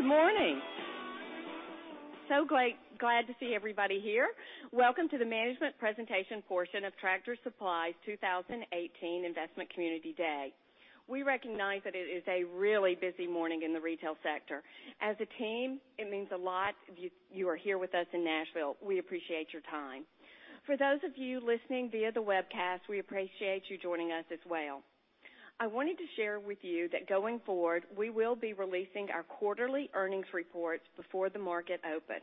Good morning. Glad to see everybody here. Welcome to the management presentation portion of Tractor Supply's 2018 Investment Community Day. We recognize that it is a really busy morning in the retail sector. As a team, it means a lot you are here with us in Nashville. We appreciate your time. For those of you listening via the webcast, we appreciate you joining us as well. I wanted to share with you that going forward, we will be releasing our quarterly earnings reports before the market open.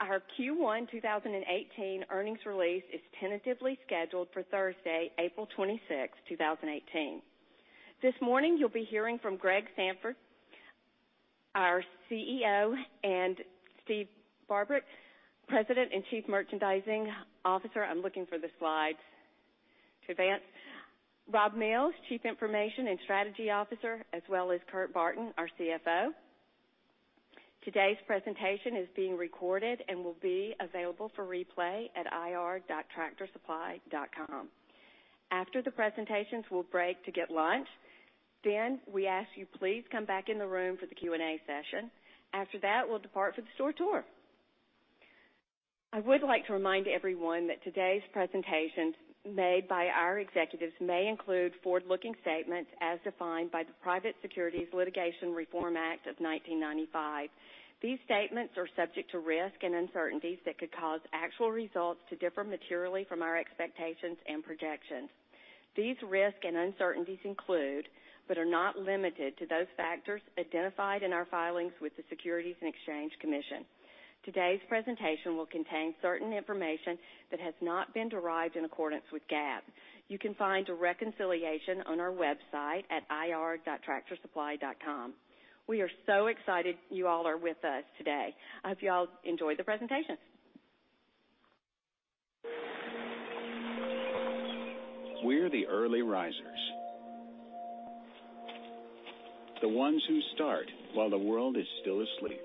Our Q1 2018 earnings release is tentatively scheduled for Thursday, April 26th, 2018. This morning, you'll be hearing from Greg Sandfort, our CEO, and Steve Barbarick, President and Chief Merchandising Officer. I'm looking for the slides to advance. Rob Mills, Chief Information and Strategy Officer, as well as Kurt Barton, our CFO. Today's presentation is being recorded and will be available for replay at ir.tractorsupply.com. After the presentations, we'll break to get lunch. We ask you please come back in the room for the Q&A session. After that, we'll depart for the store tour. I would like to remind everyone that today's presentations made by our executives may include forward-looking statements as defined by the Private Securities Litigation Reform Act of 1995. These statements are subject to risk and uncertainties that could cause actual results to differ materially from our expectations and projections. These risks and uncertainties include, but are not limited to, those factors identified in our filings with the Securities and Exchange Commission. Today's presentation will contain certain information that has not been derived in accordance with GAAP. You can find a reconciliation on our website at ir.tractorsupply.com. We are so excited you all are with us today. I hope you all enjoy the presentation. We're the early risers. The ones who start while the world is still asleep.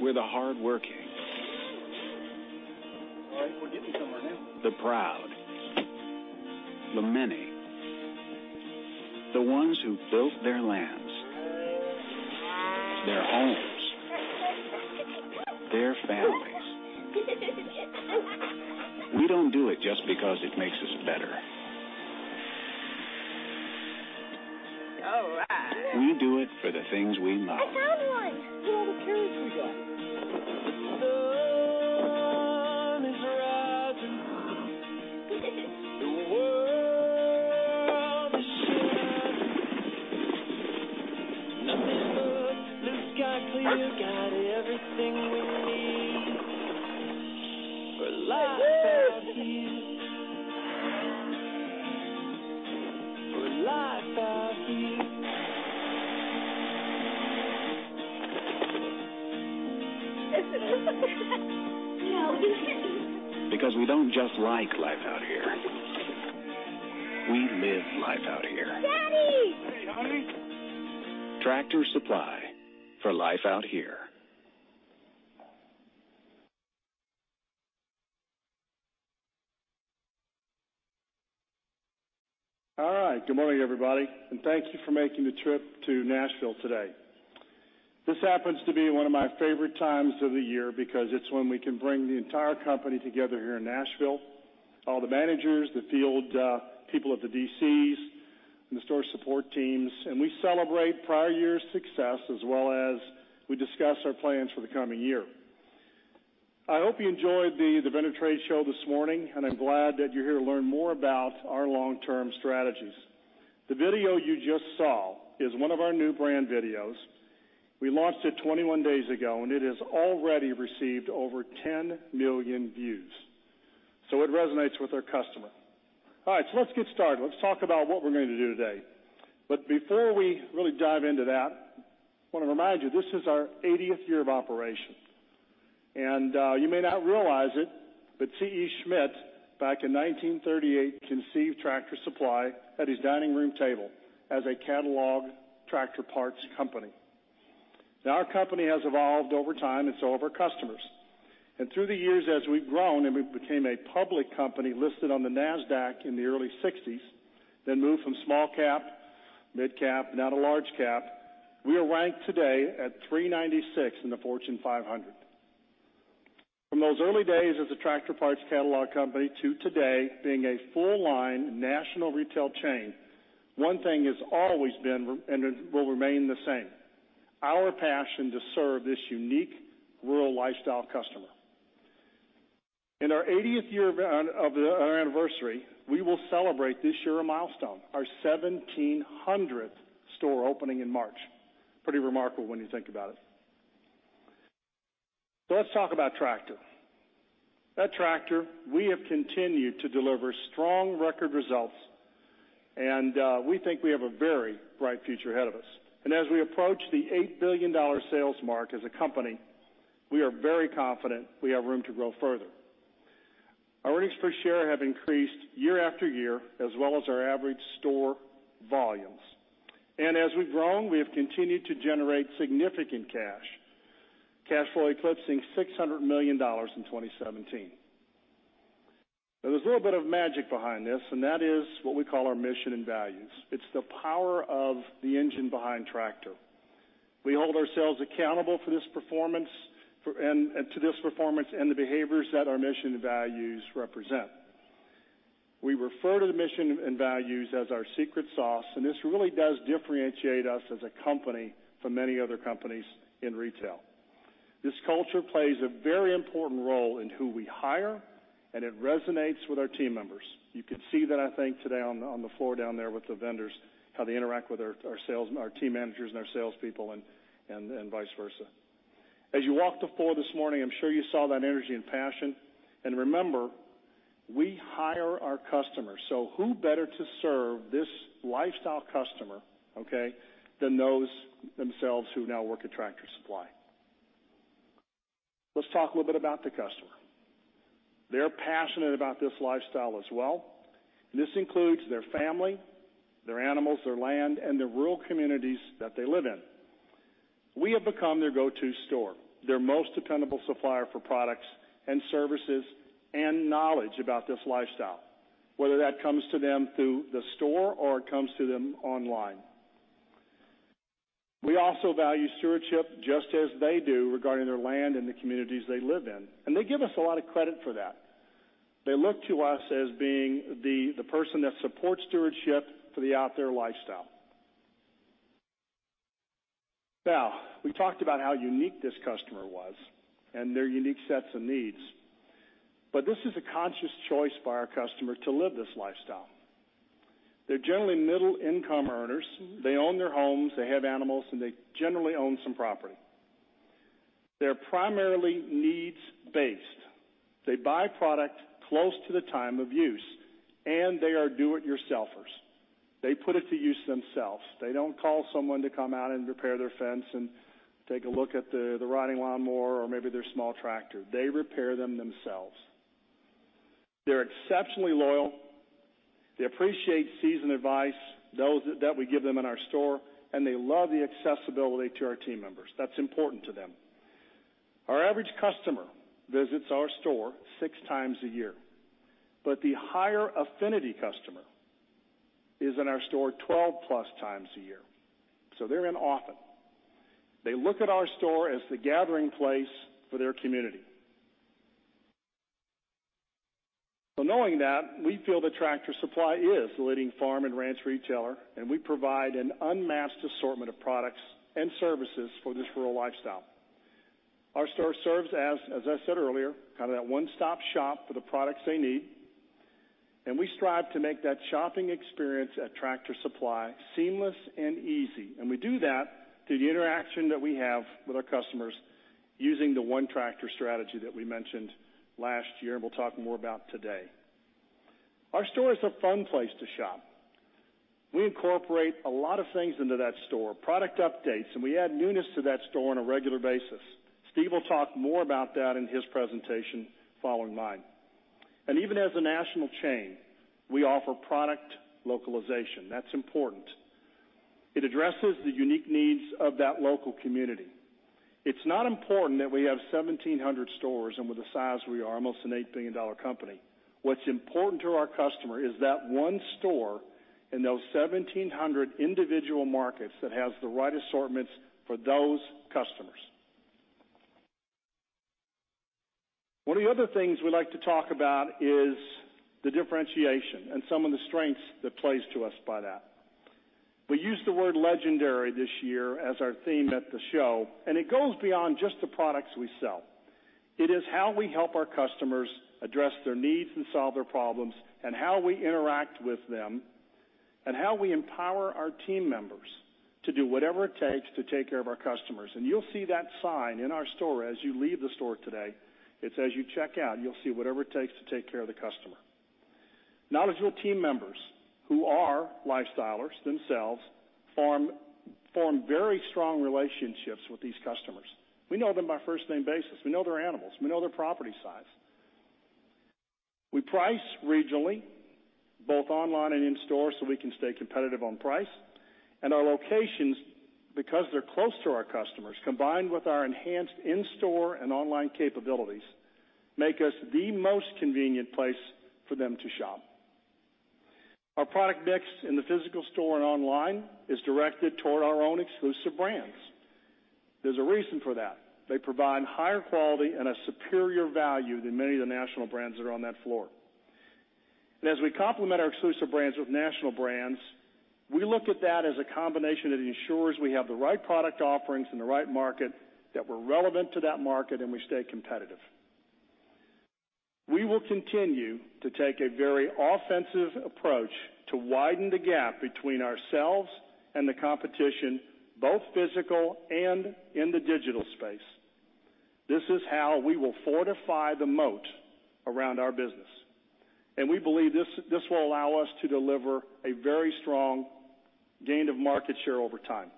We're the hardworking. All right, we're getting somewhere now. The proud. The many. The ones who built their lands, their homes, their families. We don't do it just because it makes us better. All right. We do it for the things we love. I found one. Look at all the carrots we got. The sun is rising. The world is shining. Nothing but blue sky clear. Got everything we need For Life Out Here. For Life Out Here. Now we can eat. Because we don't just like life out here. We live life out here. Daddy. Hey, honey. Tractor Supply, For Life Out Here. All right. Good morning, everybody, and thank you for making the trip to Nashville today. This happens to be one of my favorite times of the year because it's when we can bring the entire company together here in Nashville, all the managers, the field people at the DCs, and the store support teams, and we celebrate prior year's success as well as we discuss our plans for the coming year. I hope you enjoyed the vendor trade show this morning, and I'm glad that you're here to learn more about our long-term strategies. The video you just saw is one of our new brand videos. We launched it 21 days ago, and it has already received over 10 million views, so it resonates with our customer. All right. Let's get started. Let's talk about what we're going to do today. Before we really dive into that, I want to remind you, this is our 80th year of operation. You may not realize it, but T.E. Schmidt, back in 1938, conceived Tractor Supply at his dining room table as a catalog tractor parts company. Our company has evolved over time and so have our customers. Through the years, as we've grown, and we became a public company listed on the Nasdaq in the early 1960s, then moved from small cap, mid cap, now to large cap. We are ranked today at 396 in the Fortune 500. From those early days as a tractor parts catalog company to today being a full line national retail chain, one thing has always been and will remain the same, our passion to serve this unique rural lifestyle customer. In our 80th year of our anniversary, we will celebrate this year a milestone, our 1,700th store opening in March. Pretty remarkable when you think about it. Let's talk about Tractor. At Tractor, we have continued to deliver strong record results, and we think we have a very bright future ahead of us. As we approach the $8 billion sales mark as a company, we are very confident we have room to grow further. Our earnings per share have increased year-after-year, as well as our average store volumes. As we've grown, we have continued to generate significant cash flow eclipsing $600 million in 2017. There's a little bit of magic behind this, and that is what we call our Mission and Values. It's the power of the engine behind Tractor. We hold ourselves accountable to this performance and the behaviors that our Mission and Values represent. We refer to the Mission and Values as our secret sauce, and this really does differentiate us as a company from many other companies in retail. This culture plays a very important role in who we hire, and it resonates with our team members. You could see that, I think today, on the floor down there with the vendors, how they interact with our team managers and our salespeople and vice versa. As you walked the floor this morning, I'm sure you saw that energy and passion. Remember, we hire our customers. Who better to serve this lifestyle customer, okay, than those themselves who now work at Tractor Supply? Let's talk a little bit about the customer. They're passionate about this lifestyle as well, and this includes their family, their animals, their land, and the rural communities that they live in. We have become their go-to store, their most dependable supplier for products and services and knowledge about this lifestyle, whether that comes to them through the store or it comes to them online. We also value stewardship, just as they do regarding their land and the communities they live in. They give us a lot of credit for that. They look to us as being the person that supports stewardship for the outdoor lifestyle. We talked about how unique this customer was and their unique sets of needs, but this is a conscious choice by our customer to live this lifestyle. They're generally middle-income earners. They own their homes, they have animals, and they generally own some property. They're primarily needs-based. They buy product close to the time of use, they are do-it-yourselfers. They put it to use themselves. They don't call someone to come out and repair their fence and take a look at the rotting lawnmower or maybe their small tractor. They repair them themselves. They're exceptionally loyal. They appreciate seasoned advice, those that we give them in our store, they love the accessibility to our team members. That's important to them. Our average customer visits our store 6 times a year, but the higher affinity customer is in our store 12+ times a year. They're in often. They look at our store as the gathering place for their community. Knowing that, we feel that Tractor Supply is the leading farm and ranch retailer, and we provide an unmatched assortment of products and services for this rural lifestyle. Our store serves as I said earlier, kind of that one-stop shop for the products they need. We strive to make that shopping experience at Tractor Supply seamless and easy. We do that through the interaction that we have with our customers using the ONETractor strategy that we mentioned last year, and we'll talk more about today. Our store is a fun place to shop. We incorporate a lot of things into that store, product updates, we add newness to that store on a regular basis. Steve will talk more about that in his presentation following mine. Even as a national chain, we offer product localization. That's important. It addresses the unique needs of that local community. It's not important that we have 1,700 stores and with the size we are, almost an $8 billion company. What's important to our customer is that 1 store in those 1,700 individual markets that has the right assortments for those customers. One of the other things we like to talk about is the differentiation and some of the strengths that plays to us by that. We use the word legendary this year as our theme at the show, and it goes beyond just the products we sell. It is how we help our customers address their needs and solve their problems, how we interact with them, how we empower our team members to do whatever it takes to take care of our customers. You'll see that sign in our store as you leave the store today. It says, "You check out," you'll see, "whatever it takes to take care of the customer." Knowledgeable team members who are lifestylers themselves form very strong relationships with these customers. We know them by first name basis. We know their animals. We know their property size. We price regionally, both online and in store, we can stay competitive on price. Our locations, because they're close to our customers, combined with our enhanced in-store and online capabilities, make us the most convenient place for them to shop. Our product mix in the physical store and online is directed toward our own exclusive brands. There's a reason for that. They provide higher quality and a superior value than many of the national brands that are on that floor. As we complement our exclusive brands with national brands, we look at that as a combination that ensures we have the right product offerings in the right market, that we're relevant to that market, we stay competitive. We will continue to take a very offensive approach to widen the gap between ourselves and the competition, both physical and in the digital space. This is how we will fortify the moat around our business. We believe this will allow us to deliver a very strong gain of market share over time.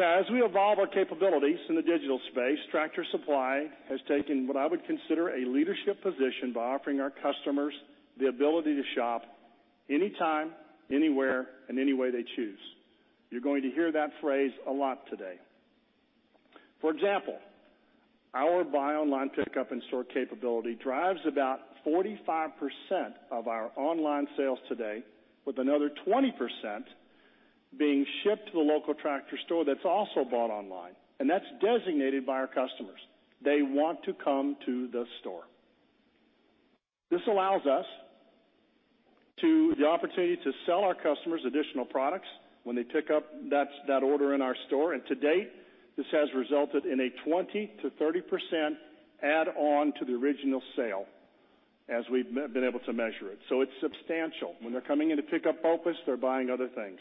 As we evolve our capabilities in the digital space, Tractor Supply has taken what I would consider a leadership position by offering our customers the ability to shop Anytime, anywhere, and any way they choose. You're going to hear that phrase a lot today. For example, our buy online pickup in-store capability drives about 45% of our online sales today, with another 20% being shipped to the local Tractor store that's also bought online, and that's designated by our customers. They want to come to the store. This allows us the opportunity to sell our customers additional products when they pick up that order in our store. To date, this has resulted in a 20%-30% add-on to the original sale as we've been able to measure it. It's substantial. When they're coming in to pick up, [inaudible] they're buying other things.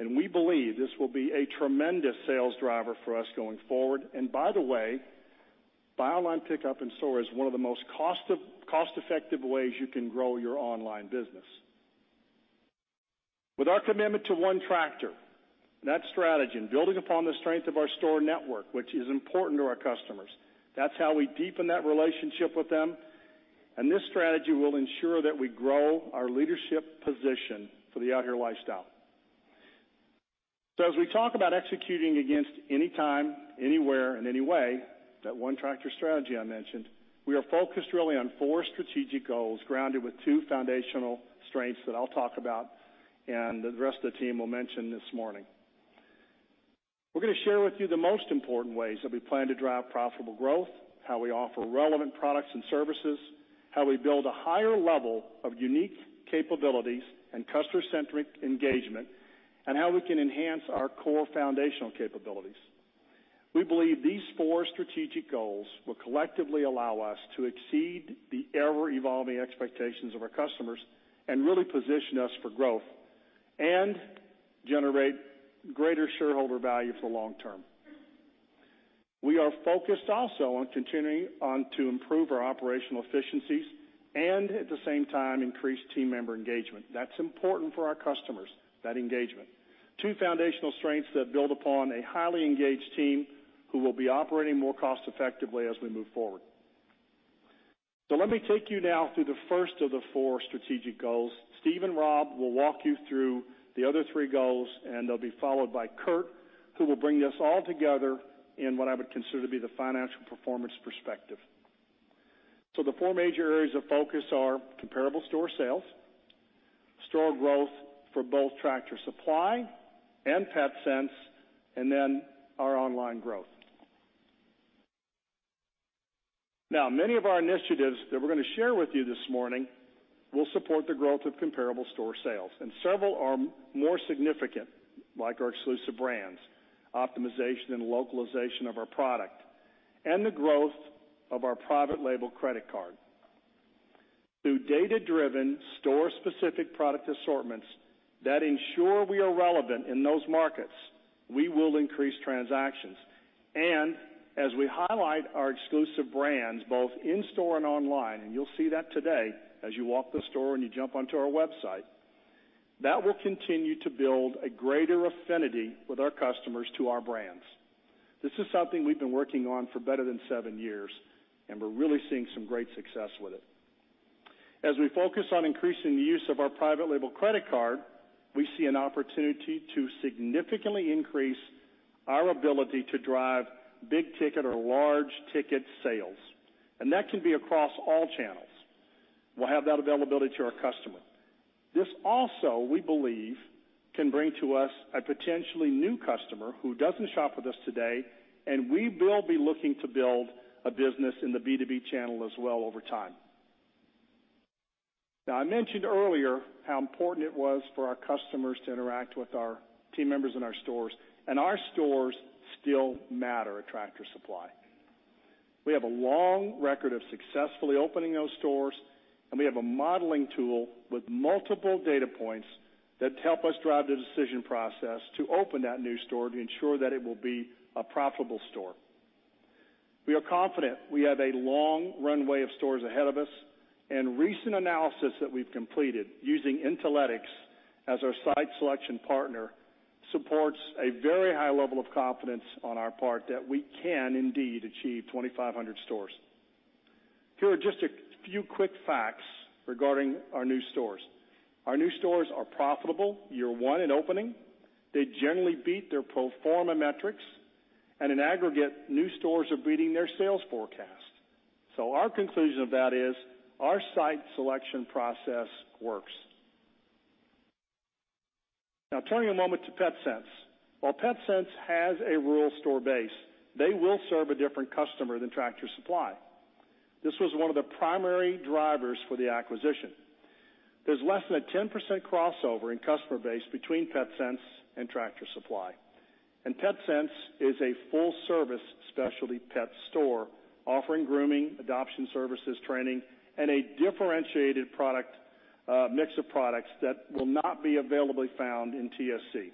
We believe this will be a tremendous sales driver for us going forward. By the way, buy online, pickup in store is one of the most cost-effective ways you can grow your online business. With our commitment to ONETractor, that strategy and building upon the strength of our store network, which is important to our customers, that's how we deepen that relationship with them. This strategy will ensure that we grow our leadership position for the Out Here lifestyle. As we talk about executing against any time, anywhere, and any way, that ONETractor strategy I mentioned, we are focused really on four strategic goals, grounded with two foundational strengths that I'll talk about and the rest of the team will mention this morning. We're going to share with you the most important ways that we plan to drive profitable growth, how we offer relevant products and services, how we build a higher level of unique capabilities and customer-centric engagement, and how we can enhance our core foundational capabilities. We believe these four strategic goals will collectively allow us to exceed the ever-evolving expectations of our customers really position us for growth and generate greater shareholder value for the long term. We are focused also on continuing on to improve our operational efficiencies at the same time, increase team member engagement. That's important for our customers, that engagement. Two foundational strengths that build upon a highly engaged team who will be operating more cost-effectively as we move forward. Let me take you now through the first of the four strategic goals. Steve and Rob will walk you through the other three goals, and they'll be followed by Kurt, who will bring this all together in what I would consider to be the financial performance perspective. The four major areas of focus are comparable store sales, store growth for both Tractor Supply and Petsense, our online growth. Many of our initiatives that we're going to share with you this morning will support the growth of comparable store sales, several are more significant, like our exclusive brands, optimization and localization of our product, and the growth of our private label credit card. Through data-driven store-specific product assortments that ensure we are relevant in those markets, we will increase transactions. As we highlight our exclusive brands, both in-store and online, and you'll see that today as you walk the store and you jump onto our website, that will continue to build a greater affinity with our customers to our brands. This is something we've been working on for better than seven years, and we're really seeing some great success with it. As we focus on increasing the use of our private label credit card, we see an opportunity to significantly increase our ability to drive big-ticket or large-ticket sales, and that can be across all channels. We'll have that availability to our customer. This also, we believe, can bring to us a potentially new customer who doesn't shop with us today, and we will be looking to build a business in the B2B channel as well over time. I mentioned earlier how important it was for our customers to interact with our team members in our stores, and our stores still matter at Tractor Supply. We have a long record of successfully opening those stores, and we have a modeling tool with multiple data points that help us drive the decision process to open that new store to ensure that it will be a profitable store. We are confident we have a long runway of stores ahead of us, and recent analysis that we've completed using Intalytics as our site selection partner supports a very high level of confidence on our part that we can indeed achieve 2,500 stores. Here are just a few quick facts regarding our new stores. Our new stores are profitable year one in opening. They generally beat their pro forma metrics, and in aggregate, new stores are beating their sales forecast. Our conclusion of that is our site selection process works. Turning a moment to Petsense. While Petsense has a rural store base, they will serve a different customer than Tractor Supply. This was one of the primary drivers for the acquisition. There's less than a 10% crossover in customer base between Petsense and Tractor Supply. Petsense is a full-service specialty pet store offering grooming, adoption services, training, and a differentiated mix of products that will not be available found in TSC.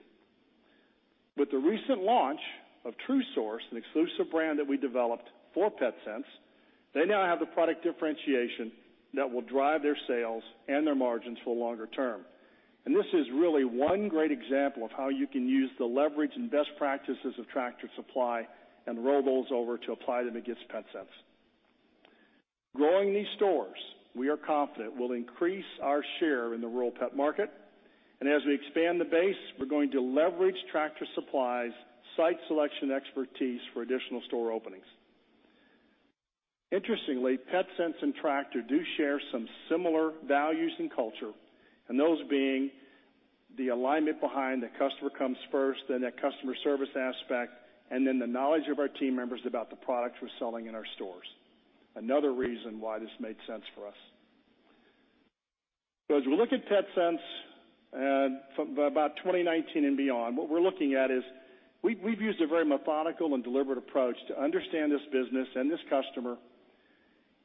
With the recent launch of True Source, an exclusive brand that we developed for Petsense, they now have the product differentiation that will drive their sales and their margins for longer term. This is really one great example of how you can use the leverage and best practices of Tractor Supply and roll those over to apply them against Petsense. Growing these stores, we are confident will increase our share in the rural pet market. As we expand the base, we're going to leverage Tractor Supply's site selection expertise for additional store openings. Interestingly, Petsense and Tractor do share some similar values and culture, and those being the alignment behind the customer comes first, then that customer service aspect, and then the knowledge of our team members about the products we're selling in our stores. Another reason why this made sense for us. As we look at Petsense from about 2019 and beyond, what we're looking at is we've used a very methodical and deliberate approach to understand this business and this customer,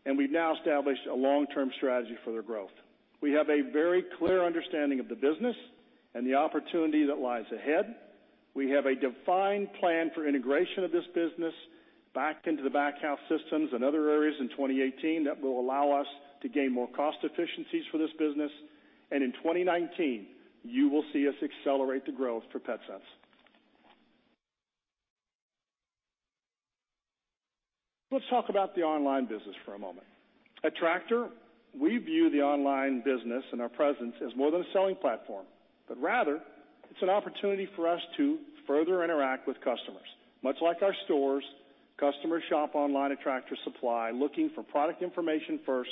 and we've now established a long-term strategy for their growth. We have a very clear understanding of the business and the opportunity that lies ahead. We have a defined plan for integration of this business back into the back house systems and other areas in 2018 that will allow us to gain more cost efficiencies for this business. In 2019, you will see us accelerate the growth for Petsense. Let's talk about the online business for a moment. At Tractor, we view the online business and our presence as more than a selling platform. Rather, it's an opportunity for us to further interact with customers. Much like our stores, customers shop online at Tractor Supply looking for product information first,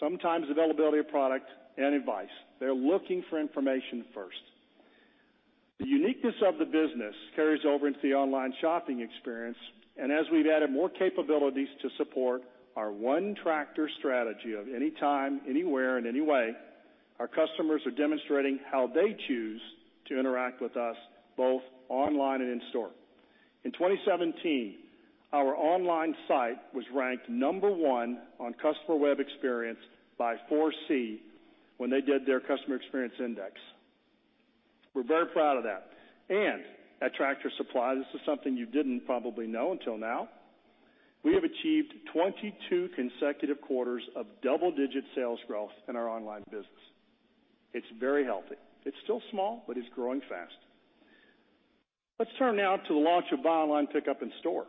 sometimes availability of product and advice. They're looking for information first. The uniqueness of the business carries over into the online shopping experience, as we've added more capabilities to support our ONETractor strategy of anytime, anywhere, and anyway, our customers are demonstrating how they choose to interact with us both online and in store. In 2017, our online site was ranked number 1 on customer web experience by ForeSee when they did their customer experience index. We're very proud of that. At Tractor Supply, this is something you didn't probably know until now, we have achieved 22 consecutive quarters of double-digit sales growth in our online business. It's very healthy. It's still small, but it's growing fast. Let's turn now to the launch of buy online, pickup in store.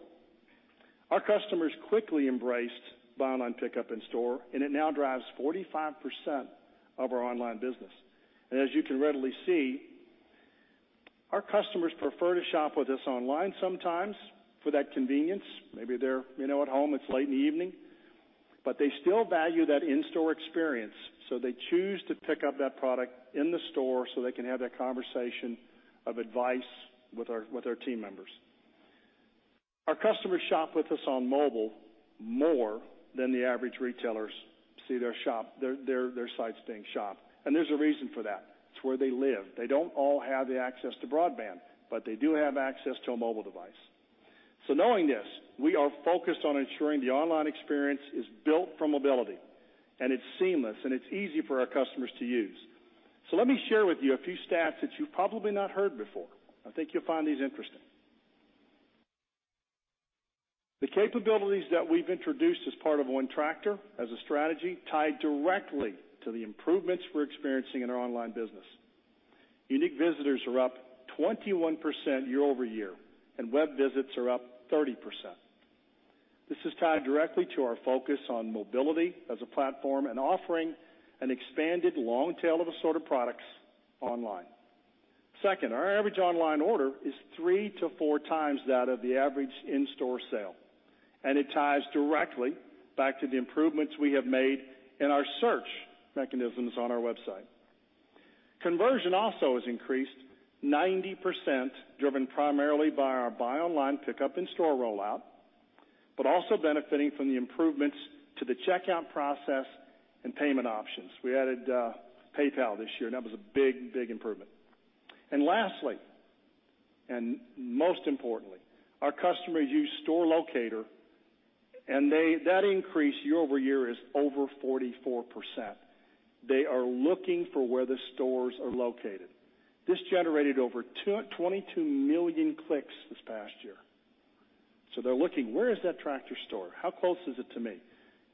Our customers quickly embraced buy online, pickup in store, and it now drives 45% of our online business. As you can readily see, our customers prefer to shop with us online sometimes for that convenience. Maybe they're at home, it's late in the evening. They still value that in-store experience, so they choose to pick up that product in the store so they can have that conversation of advice with our team members. Our customers shop with us on mobile more than the average retailers see their sites being shopped. There's a reason for that. It's where they live. They don't all have the access to broadband, but they do have access to a mobile device. Knowing this, we are focused on ensuring the online experience is built for mobility, and it's seamless, and it's easy for our customers to use. Let me share with you a few stats that you've probably not heard before. I think you'll find these interesting. The capabilities that we've introduced as part of ONETractor as a strategy tied directly to the improvements we're experiencing in our online business. Unique visitors are up 21% year-over-year, and web visits are up 30%. This is tied directly to our focus on mobility as a platform and offering an expanded long tail of assorted products online. Second, our average online order is three to four times that of the average in-store sale, and it ties directly back to the improvements we have made in our search mechanisms on our website. Conversion also has increased 90%, driven primarily by our buy online, pickup in store rollout, also benefiting from the improvements to the checkout process and payment options. We added PayPal this year, that was a big, big improvement. Lastly, and most importantly, our customers use store locator, that increase year-over-year is over 44%. They are looking for where the stores are located. This generated over 22 million clicks this past year. They're looking, where is that Tractor store? How close is it to me?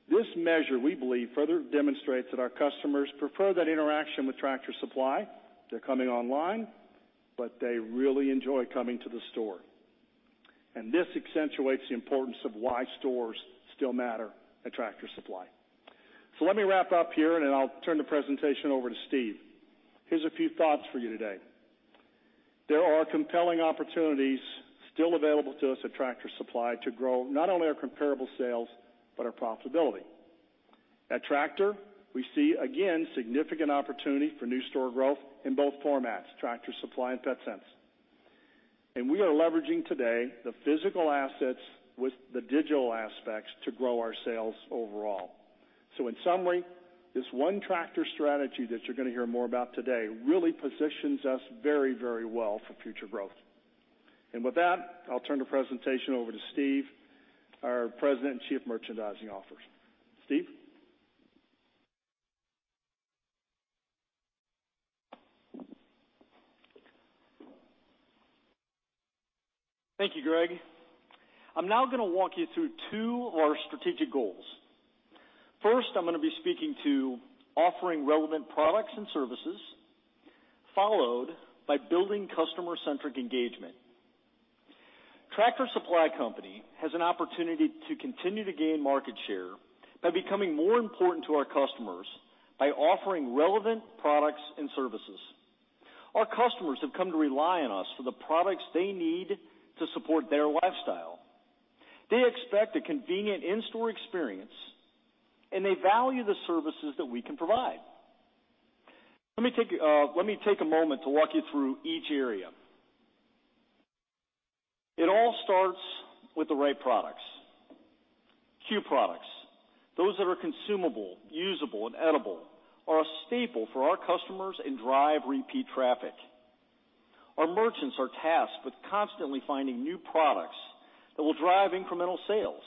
This measure, we believe, further demonstrates that our customers prefer that interaction with Tractor Supply. They're coming online, but they really enjoy coming to the store. This accentuates the importance of why stores still matter at Tractor Supply. Let me wrap up here, and then I'll turn the presentation over to Steve. Here's a few thoughts for you today. There are compelling opportunities still available to us at Tractor Supply to grow not only our comparable sales, but our profitability. At Tractor, we see, again, significant opportunity for new store growth in both formats, Tractor Supply and Petsense. We are leveraging today the physical assets with the digital aspects to grow our sales overall. In summary, this ONETractor strategy that you're going to hear more about today really positions us very, very well for future growth. With that, I'll turn the presentation over to Steve, our President and Chief Merchandising Officer. Steve? Thank you, Greg. I'm now going to walk you through two of our strategic goals. First, I'm going to be speaking to offering relevant products and services, followed by building customer-centric engagement. Tractor Supply Company has an opportunity to continue to gain market share by becoming more important to our customers by offering relevant products and services. Our customers have come to rely on us for the products they need to support their lifestyle. They expect a convenient in-store experience, and they value the services that we can provide. Let me take a moment to walk you through each area. It all starts with the right products. CUE products, those that are consumable, usable, and edible, are a staple for our customers and drive repeat traffic. Our merchants are tasked with constantly finding new products that will drive incremental sales.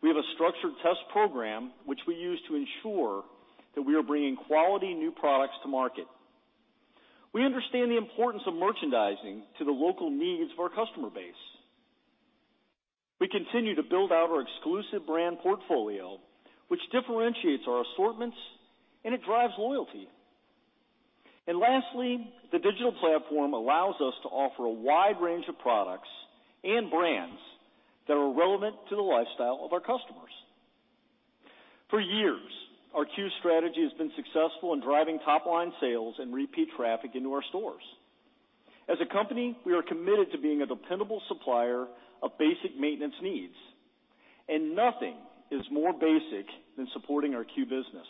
We have a structured test program which we use to ensure that we are bringing quality new products to market. We understand the importance of merchandising to the local needs of our customer base. We continue to build out our exclusive brand portfolio, which differentiates our assortments and it drives loyalty. Lastly, the digital platform allows us to offer a wide range of products and brands that are relevant to the lifestyle of our customers. For years, our CUE strategy has been successful in driving top-line sales and repeat traffic into our stores. As a company, we are committed to being a dependable supplier of basic maintenance needs, and nothing is more basic than supporting our CUE business.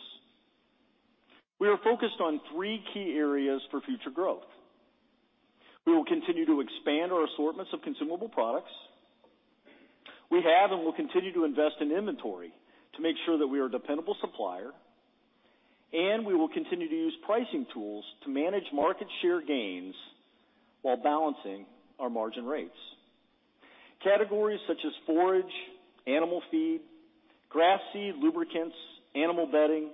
We are focused on three key areas for future growth. We will continue to expand our assortments of consumable products. We have and will continue to invest in inventory to make sure that we are a dependable supplier. We will continue to use pricing tools to manage market share gains while balancing our margin rates. Categories such as forage, animal feed, grass seed, lubricants, animal bedding,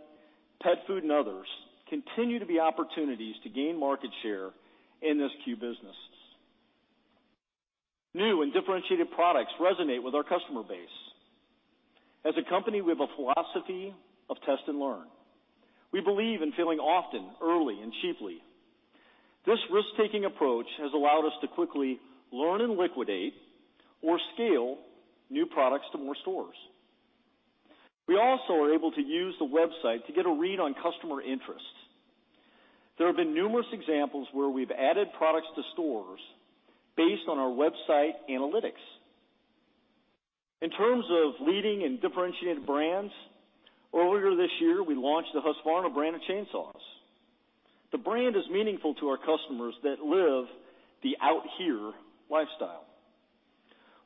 pet food, and others continue to be opportunities to gain market share in this CUE business. New and differentiated products resonate with our customer base. As a company, we have a philosophy of test and learn. We believe in failing often, early and cheaply. This risk-taking approach has allowed us to quickly learn and liquidate or scale new products to more stores. We also are able to use the website to get a read on customer interests. There have been numerous examples where we've added products to stores based on our website analytics. In terms of leading and differentiated brands, earlier this year, we launched the Husqvarna brand of chainsaws. The brand is meaningful to our customers that live the out here lifestyle.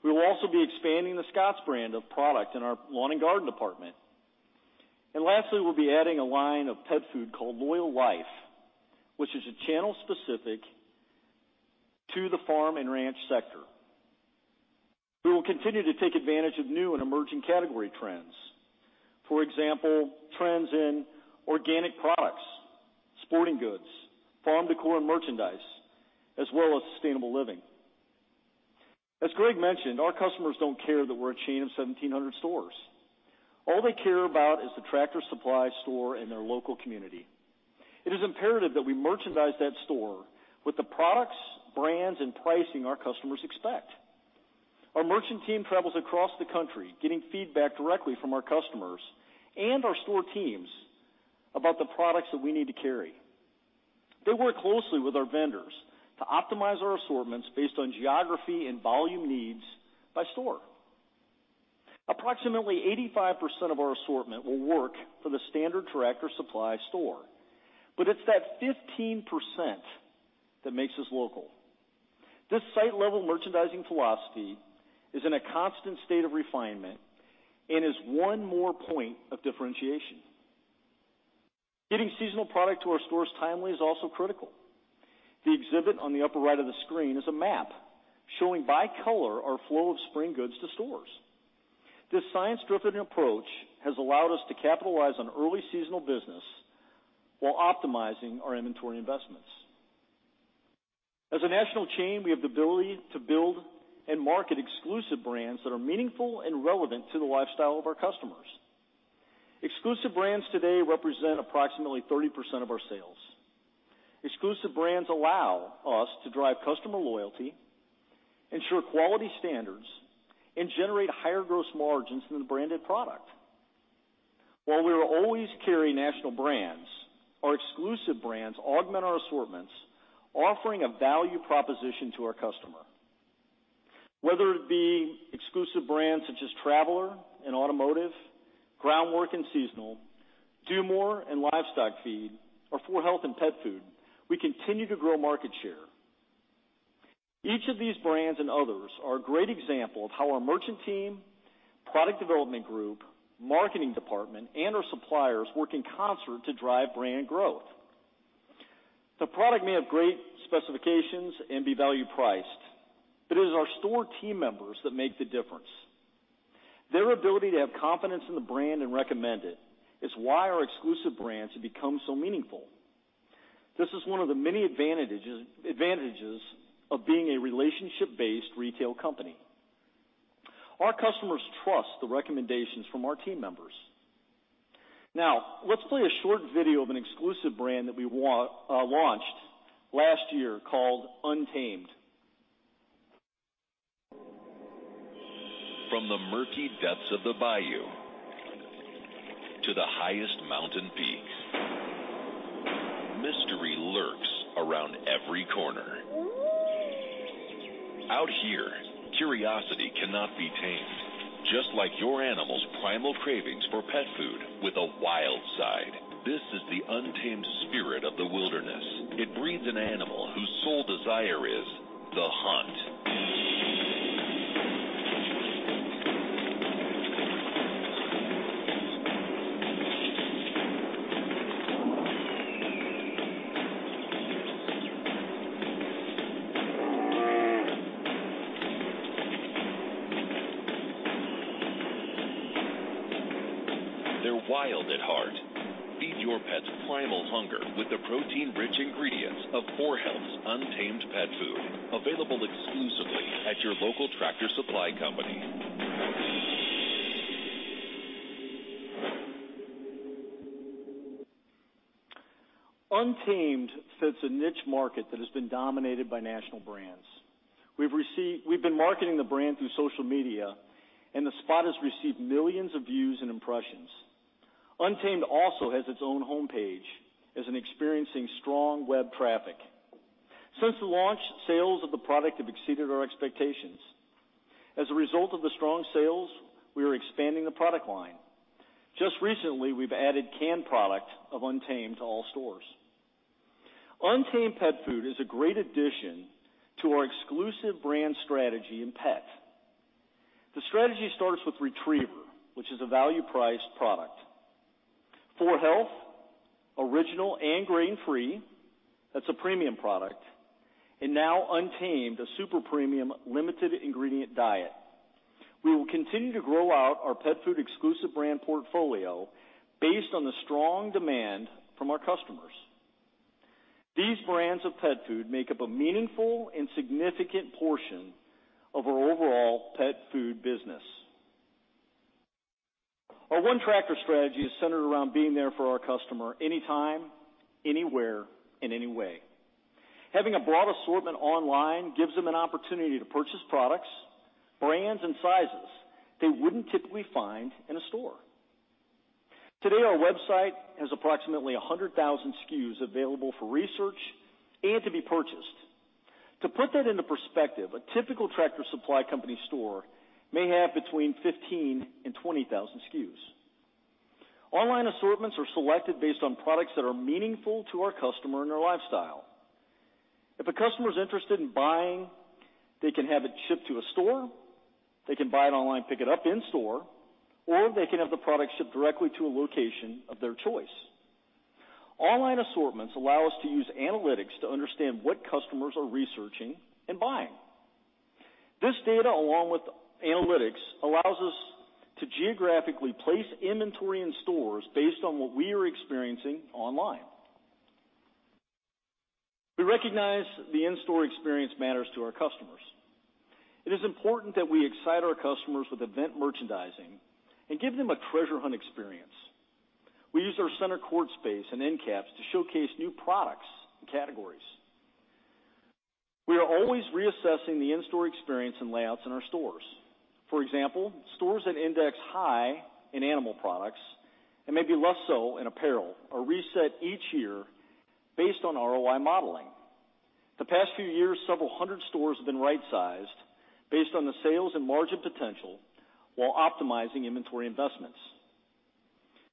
We will also be expanding the Scotts brand of product in our lawn and garden department. Lastly, we'll be adding a line of pet food called Loyall Life, which is a channel specific to the farm and ranch sector. We will continue to take advantage of new and emerging category trends. For example, trends in organic products, sporting goods, farm decor, and merchandise, as well as sustainable living. As Greg mentioned, our customers don't care that we're a chain of 1,700 stores. All they care about is the Tractor Supply store in their local community. It is imperative that we merchandise that store with the products, brands, and pricing our customers expect. Our merchant team travels across the country, getting feedback directly from our customers and our store teams about the products that we need to carry. They work closely with our vendors to optimize our assortments based on geography and volume needs by store. Approximately 85% of our assortment will work for the standard Tractor Supply store, but it's that 15% that makes us local. This site-level merchandising philosophy is in a constant state of refinement and is one more point of differentiation. Getting seasonal product to our stores timely is also critical. The exhibit on the upper right of the screen is a map showing by color our flow of spring goods to stores. This science-driven approach has allowed us to capitalize on early seasonal business while optimizing our inventory investments. As a national chain, we have the ability to build and market exclusive brands that are meaningful and relevant to the lifestyle of our customers. Exclusive brands today represent approximately 30% of our sales. Exclusive brands allow us to drive customer loyalty, ensure quality standards, and generate higher gross margins than the branded product. While we will always carry national brands, our exclusive brands augment our assortments, offering a value proposition to our customer. Whether it be exclusive brands such as Traveller in automotive, GroundWork in seasonal, DuMOR in livestock feed, or 4health in pet food, we continue to grow market share. Each of these brands and others are a great example of how our merchant team, product development group, marketing department, and our suppliers work in concert to drive brand growth. The product may have great specifications and be value-priced, but it is our store team members that make the difference. Their ability to have confidence in the brand and recommend it is why our exclusive brands have become so meaningful. This is one of the many advantages of being a relationship-based retail company. Our customers trust the recommendations from our team members. Now, let's play a short video of an exclusive brand that we launched last year called Untamed. From the murky depths of the bayou to the highest mountain peak, mystery lurks around every corner. Out here, curiosity cannot be tamed, just like your animal's primal cravings for pet food with a wild side. This is the untamed spirit of the wilderness. It breeds an animal whose sole desire is the hunt. They're wild at heart. Feed your pet's primal hunger with the protein-rich ingredients of 4health's Untamed Pet Food, available exclusively at your local Tractor Supply Company. Untamed fits a niche market that has been dominated by national brands. We've been marketing the brand through social media, and the spot has received millions of views and impressions. Untamed also has its own homepage, as in experiencing strong web traffic. Since the launch, sales of the product have exceeded our expectations. As a result of the strong sales, we are expanding the product line. Just recently, we've added canned product of Untamed to all stores. Untamed Pet Food is a great addition to our exclusive brand strategy in pet. The strategy starts with Retriever, which is a value-priced product. 4health, original and grain-free, that's a premium product. Now Untamed, a super premium limited ingredient diet. We will continue to grow out our pet food exclusive brand portfolio based on the strong demand from our customers. These brands of pet food make up a meaningful and significant portion of our overall pet food business. Our ONETractor strategy is centered around being there for our customer anytime, anywhere, in any way. Having a broad assortment online gives them an opportunity to purchase products, brands, and sizes they wouldn't typically find in a store. Today, our website has approximately 100,000 SKUs available for research and to be purchased. To put that into perspective, a typical Tractor Supply Company store may have between 15,000 and 20,000 SKUs. Online assortments are selected based on products that are meaningful to our customer and their lifestyle. If a customer is interested in buying, they can have it shipped to a store, they can buy it online, pick it up in-store, or they can have the product shipped directly to a location of their choice. Online assortments allow us to use analytics to understand what customers are researching and buying. This data, along with analytics, allows us to geographically place inventory in stores based on what we are experiencing online. We recognize the in-store experience matters to our customers. It is important that we excite our customers with event merchandising and give them a treasure hunt experience. We use our center court space and end caps to showcase new products and categories. We are always reassessing the in-store experience and layouts in our stores. For example, stores that index high in animal products and maybe less so in apparel are reset each year based on ROI modeling. The past few years, several hundred stores have been right-sized based on the sales and margin potential while optimizing inventory investments.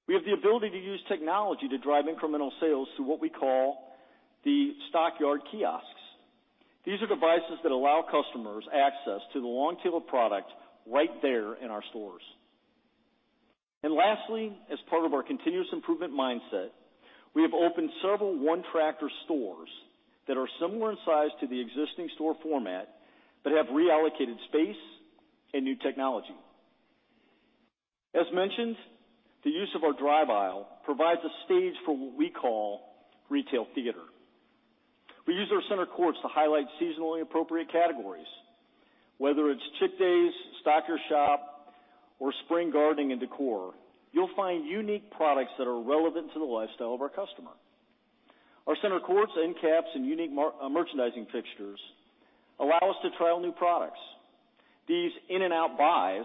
We have the ability to use technology to drive incremental sales through what we call the Stockyard kiosks. These are devices that allow customers access to the long tail of product right there in our stores. Lastly, as part of our continuous improvement mindset, we have opened several ONETractor stores that are similar in size to the existing store format but have reallocated space and new technology. As mentioned, the use of our drive aisle provides a stage for what we call retail theater. We use our center courts to highlight seasonally appropriate categories. Whether it's Chick Days, Stock Your Shop, or Spring Gardening and Decor, you'll find unique products that are relevant to the lifestyle of our customer. Our center courts, end caps, and unique merchandising fixtures allow us to trial new products. These in-and-out buys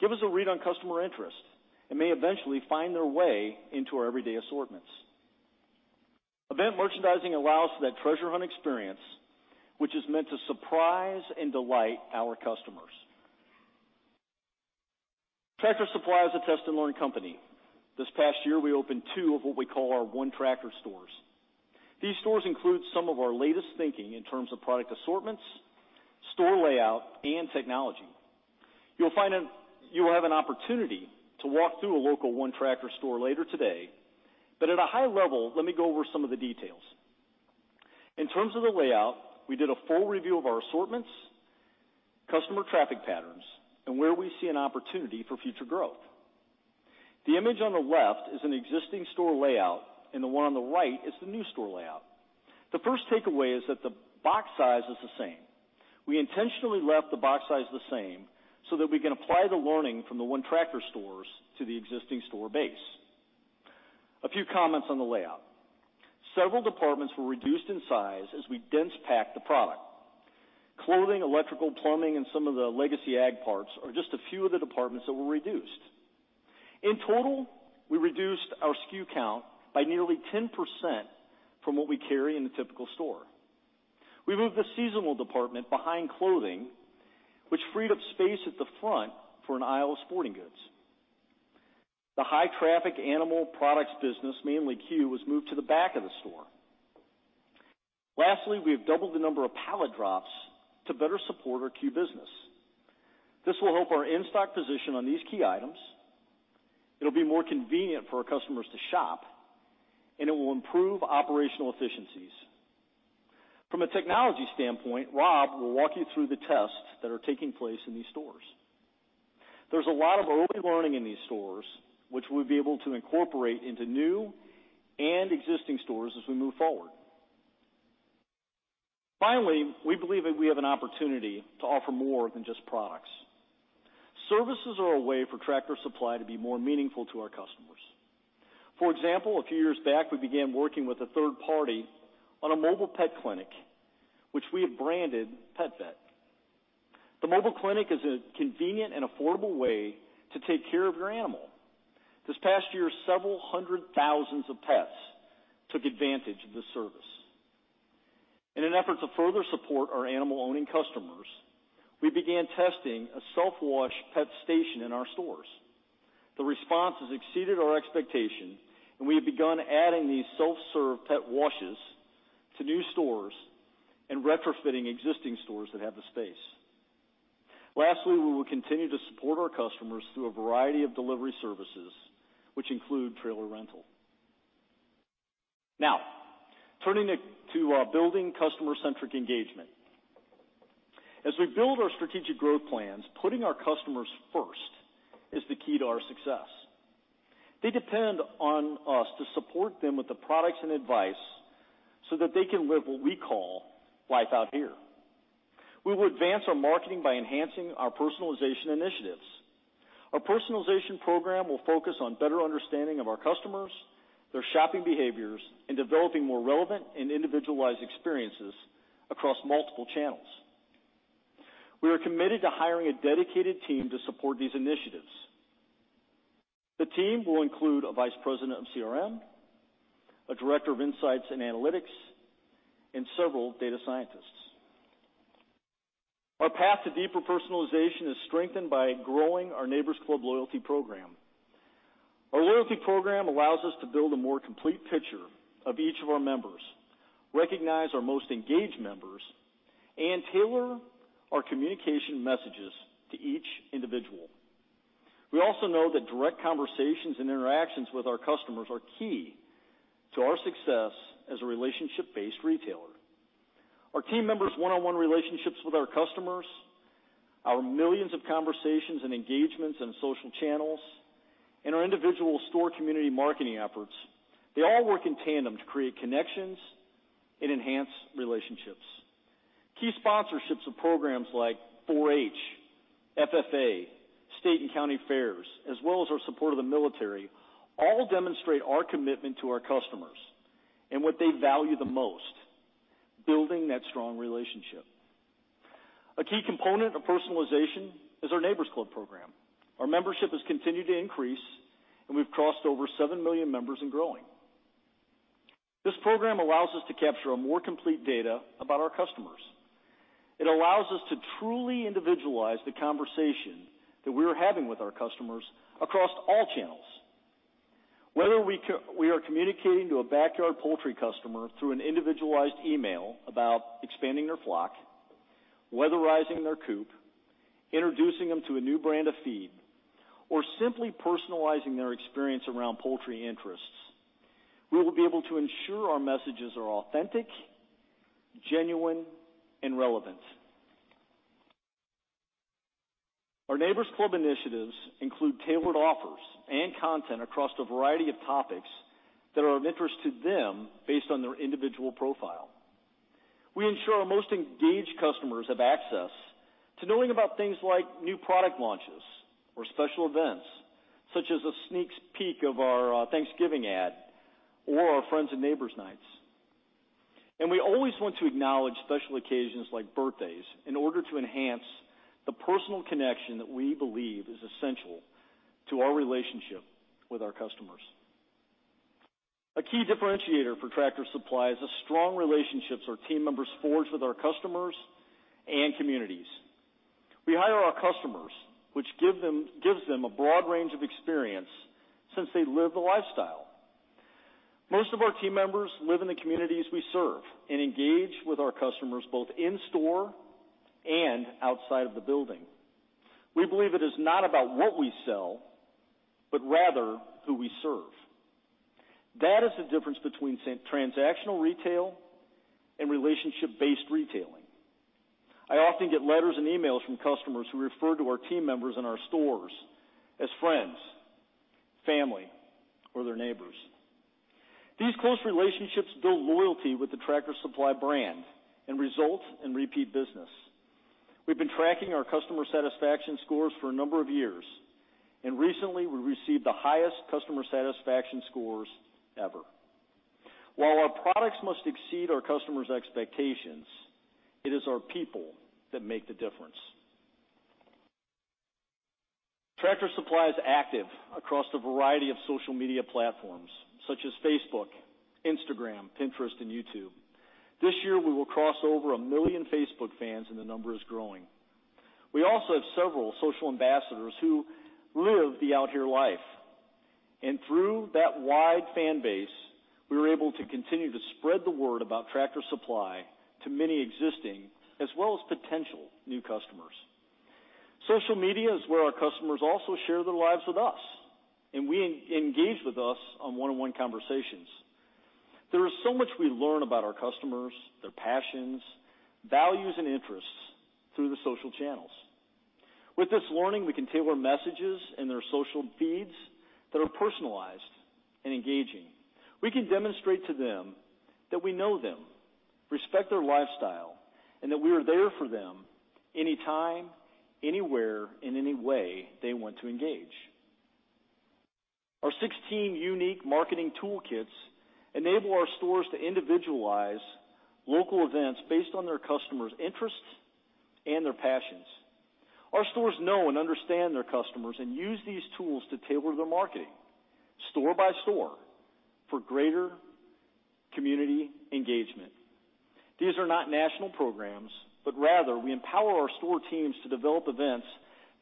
give us a read on customer interest and may eventually find their way into our everyday assortments. Event merchandising allows for that treasure hunt experience, which is meant to surprise and delight our customers. Tractor Supply is a test and learn company. This past year, we opened two of what we call our ONETractor stores. These stores include some of our latest thinking in terms of product assortments, store layout, and technology. You will have an opportunity to walk through a local ONETractor store later today. At a high level, let me go over some of the details. In terms of the layout, we did a full review of our assortments, customer traffic patterns, and where we see an opportunity for future growth. The image on the left is an existing store layout, and the one on the right is the new store layout. The first takeaway is that the box size is the same. We intentionally left the box size the same so that we can apply the learning from the ONETractor stores to the existing store base. A few comments on the layout. Several departments were reduced in size as we dense packed the product. Clothing, electrical, plumbing, and some of the legacy ag parts are just a few of the departments that were reduced. In total, we reduced our SKU count by nearly 10% from what we carry in the typical store. We moved the seasonal department behind clothing, which freed up space at the front for an aisle of sporting goods. The high-traffic animal products business, mainly CUE, was moved to the back of the store. Lastly, we have doubled the number of pallet drops to better support our CUE business. This will help our in-stock position on these key items, it'll be more convenient for our customers to shop, and it will improve operational efficiencies. From a technology standpoint, Rob will walk you through the tests that are taking place in these stores. There's a lot of early learning in these stores, which we'll be able to incorporate into new and existing stores as we move forward. Finally, we believe that we have an opportunity to offer more than just products. Services are a way for Tractor Supply to be more meaningful to our customers. For example, a few years back, we began working with a third party on a mobile pet clinic, which we have branded PetVet. The mobile clinic is a convenient and affordable way to take care of your animal. This past year, several hundred thousand pets took advantage of this service. In an effort to further support our animal-owning customers, we began testing a self-wash pet station in our stores. The response has exceeded our expectation, and we have begun adding these self-serve pet washes to new stores and retrofitting existing stores that have the space. Lastly, we will continue to support our customers through a variety of delivery services, which include trailer rental. Turning to building customer-centric engagement. As we build our strategic growth plans, putting our customers first is the key to our success. They depend on us to support them with the products and advice so that they can live what we call Life Out Here. We will advance our marketing by enhancing our personalization initiatives. Our personalization program will focus on better understanding of our customers, their shopping behaviors, and developing more relevant and individualized experiences across multiple channels. We are committed to hiring a dedicated team to support these initiatives. The team will include a Vice President of CRM, a Director of Insights and Analytics, and several data scientists. Our path to deeper personalization is strengthened by growing our Neighbor's Club loyalty program. Our loyalty program allows us to build a more complete picture of each of our members, recognize our most engaged members, and tailor our communication messages to each individual. We also know that direct conversations and interactions with our customers are key to our success as a relationship-based retailer. Our team members' one-on-one relationships with our customers, our millions of conversations and engagements on social channels, and our individual store community marketing efforts, they all work in tandem to create connections and enhance relationships. Key sponsorships of programs like 4-H, FFA, state and county fairs, as well as our support of the military, all demonstrate our commitment to our customers and what they value the most, building that strong relationship. A key component of personalization is our Neighbor's Club program. Our membership has continued to increase, and we've crossed over 7 million members and growing. This program allows us to capture a more complete data about our customers. It allows us to truly individualize the conversation that we are having with our customers across all channels. Whether we are communicating to a backyard poultry customer through an individualized email about expanding their flock, weatherizing their coop, introducing them to a new brand of feed, or simply personalizing their experience around poultry interests, we will be able to ensure our messages are authentic, genuine, and relevant. Our Neighbor's Club initiatives include tailored offers and content across a variety of topics that are of interest to them based on their individual profile. We ensure our most engaged customers have access to knowing about things like new product launches or special events, such as a sneak peek of our Thanksgiving ad or our Friends and Neighbors nights. We always want to acknowledge special occasions like birthdays in order to enhance the personal connection that we believe is essential to our relationship with our customers. A key differentiator for Tractor Supply is the strong relationships our team members forge with our customers and communities. We hire our customers, which gives them a broad range of experience since they live the lifestyle. Most of our team members live in the communities we serve and engage with our customers both in store and outside of the building. We believe it is not about what we sell, but rather who we serve. That is the difference between transactional retail and relationship-based retailing. I often get letters and emails from customers who refer to our team members in our stores as friends, family, or their neighbors. These close relationships build loyalty with the Tractor Supply brand and result in repeat business. We've been tracking our customer satisfaction scores for a number of years, and recently, we received the highest customer satisfaction scores ever. While our products must exceed our customers' expectations, it is our people that make the difference. Tractor Supply is active across a variety of social media platforms, such as Facebook, Instagram, Pinterest, and YouTube. This year, we will cross over 1 million Facebook fans, and the number is growing. We also have several social ambassadors who live the Out Here life. Through that wide fan base, we are able to continue to spread the word about Tractor Supply to many existing, as well as potential new customers. Social media is where our customers also share their lives with us, and engage with us on one-on-one conversations. There is so much we learn about our customers, their passions, values, and interests through the social channels. With this learning, we can tailor messages in their social feeds that are personalized and engaging. We can demonstrate to them that we know them, respect their lifestyle, and that we are there for them anytime, anywhere, in any way they want to engage. Our 16 unique marketing toolkits enable our stores to individualize local events based on their customers' interests and their passions. Our stores know and understand their customers and use these tools to tailor their marketing store by store for greater community engagement. These are not national programs, but rather we empower our store teams to develop events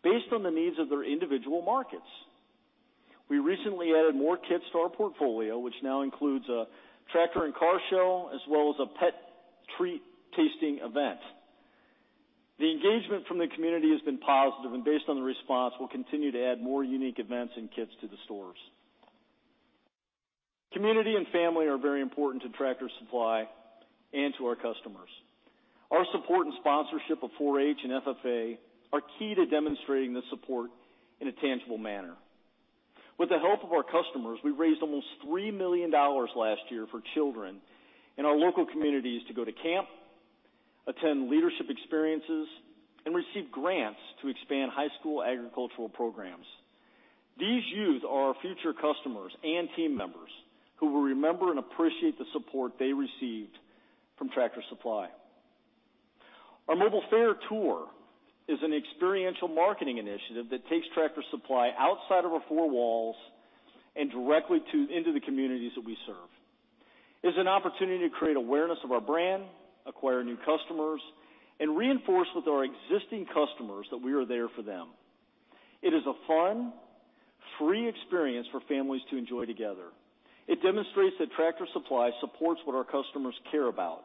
based on the needs of their individual markets. We recently added more kits to our portfolio, which now includes a tractor and car show, as well as a pet treat-tasting event. The engagement from the community has been positive, and based on the response, we'll continue to add more unique events and kits to the stores. Community and family are very important to Tractor Supply and to our customers. Our support and sponsorship of 4-H and FFA are key to demonstrating this support in a tangible manner. With the help of our customers, we raised almost $3 million last year for children in our local communities to go to camp, attend leadership experiences, and receive grants to expand high school agricultural programs. These youth are our future customers and team members who will remember and appreciate the support they received from Tractor Supply. Our Mobile Fair Tour is an experiential marketing initiative that takes Tractor Supply outside of our four walls and directly into the communities that we serve. It's an opportunity to create awareness of our brand, acquire new customers, and reinforce with our existing customers that we are there for them. It is a fun, free experience for families to enjoy together. It demonstrates that Tractor Supply supports what our customers care about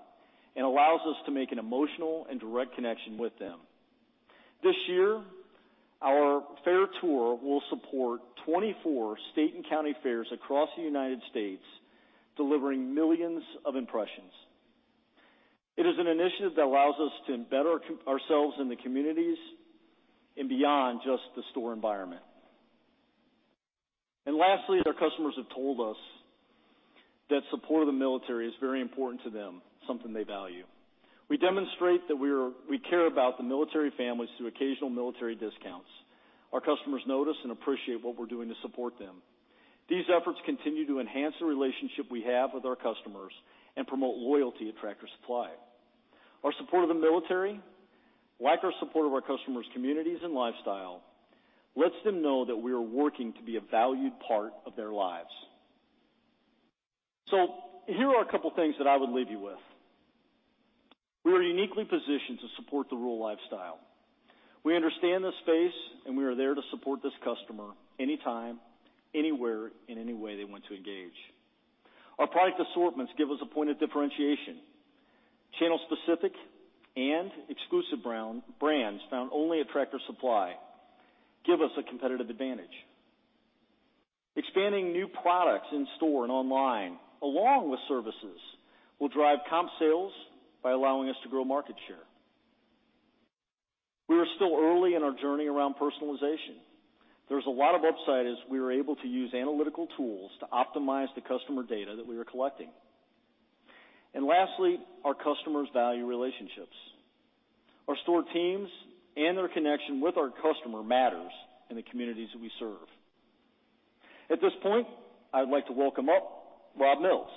and allows us to make an emotional and direct connection with them. This year, our fair tour will support 24 state and county fairs across the United States, delivering millions of impressions. It is an initiative that allows us to embed ourselves in the communities and beyond just the store environment. Lastly, their customers have told us that support of the military is very important to them, something they value. We demonstrate that we care about the military families through occasional military discounts. Our customers notice and appreciate what we're doing to support them. These efforts continue to enhance the relationship we have with our customers and promote loyalty at Tractor Supply. Our support of the military, like our support of our customers' communities and lifestyle, lets them know that we are working to be a valued part of their lives. Here are a couple things that I would leave you with. We are uniquely positioned to support the rural lifestyle. We understand this space, and we are there to support this customer anytime, anywhere, in any way they want to engage. Our product assortments give us a point of differentiation. Channel-specific and exclusive brands found only at Tractor Supply give us a competitive advantage. Expanding new products in store and online along with services will drive comp sales by allowing us to grow market share. We are still early in our journey around personalization. There's a lot of upside as we are able to use analytical tools to optimize the customer data that we are collecting. Lastly, our customers value relationships. Our store teams and their connection with our customer matters in the communities that we serve. At this point, I'd like to welcome up Rob Mills.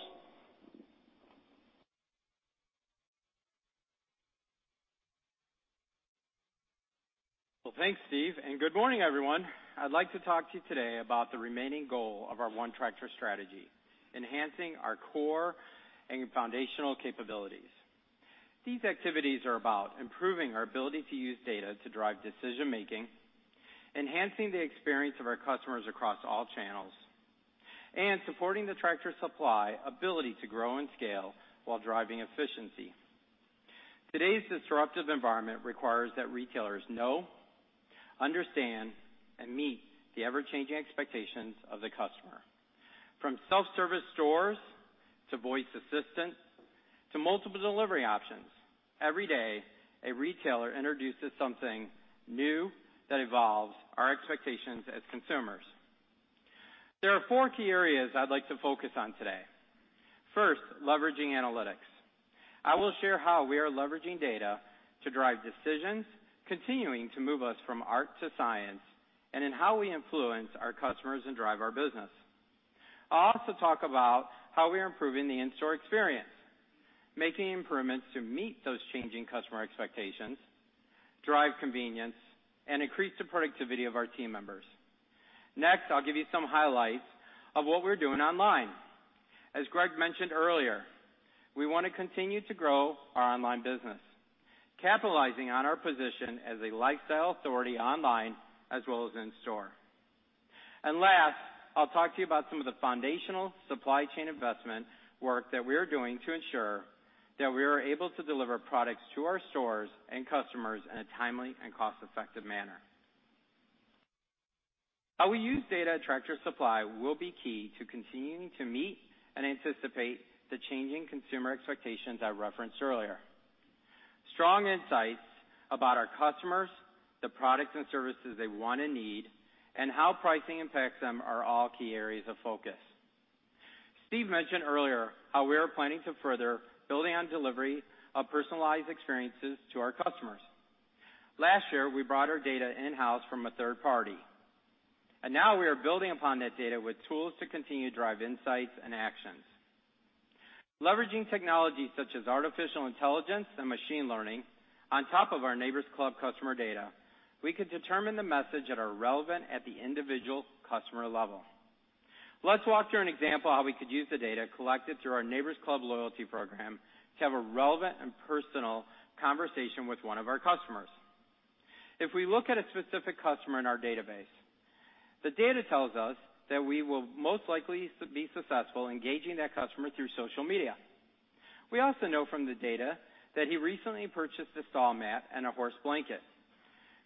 Well, thanks, Steve, and good morning, everyone. I'd like to talk to you today about the remaining goal of our ONETractor strategy: enhancing our core and foundational capabilities. These activities are about improving our ability to use data to drive decision-making, enhancing the experience of our customers across all channels, and supporting the Tractor Supply ability to grow and scale while driving efficiency. Today's disruptive environment requires that retailers know, understand, and meet the ever-changing expectations of the customer. From self-service stores to voice assistants to multiple delivery options, every day, a retailer introduces something new that evolves our expectations as consumers. There are four key areas I'd like to focus on today. First, leveraging analytics. I will share how we are leveraging data to drive decisions, continuing to move us from art to science, and in how we influence our customers and drive our business. I'll also talk about how we are improving the in-store experience, making improvements to meet those changing customer expectations, drive convenience, and increase the productivity of our team members. Next, I'll give you some highlights of what we are doing online. As Greg mentioned earlier, we want to continue to grow our online business, capitalizing on our position as a lifestyle authority online as well as in store. Last, I'll talk to you about some of the foundational supply chain investment work that we are doing to ensure that we are able to deliver products to our stores and customers in a timely and cost-effective manner. How we use data at Tractor Supply will be key to continuing to meet and anticipate the changing consumer expectations I referenced earlier. Strong insights about our customers, the products and services they want and need, and how pricing impacts them are all key areas of focus. Steve mentioned earlier how we are planning to further building on delivery of personalized experiences to our customers. Last year, we brought our data in-house from a third party. Now we are building upon that data with tools to continue to drive insights and actions. Leveraging technology such as artificial intelligence and machine learning, on top of our Neighbor's Club customer data, we could determine the message that are relevant at the individual customer level. Let's walk through an example how we could use the data collected through our Neighbor's Club loyalty program to have a relevant and personal conversation with one of our customers. If we look at a specific customer in our database, the data tells us that we will most likely be successful engaging that customer through social media. We also know from the data that he recently purchased a stall mat and a horse blanket.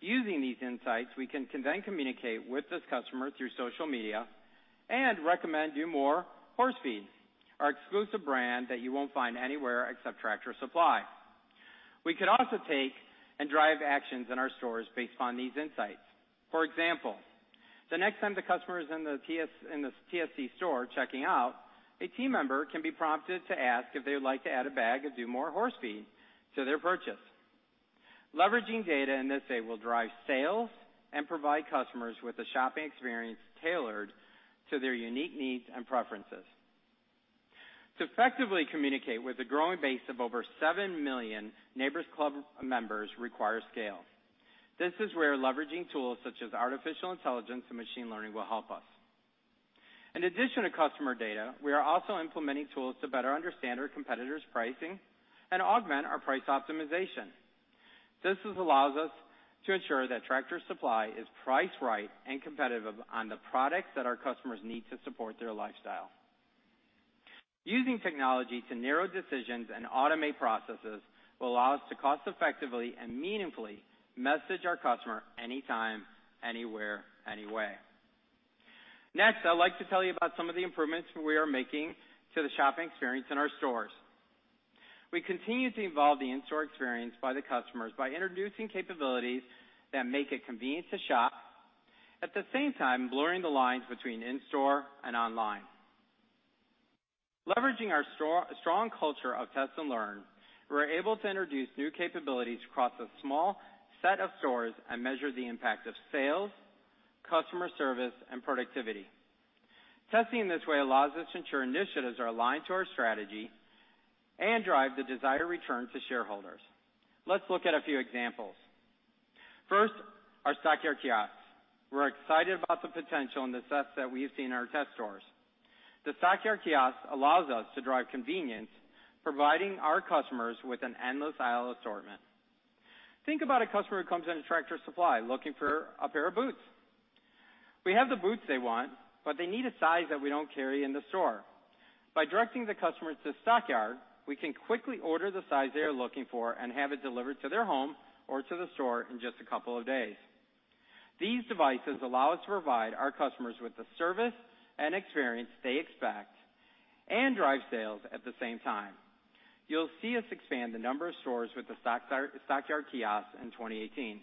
Using these insights, we can then communicate with this customer through social media and recommend DuMOR horse feed, our exclusive brand that you won't find anywhere except Tractor Supply. We could also take and drive actions in our stores based on these insights. For example, the next time the customer is in the TSC store checking out, a team member can be prompted to ask if they would like to add a bag of DuMOR horse feed to their purchase. Leveraging data in this way will drive sales and provide customers with a shopping experience tailored to their unique needs and preferences. To effectively communicate with a growing base of over 7 million Neighbor's Club members requires scale. This is where leveraging tools such as artificial intelligence and machine learning will help us. In addition to customer data, we are also implementing tools to better understand our competitors' pricing and augment our price optimization. This allows us to ensure that Tractor Supply is priced right and competitive on the products that our customers need to support their lifestyle. Using technology to narrow decisions and automate processes will allow us to cost-effectively and meaningfully message our customer anytime, anywhere, anyway. Next, I'd like to tell you about some of the improvements we are making to the shopping experience in our stores. We continue to evolve the in-store experience by the customers by introducing capabilities that make it convenient to shop, at the same time blurring the lines between in-store and online. Leveraging our strong culture of test and learn, we're able to introduce new capabilities across a small set of stores and measure the impact of sales, customer service, and productivity. Testing this way allows us to ensure initiatives are aligned to our strategy and drive the desired return to shareholders. Let's look at a few examples. First, our Stockyard kiosks. We're excited about the potential and the success that we have seen in our test stores. The Stockyard kiosk allows us to drive convenience, providing our customers with an endless aisle assortment. Think about a customer who comes into Tractor Supply looking for a pair of boots. We have the boots they want, but they need a size that we don't carry in the store. By directing the customer to Stockyard, we can quickly order the size they are looking for and have it delivered to their home or to the store in just a couple of days. These devices allow us to provide our customers with the service and experience they expect and drive sales at the same time. You'll see us expand the number of stores with the Stockyard kiosk in 2018.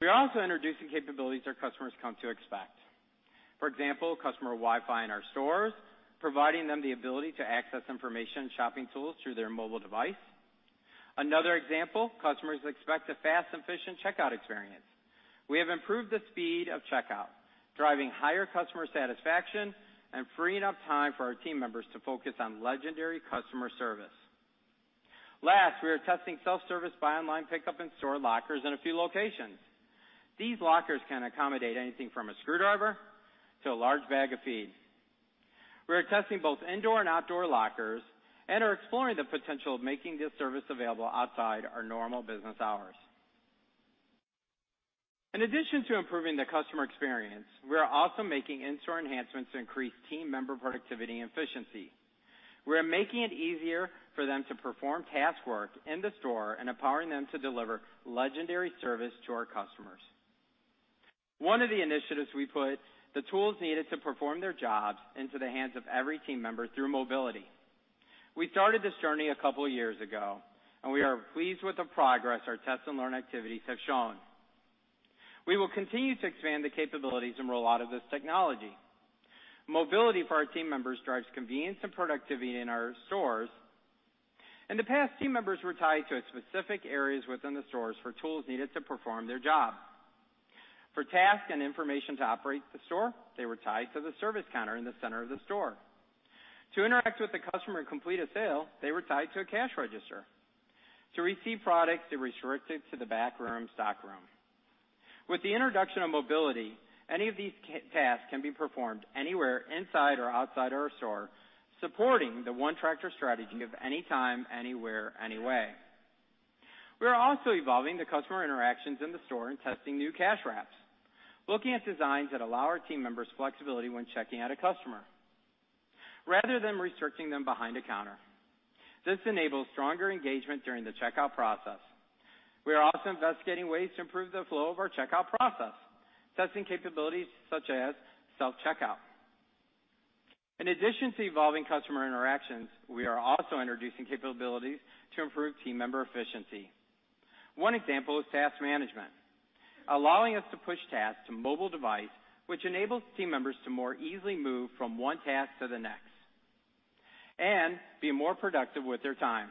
We are also introducing capabilities our customers come to expect. For example, customer Wi-Fi in our stores, providing them the ability to access information and shopping tools through their mobile device. Another example, customers expect a fast, efficient checkout experience. We have improved the speed of checkout, driving higher customer satisfaction and freeing up time for our team members to focus on legendary customer service. Last, we are testing self-service buy online pickup in-store lockers in a few locations. These lockers can accommodate anything from a screwdriver to a large bag of feed. We are testing both indoor and outdoor lockers and are exploring the potential of making this service available outside our normal business hours. In addition to improving the customer experience, we are also making in-store enhancements to increase team member productivity and efficiency. We are making it easier for them to perform task work in the store and empowering them to deliver legendary service to our customers. One of the initiatives we put the tools needed to perform their jobs into the hands of every team member through mobility. We started this journey a couple of years ago, and we are pleased with the progress our test and learn activities have shown. We will continue to expand the capabilities and roll out of this technology. Mobility for our team members drives convenience and productivity in our stores. In the past, team members were tied to specific areas within the stores for tools needed to perform their job. For tasks and information to operate the store, they were tied to the service counter in the center of the store. To interact with the customer and complete a sale, they were tied to a cash register. To receive products, they were restricted to the back room stockroom. With the introduction of mobility, any of these tasks can be performed anywhere inside or outside our store, supporting the ONETractor strategy of anytime, anywhere, anyway. We are also evolving the customer interactions in the store and testing new cash wraps, looking at designs that allow our team members flexibility when checking out a customer rather than restricting them behind a counter. This enables stronger engagement during the checkout process. We are also investigating ways to improve the flow of our checkout process, testing capabilities such as self-checkout. In addition to evolving customer interactions, we are also introducing capabilities to improve team member efficiency. One example is task management, allowing us to push tasks to mobile device, which enables team members to more easily move from one task to the next and be more productive with their time.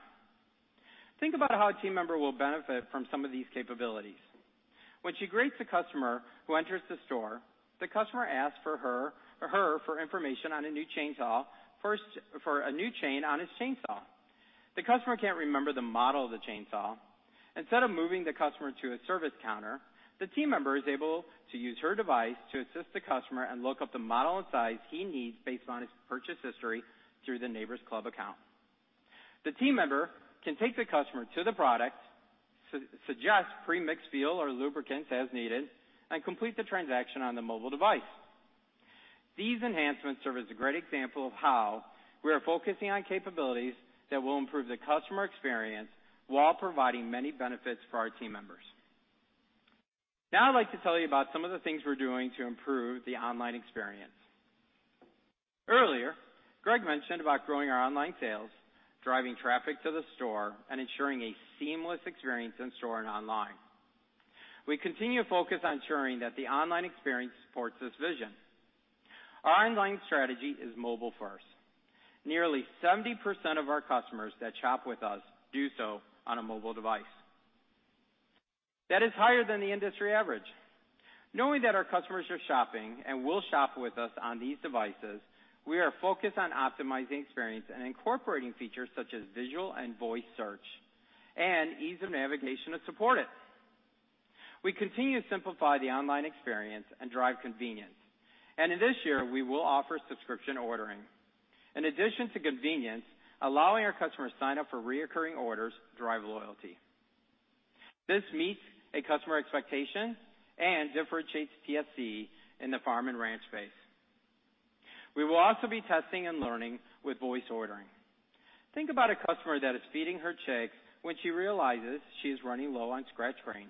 Think about how a team member will benefit from some of these capabilities. When she greets a customer who enters the store, the customer asks her for information on a new chain on his chainsaw. The customer can't remember the model of the chainsaw. Instead of moving the customer to a service counter, the team member is able to use her device to assist the customer and look up the model and size he needs based on his purchase history through the Neighbor's Club account. The team member can take the customer to the product, suggest pre-mixed fuel or lubricants as needed, and complete the transaction on the mobile device. These enhancements serve as a great example of how we are focusing on capabilities that will improve the customer experience while providing many benefits for our team members. Now I'd like to tell you about some of the things we're doing to improve the online experience. Earlier, Greg mentioned about growing our online sales, driving traffic to the store, and ensuring a seamless experience in store and online. We continue to focus on ensuring that the online experience supports this vision. Our online strategy is mobile first. Nearly 70% of our customers that shop with us do so on a mobile device. That is higher than the industry average. Knowing that our customers are shopping and will shop with us on these devices, we are focused on optimizing experience and incorporating features such as visual and voice search and ease of navigation to support it. In this year, we will offer subscription ordering. In addition to convenience, allowing our customers sign up for recurring orders drive loyalty. This meets a customer expectation and differentiates TSC in the farm and ranch space. We will also be testing and learning with voice ordering. Think about a customer that is feeding her chick when she realizes she is running low on scratch grain.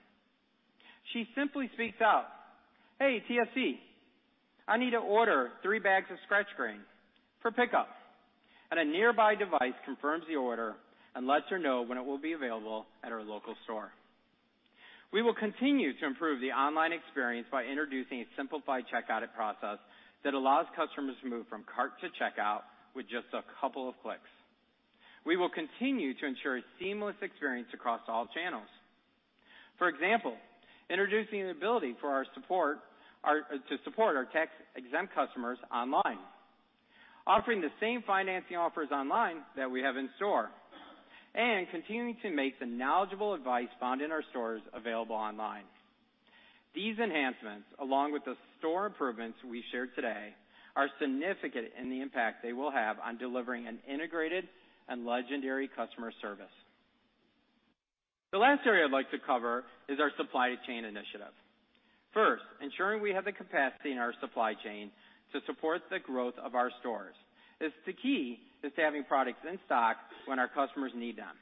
She simply speaks out, "Hey, TSC, I need to order three bags of scratch grain for pickup." A nearby device confirms the order and lets her know when it will be available at her local store. We will continue to improve the online experience by introducing a simplified checkout process that allows customers to move from cart to checkout with just a couple of clicks. We will continue to ensure a seamless experience across all channels. For example, introducing the ability to support our tax-exempt customers online, offering the same financing offers online that we have in store, and continuing to make the knowledgeable advice found in our stores available online. These enhancements, along with the store improvements we shared today, are significant in the impact they will have on delivering an integrated and legendary customer service. The last area I'd like to cover is our supply chain initiative. Ensuring we have the capacity in our supply chain to support the growth of our stores. The key is having products in stock when our customers need them.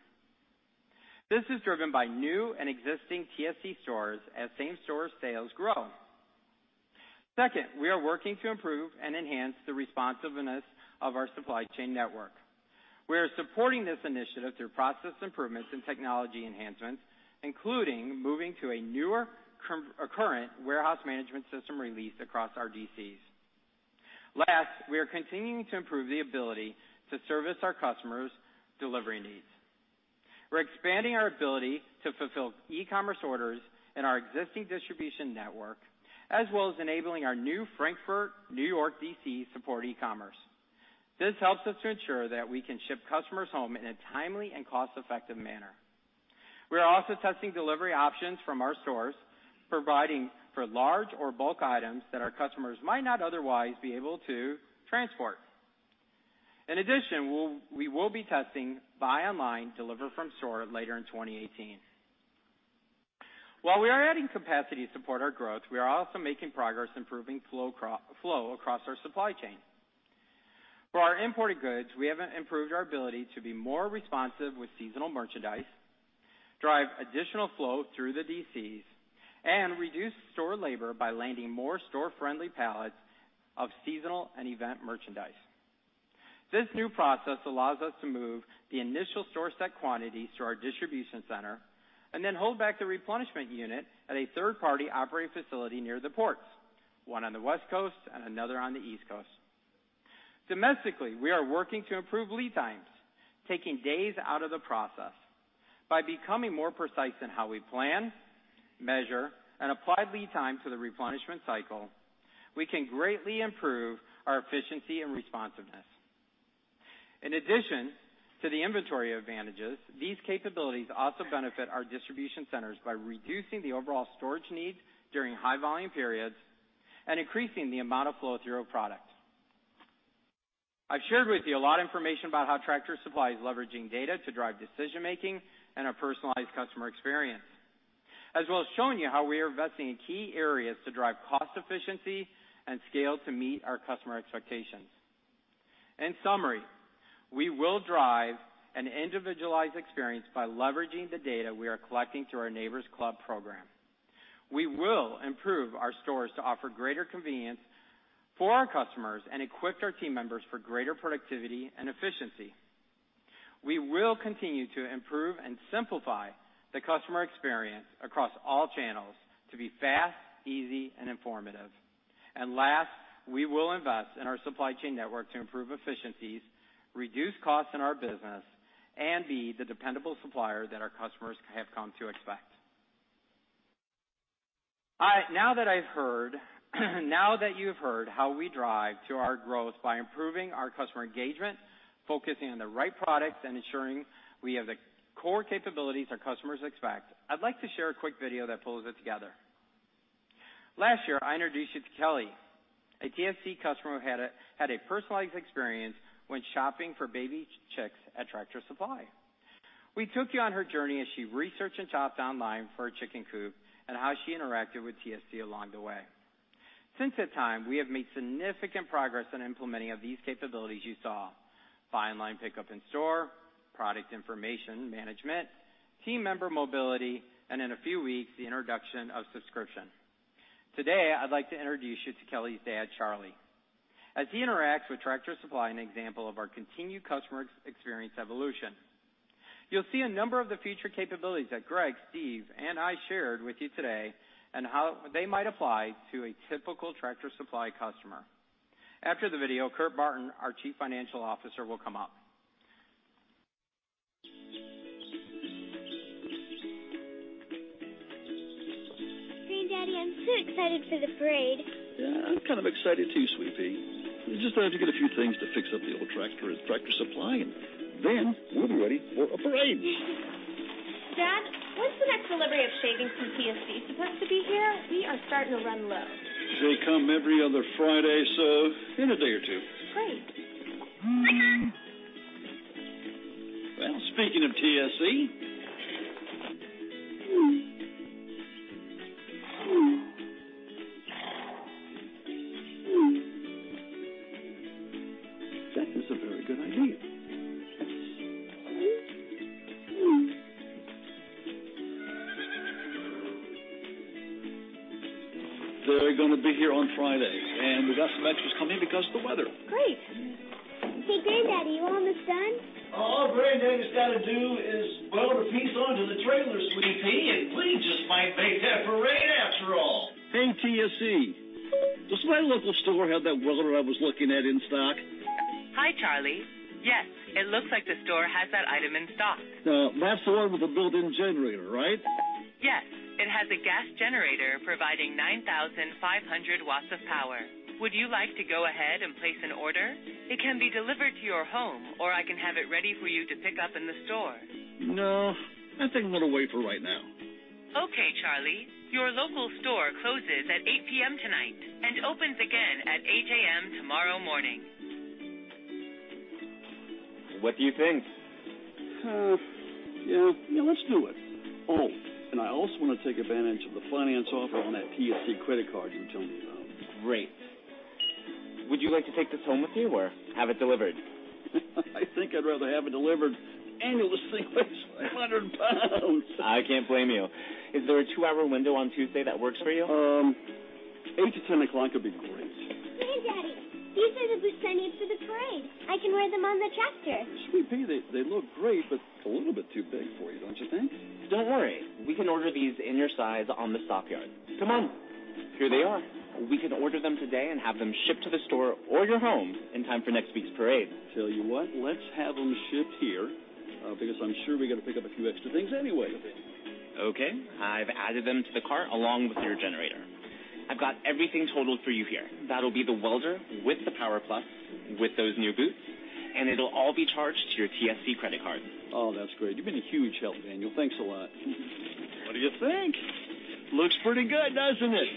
This is driven by new and existing TSC stores as same-store sales grow. We are working to improve and enhance the responsiveness of our supply chain network. We are supporting this initiative through process improvements and technology enhancements, including moving to a newer current warehouse management system release across our DCs. We are continuing to improve the ability to service our customers' delivery needs. We're expanding our ability to fulfill e-commerce orders in our existing distribution network, as well as enabling our new Frankfort, New York DC support e-commerce. This helps us to ensure that we can ship customers home in a timely and cost-effective manner. We are also testing delivery options from our stores, providing for large or bulk items that our customers might not otherwise be able to transport. We will be testing buy online, deliver from store later in 2018. While we are adding capacity to support our growth, we are also making progress improving flow across our supply chain. For our imported goods, we have improved our ability to be more responsive with seasonal merchandise, drive additional flow through the DCs, and reduce store labor by landing more store-friendly pallets of seasonal and event merchandise. This new process allows us to move the initial store set quantities to our distribution center, and then hold back the replenishment unit at a third-party operating facility near the ports, one on the West Coast and another on the East Coast. Domestically, we are working to improve lead times, taking days out of the process. By becoming more precise in how we plan, measure, and apply lead times to the replenishment cycle, we can greatly improve our efficiency and responsiveness. In addition to the inventory advantages, these capabilities also benefit our distribution centers by reducing the overall storage needs during high volume periods and increasing the amount of flow through our product. I've shared with you a lot information about how Tractor Supply is leveraging data to drive decision-making and a personalized customer experience, as well as showing you how we are investing in key areas to drive cost efficiency and scale to meet our customer expectations. We will drive an individualized experience by leveraging the data we are collecting through our Neighbor's Club program. We will improve our stores to offer greater convenience for our customers and equip our team members for greater productivity and efficiency. We will continue to improve and simplify the customer experience across all channels to be fast, easy, and informative. We will invest in our supply chain network to improve efficiencies, reduce costs in our business, and be the dependable supplier that our customers have come to expect. Now that you've heard how we drive to our growth by improving our customer engagement, focusing on the right products, and ensuring we have the core capabilities our customers expect, I'd like to share a quick video that pulls it together. Last year, I introduced you to Kelly, a TSC customer who had a personalized experience when shopping for baby chicks at Tractor Supply. We took you on her journey as she researched and shopped online for a chicken coop and how she interacted with TSC along the way. Since that time, we have made significant progress in implementing of these capabilities you saw: buy online, pickup in store, product information management, team member mobility, and in a few weeks, the introduction of subscription. Today, I'd like to introduce you to Kelly's dad, Charlie, as he interacts with Tractor Supply, an example of our continued customer experience evolution. You'll see a number of the feature capabilities that Greg, Steve, and I shared with you today and how they might apply to a typical Tractor Supply customer. After the video, Kurt Barton, our Chief Financial Officer, will come up. Granddaddy, I'm so excited for the parade. I'm kind of excited, too, sweet pea. I just wanted to get a few things to fix up the old tractor at Tractor Supply, we'll be ready for a parade. Yay. Dad, when's the next delivery of shavings from TSC supposed to be here? We are starting to run low. They come every other Friday, in a day or two. Great. Hmm. Well, speaking of TSC. That is a very good idea. They're going to be here on Friday, we got some extras coming because of the weather. Great. Hey, Granddaddy, you almost done? All Granddaddy's got to do is weld a piece onto the trailer, sweet pea, we just might make that parade after all. Ring TSC. Does my local store have that welder I was looking at in stock? Hi, Charlie. Yes, it looks like the store has that item in stock. That's the one with the built-in generator, right? Yes. It has a gas generator providing 9,500 watts of power. Would you like to go ahead and place an order? It can be delivered to your home, or I can have it ready for you to pick up in the store. No, I think I'm going to wait for right now. Okay, Charlie. Your local store closes at 8:00 P.M. tonight and opens again at 8:00 A.M. tomorrow morning. What do you think? Yeah. Let's do it. Oh, and I also want to take advantage of the finance offer on that TSC credit card you told me about. Great. Would you like to take this home with you or have it delivered? I think I'd rather have it delivered. Annual thing weighs 100 pounds. I can't blame you. Is there a two-hour window on Tuesday that works for you? Eight to 10 o'clock would be great. Granddaddy, these are the boots I need for the parade. I can wear them on the tractor. Sweet pea, they look great, but it's a little bit too big for you, don't you think? Don't worry. We can order these in your size on the Stockyard. Come on. Here they are. We can order them today and have them shipped to the store or your home in time for next week's parade. Tell you what, let's have them shipped here, because I'm sure we've got to pick up a few extra things anyway. Okay. I've added them to the cart along with your generator. I've got everything totaled for you here. That'll be the welder with the power plus, with those new boots, and it'll all be charged to your TSC credit card. Oh, that's great. You've been a huge help, Daniel. Thanks a lot. What do you think? Looks pretty good, doesn't it?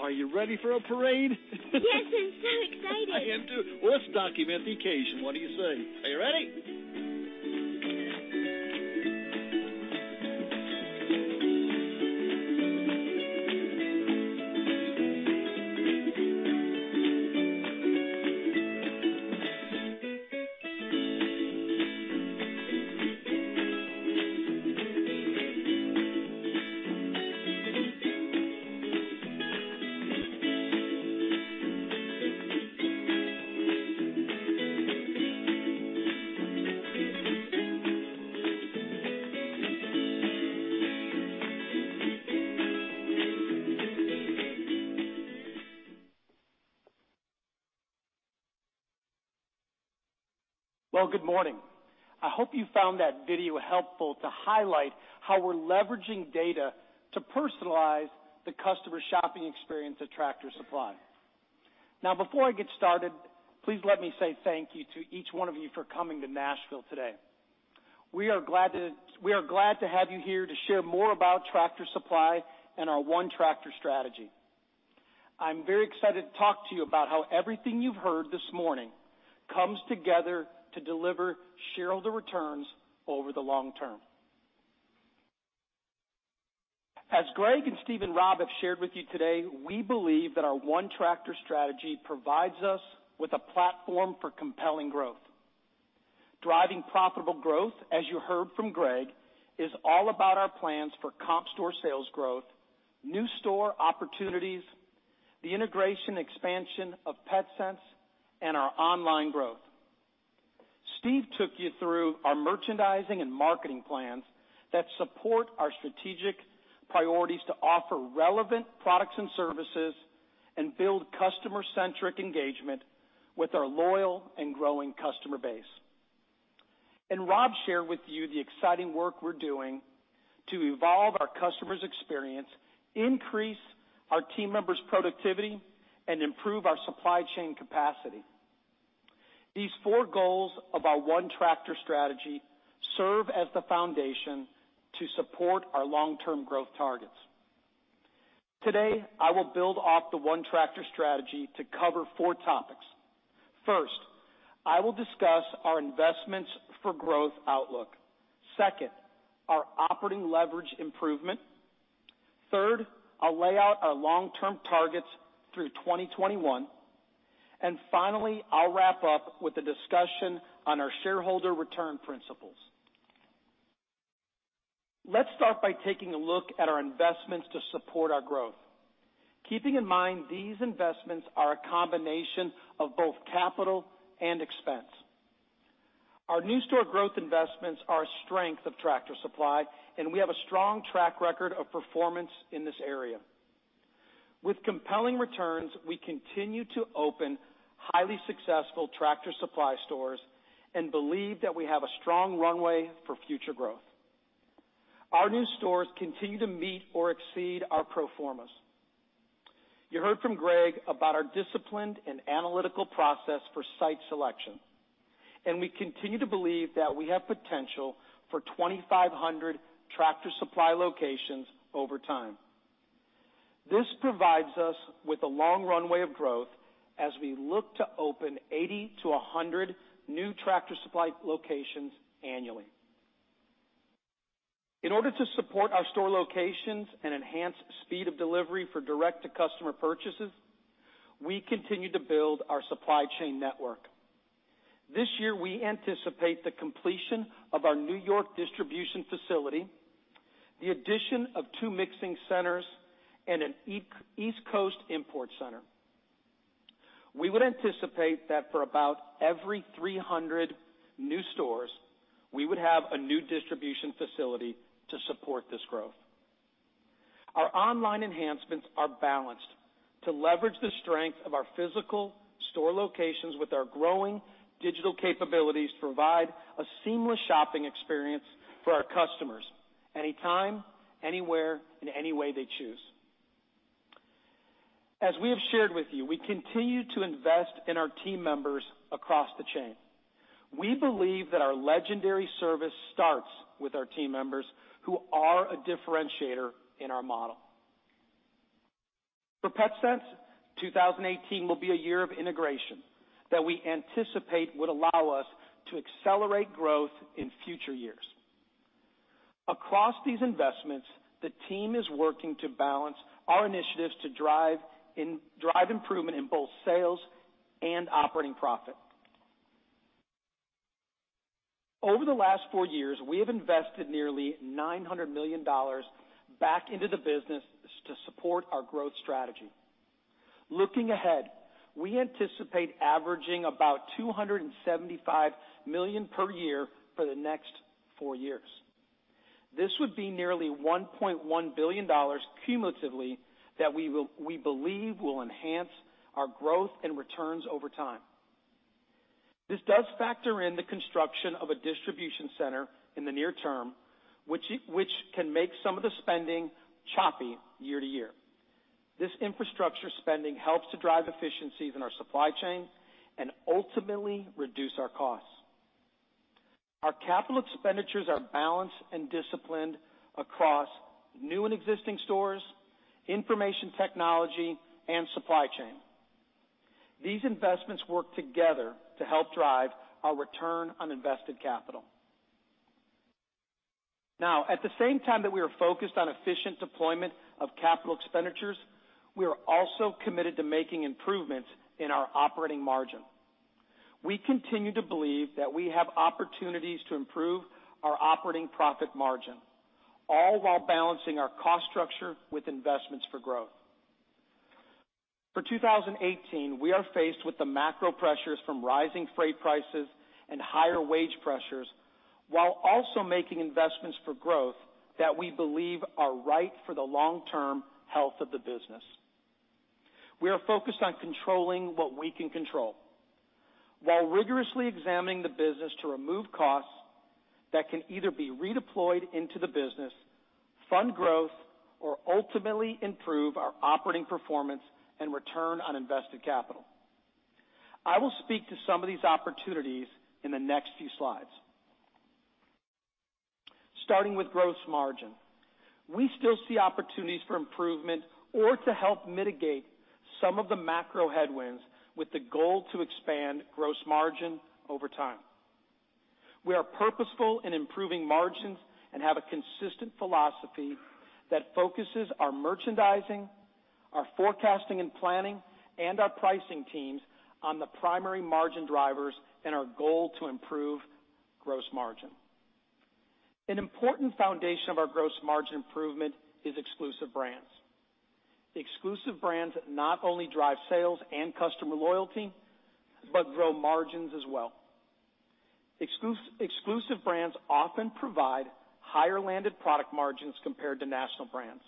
Are you ready for a parade? Yes, I'm so excited. I am too. Let's document the occasion, what do you say? Are you ready? Well, good morning. I hope you found that video helpful to highlight how we're leveraging data to personalize the customer shopping experience at Tractor Supply. Now, before I get started, please let me say thank you to each one of you for coming to Nashville today. We are glad to have you here to share more about Tractor Supply and our ONETractor strategy. I'm very excited to talk to you about how everything you've heard this morning comes together to deliver shareholder returns over the long term. As Greg and Steve and Rob have shared with you today, we believe that our ONETractor strategy provides us with a platform for compelling growth. Driving profitable growth, as you heard from Greg, is all about our plans for comp store sales growth, new store opportunities, the integration expansion of Petsense, and our online growth. Steve took you through our merchandising and marketing plans that support our strategic priorities to offer relevant products and services and build customer-centric engagement with our loyal and growing customer base. Rob shared with you the exciting work we're doing to evolve our customer's experience, increase our team members' productivity, and improve our supply chain capacity. These four goals of our ONETractor strategy serve as the foundation to support our long-term growth targets. Today, I will build off the ONETractor strategy to cover four topics. First, I will discuss our investments for growth outlook. Second, our operating leverage improvement. Third, I'll lay out our long-term targets through 2021. Finally, I'll wrap up with a discussion on our shareholder return principles. Let's start by taking a look at our investments to support our growth, keeping in mind these investments are a combination of both capital and expense. Our new store growth investments are a strength of Tractor Supply, and we have a strong track record of performance in this area. With compelling returns, we continue to open highly successful Tractor Supply stores and believe that we have a strong runway for future growth. Our new stores continue to meet or exceed our pro formas. You heard from Greg about our disciplined and analytical process for site selection, and we continue to believe that we have potential for 2,500 Tractor Supply locations over time. This provides us with a long runway of growth as we look to open 80 to 100 new Tractor Supply locations annually. In order to support our store locations and enhance speed of delivery for direct-to-customer purchases, we continue to build our supply chain network. This year, we anticipate the completion of our New York distribution facility, the addition of two mixing centers, and an East Coast import center. We would anticipate that for about every 300 new stores, we would have a new distribution facility to support this growth. Our online enhancements are balanced to leverage the strength of our physical store locations with our growing digital capabilities to provide a seamless shopping experience for our customers anytime, anywhere, in any way they choose. As we have shared with you, we continue to invest in our team members across the chain. We believe that our legendary service starts with our team members who are a differentiator in our model. For Petsense, 2018 will be a year of integration that we anticipate would allow us to accelerate growth in future years. Across these investments, the team is working to balance our initiatives to drive improvement in both sales and operating profit. Over the last four years, we have invested nearly $900 million back into the business to support our growth strategy. Looking ahead, we anticipate averaging about $275 million per year for the next four years. This would be nearly $1.1 billion cumulatively that we believe will enhance our growth and returns over time. This does factor in the construction of a distribution center in the near term, which can make some of the spending choppy year to year. This infrastructure spending helps to drive efficiencies in our supply chain and ultimately reduce our costs. Our capital expenditures are balanced and disciplined across new and existing stores, information technology and supply chain. These investments work together to help drive our return on invested capital. At the same time that we are focused on efficient deployment of capital expenditures, we are also committed to making improvements in our operating margin. We continue to believe that we have opportunities to improve our operating profit margin, all while balancing our cost structure with investments for growth. For 2018, we are faced with the macro pressures from rising freight prices and higher wage pressures, while also making investments for growth that we believe are right for the long-term health of the business. We are focused on controlling what we can control while rigorously examining the business to remove costs that can either be redeployed into the business, fund growth, or ultimately improve our operating performance and return on invested capital. I will speak to some of these opportunities in the next few slides. Starting with gross margin, we still see opportunities for improvement or to help mitigate some of the macro headwinds with the goal to expand gross margin over time. We are purposeful in improving margins and have a consistent philosophy that focuses our merchandising, our forecasting and planning, and our pricing teams on the primary margin drivers and our goal to improve gross margin. An important foundation of our gross margin improvement is exclusive brands. Exclusive brands not only drive sales and customer loyalty, but grow margins as well. Exclusive brands often provide higher landed product margins compared to national brands.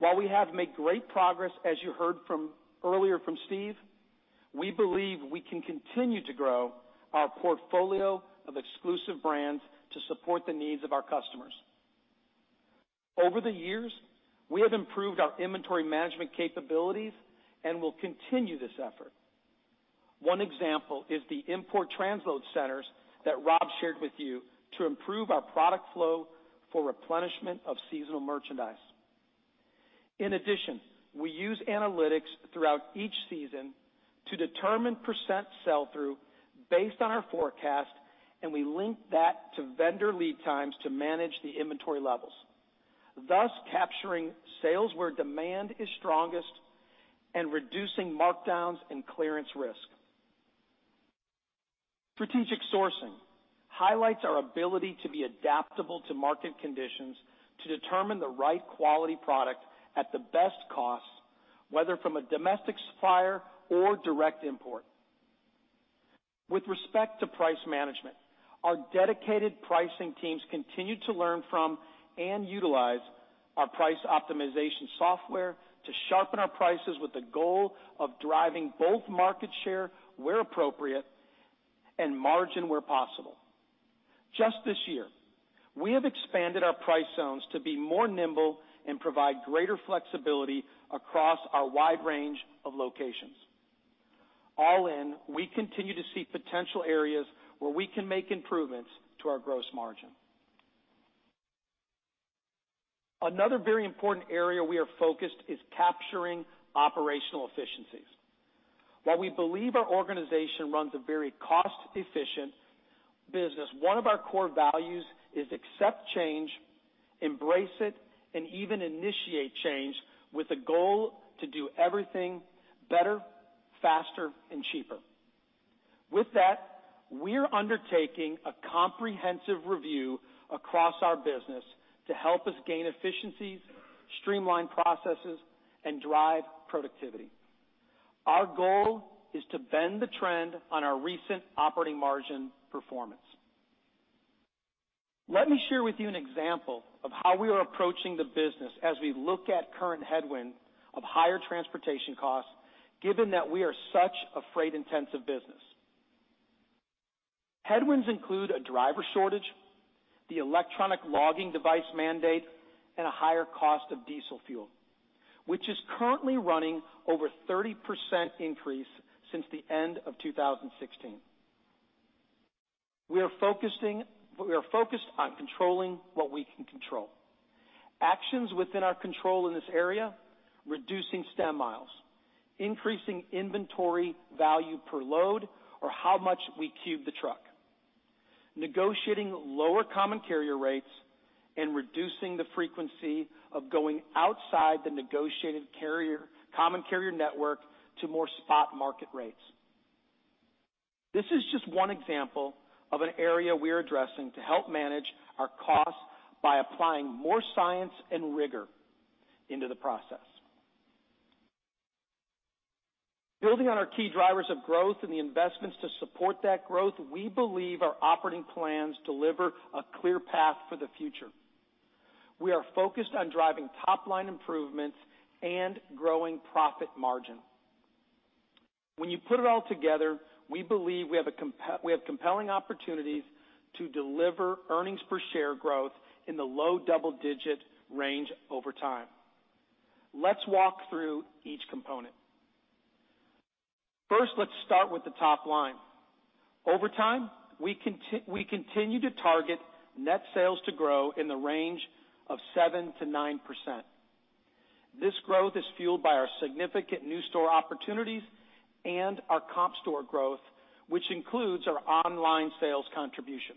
While we have made great progress, as you heard earlier from Steve, we believe we can continue to grow our portfolio of exclusive brands to support the needs of our customers. Over the years, we have improved our inventory management capabilities and will continue this effort. One example is the import transload centers that Rob shared with you to improve our product flow for replenishment of seasonal merchandise. We use analytics throughout each season to determine percent sell-through based on our forecast, and we link that to vendor lead times to manage the inventory levels, thus capturing sales where demand is strongest and reducing markdowns and clearance risk. Strategic sourcing highlights our ability to be adaptable to market conditions to determine the right quality product at the best cost, whether from a domestic supplier or direct import. With respect to price management, our dedicated pricing teams continue to learn from and utilize our price optimization software to sharpen our prices with the goal of driving both market share where appropriate and margin where possible. Just this year, we have expanded our price zones to be more nimble and provide greater flexibility across our wide range of locations. We continue to see potential areas where we can make improvements to our gross margin. Another very important area we are focused is capturing operational efficiencies. While we believe our organization runs a very cost-efficient business, one of our core values is accept change, embrace it, and even initiate change with the goal to do everything better, faster and cheaper. We're undertaking a comprehensive review across our business to help us gain efficiencies, streamline processes, and drive productivity. Our goal is to bend the trend on our recent operating margin performance. Let me share with you an example of how we are approaching the business as we look at current headwinds of higher transportation costs, given that we are such a freight-intensive business. Headwinds include a driver shortage, the electronic logging device mandate, and a higher cost of diesel fuel, which is currently running over 30% increase since the end of 2016. We are focused on controlling what we can control. Actions within our control in this area, reducing stem miles, increasing inventory value per load, or how much we cube the truck, negotiating lower common carrier rates, and reducing the frequency of going outside the negotiated common carrier network to more spot market rates. This is just one example of an area we're addressing to help manage our costs by applying more science and rigor into the process. Building on our key drivers of growth and the investments to support that growth, we believe our operating plans deliver a clear path for the future. We are focused on driving top-line improvements and growing profit margin. When you put it all together, we believe we have compelling opportunities to deliver earnings per share growth in the low double-digit range over time. Let's walk through each component. First, let's start with the top-line. Over time, we continue to target net sales to grow in the range of 7%-9%. This growth is fueled by our significant new store opportunities and our comp store growth, which includes our online sales contribution.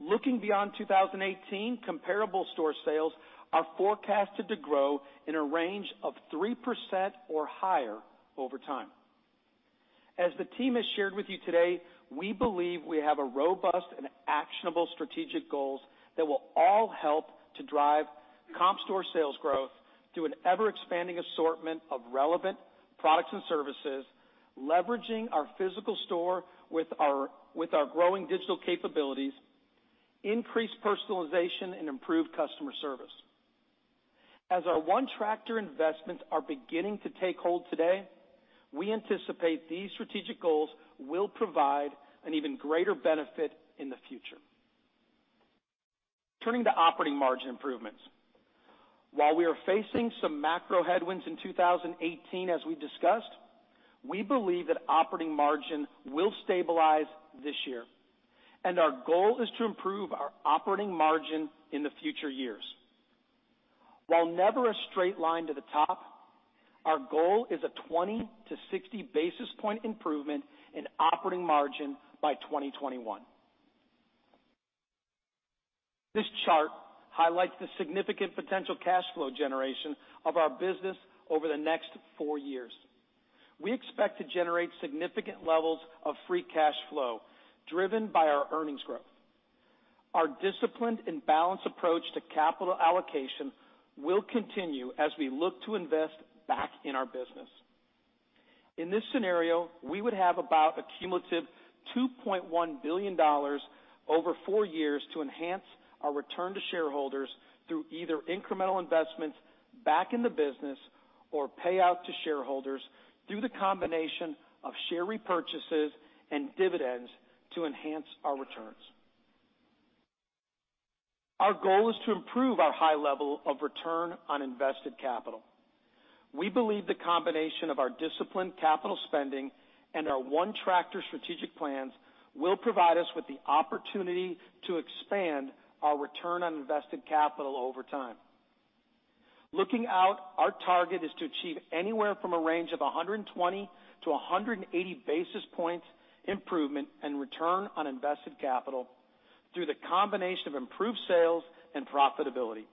Looking beyond 2018, comparable store sales are forecasted to grow in a range of 3% or higher over time. As the team has shared with you today, we believe we have a robust and actionable strategic goals that will all help to drive comp store sales growth through an ever-expanding assortment of relevant products and services, leveraging our physical store with our growing digital capabilities, increased personalization, and improved customer service. As our ONETractor investments are beginning to take hold today, we anticipate these strategic goals will provide an even greater benefit in the future. Turning to operating margin improvements. While we are facing some macro headwinds in 2018, as we discussed, we believe that operating margin will stabilize this year, and our goal is to improve our operating margin in the future years. While never a straight line to the top, our goal is a 20- to 60-basis-point improvement in operating margin by 2021. This chart highlights the significant potential cash flow generation of our business over the next four years. We expect to generate significant levels of free cash flow, driven by our earnings growth. Our disciplined and balanced approach to capital allocation will continue as we look to invest back in our business. In this scenario, we would have about a cumulative $2.1 billion over four years to enhance our return to shareholders through either incremental investments back in the business or payout to shareholders through the combination of share repurchases and dividends to enhance our returns. Our goal is to improve our high level of return on invested capital. We believe the combination of our disciplined capital spending and our ONETractor strategic plans will provide us with the opportunity to expand our return on invested capital over time. Looking out, our target is to achieve anywhere from a range of 120-180 basis points improvement in return on invested capital through the combination of improved sales and profitability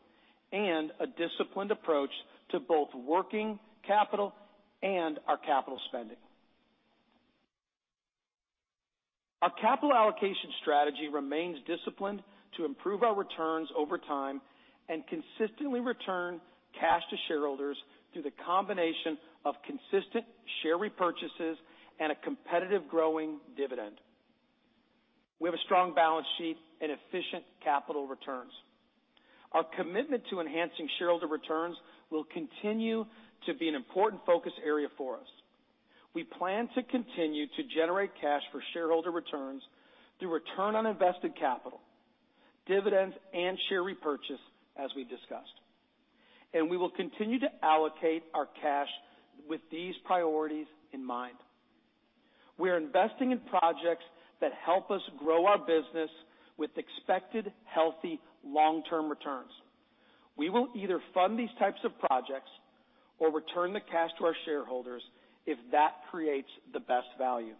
and a disciplined approach to both working capital and our capital spending. Our capital allocation strategy remains disciplined to improve our returns over time and consistently return cash to shareholders through the combination of consistent share repurchases and a competitive growing dividend. We have a strong balance sheet and efficient capital returns. Our commitment to enhancing shareholder returns will continue to be an important focus area for us. We plan to continue to generate cash for shareholder returns through return on invested capital, dividends, and share repurchase, as we discussed. We will continue to allocate our cash with these priorities in mind. We are investing in projects that help us grow our business with expected healthy long-term returns. We will either fund these types of projects or return the cash to our shareholders if that creates the best value.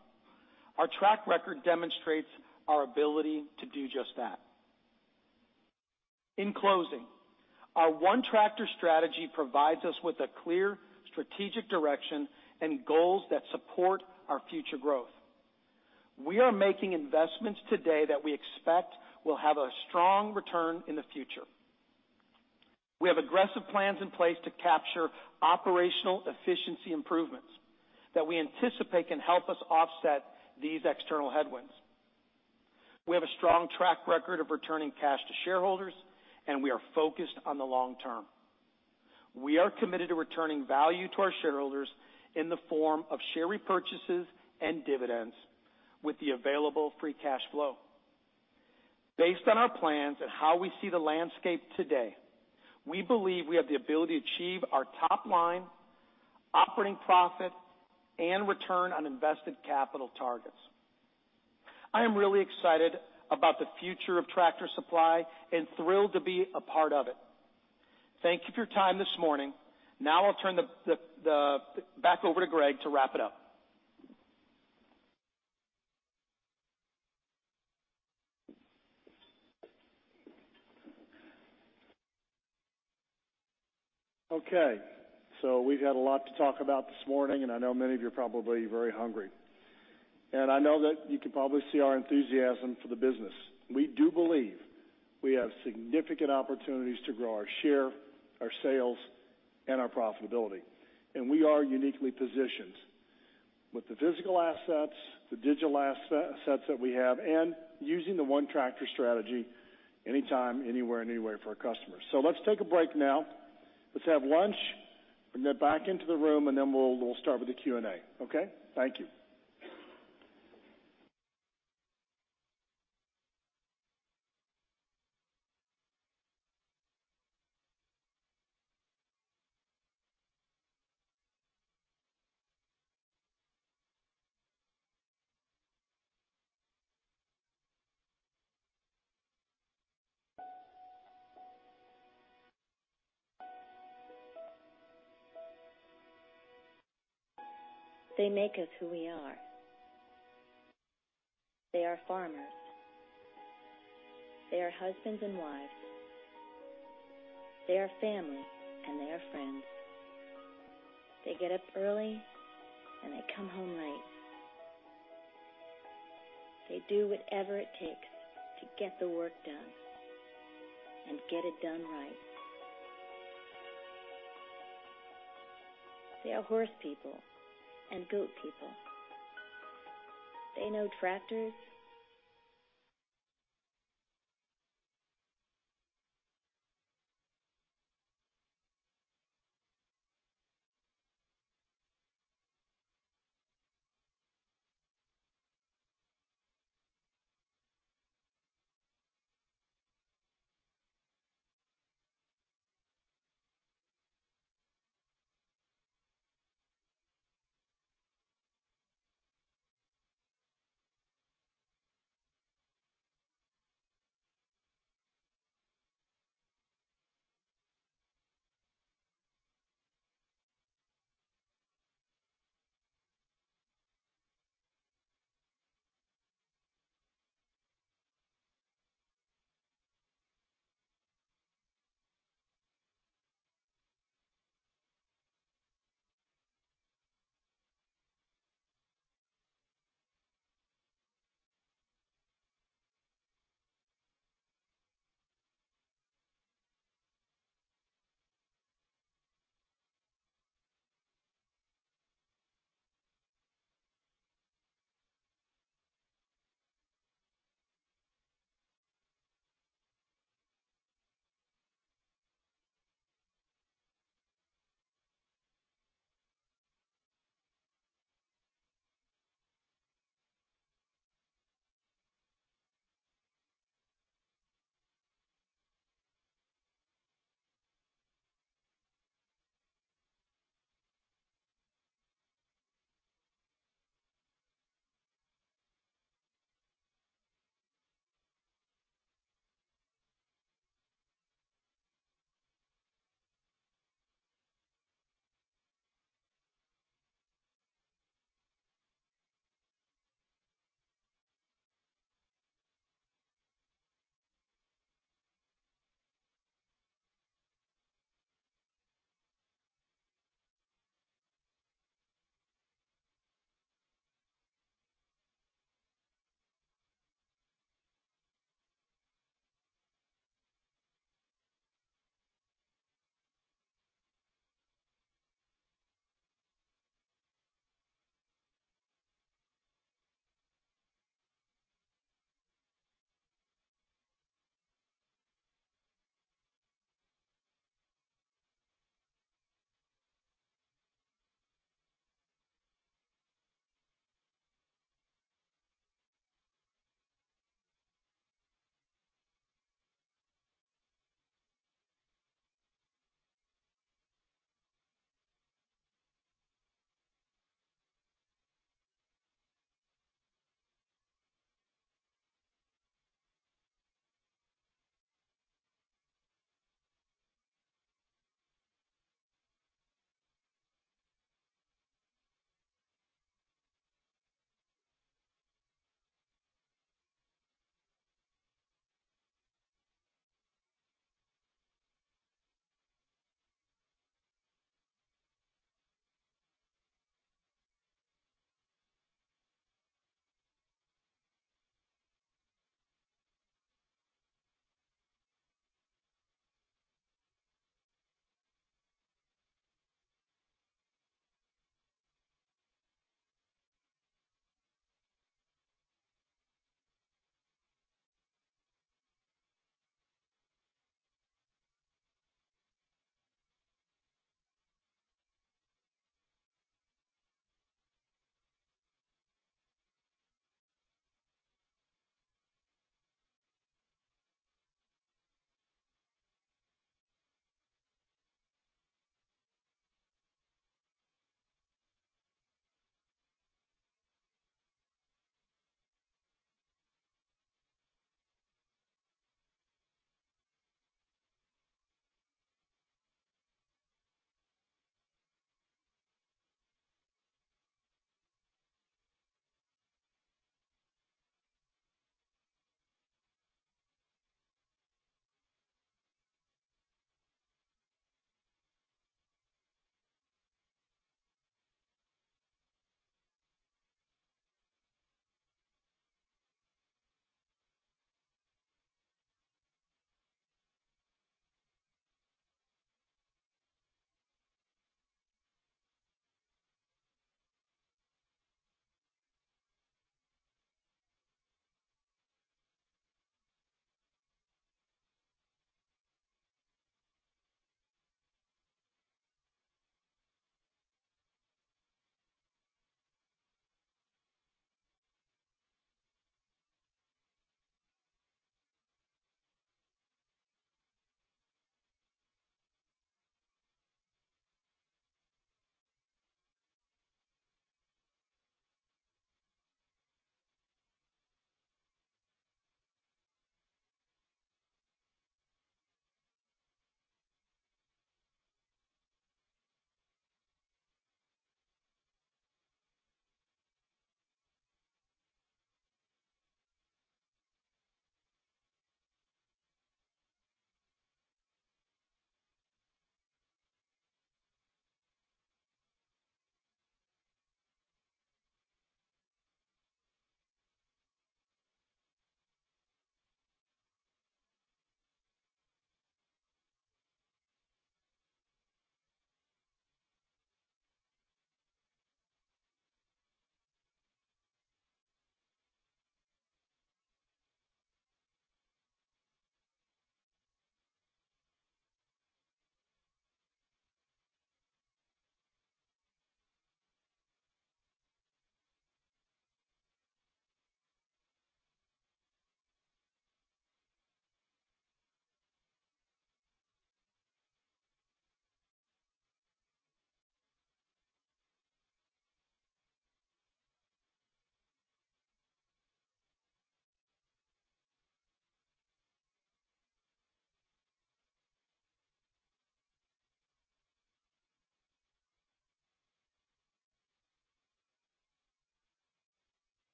Our track record demonstrates our ability to do just that. In closing, our ONETractor strategy provides us with a clear strategic direction and goals that support our future growth. We are making investments today that we expect will have a strong return in the future. We have aggressive plans in place to capture operational efficiency improvements that we anticipate can help us offset these external headwinds. We have a strong track record of returning cash to shareholders. We are focused on the long term. We are committed to returning value to our shareholders in the form of share repurchases and dividends with the available free cash flow. Based on our plans and how we see the landscape today, we believe we have the ability to achieve our top line, operating profit, and return on invested capital targets. I am really excited about the future of Tractor Supply and thrilled to be a part of it. Thank you for your time this morning. Now I'll turn it back over to Greg to wrap it up. We've had a lot to talk about this morning. I know many of you are probably very hungry. I know that you can probably see our enthusiasm for the business. We do believe we have significant opportunities to grow our share, our sales, and our profitability. We are uniquely positioned with the physical assets, the digital assets that we have, and using the ONETractor strategy anytime, anywhere, and any way for our customers. Let's take a break now. Let's have lunch. Then back into the room. Then we'll start with the Q&A. Okay? Thank you. They make us who we are. They are farmers. They are husbands and wives. They are family, and they are friends. They get up early, and they come home late. They do whatever it takes to get the work done and get it done right. They are horse people and goat people. They know tractors.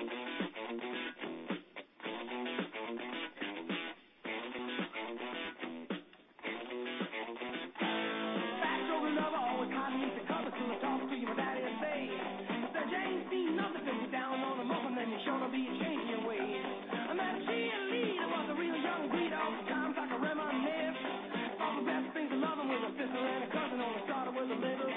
Born to be wild. Back door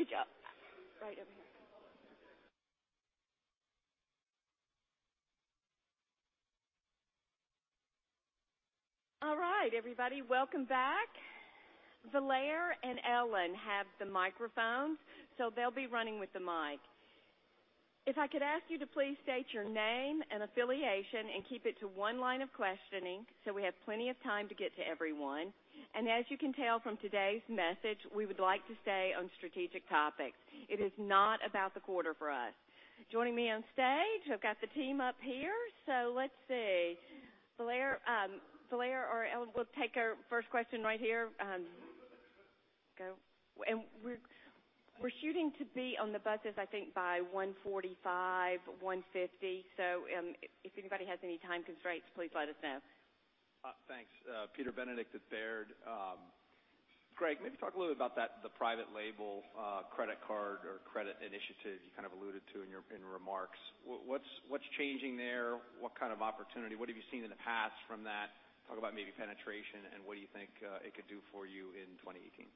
over here. All right, everybody. Welcome back. Valair and Ellen have the microphones, so they'll be running with the mic. If I could ask you to please state your name and affiliation and keep it to one line of questioning so we have plenty of time to get to everyone. As you can tell from today's message, we would like to stay on strategic topics. It is not about the quarter for us. Joining me on stage, I've got the team up here. Let's see. Valair or Ellen, we'll take our first question right here. Go. We're shooting to be on the buses, I think, by 1:45, 1:50. So if anybody has any time constraints, please let us know. Thanks. Peter Benedict at Baird. Greg, maybe talk a little bit about the private label credit card or credit initiative you alluded to in your remarks. What's changing there? What kind of opportunity? What have you seen in the past from that? Talk about maybe penetration and what you think it could do for you in 2018.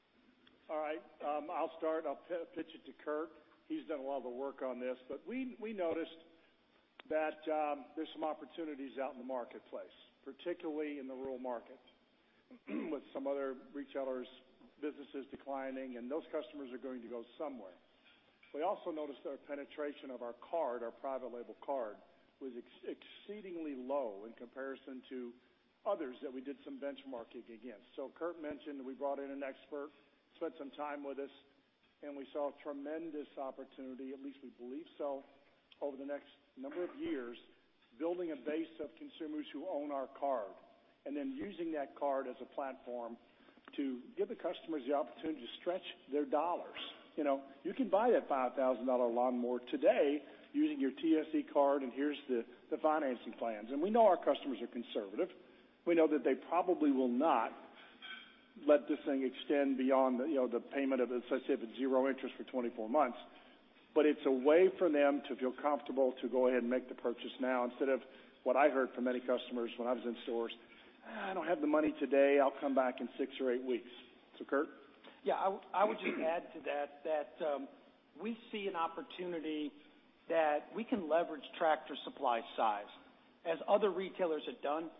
All right. I'll start. I'll pitch it to Kurt. He's done a lot of the work on this. We noticed that there's some opportunities out in the marketplace, particularly in the rural market with some other retailers' businesses declining, and those customers are going to go somewhere. We also noticed our penetration of our card, our private label card, was exceedingly low in comparison to others that we did some benchmarking against. Kurt mentioned we brought in an expert, spent some time with us, and we saw a tremendous opportunity, at least we believe so, over the next number of years, building a base of consumers who own our card, then using that card as a platform to give the customers the opportunity to stretch their dollars. You can buy that $5,000 lawnmower today using your TSC card, here's the financing plans. We know our customers are conservative. We know that they probably will not let this thing extend beyond the payment of, let's say, if it's zero interest for 24 months. It's a way for them to feel comfortable to go ahead and make the purchase now instead of what I heard from many customers when I was in stores, "I don't have the money today. I'll come back in six or eight weeks." Kurt? Yeah, I would just add to that we see an opportunity that we can leverage Tractor Supply size as other retailers have done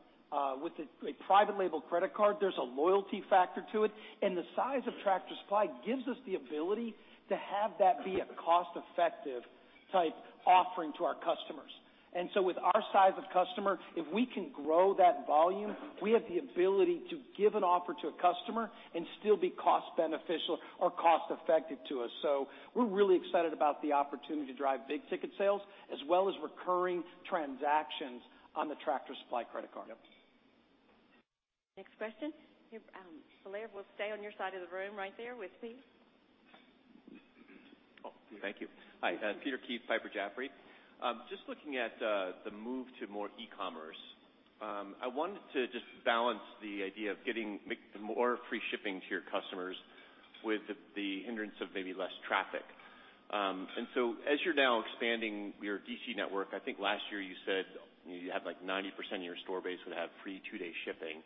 with a private label credit card. There's a loyalty factor to it, the size of Tractor Supply gives us the ability to have that be a cost-effective type offering to our customers. With our size of customer, if we can grow that volume, we have the ability to give an offer to a customer and still be cost beneficial or cost effective to us. We're really excited about the opportunity to drive big-ticket sales as well as recurring transactions on the Tractor Supply credit card. Yep. Next question. Valair, we'll stay on your side of the room right there with me. Oh, thank you. Hi, Peter Keith, Piper Jaffray. Just looking at the move to more e-commerce. I wanted to just balance the idea of giving more free shipping to your customers With the hindrance of maybe less traffic. As you're now expanding your DC network, I think last year you said you had like 90% of your store base would have free two-day shipping.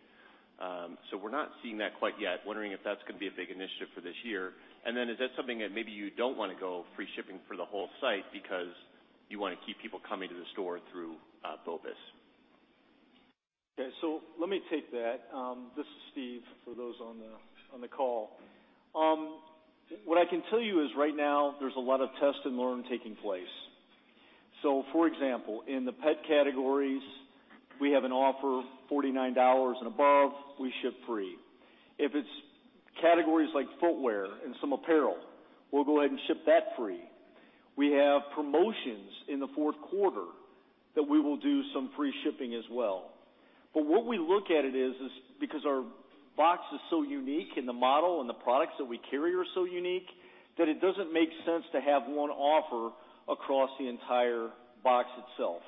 We're not seeing that quite yet. Wondering if that's going to be a big initiative for this year? Is that something that maybe you don't want to go free shipping for the whole site because you want to keep people coming to the store through BOPUS? Okay, let me take that. This is Steve, for those on the call. What I can tell you is right now there's a lot of test and learn taking place. For example, in the pet categories, we have an offer $49 and above, we ship free. If it's categories like footwear and some apparel, we'll go ahead and ship that free. We have promotions in the fourth quarter that we will do some free shipping as well. What we look at it is, because our box is so unique and the model and the products that we carry are so unique, that it doesn't make sense to have one offer across the entire box itself.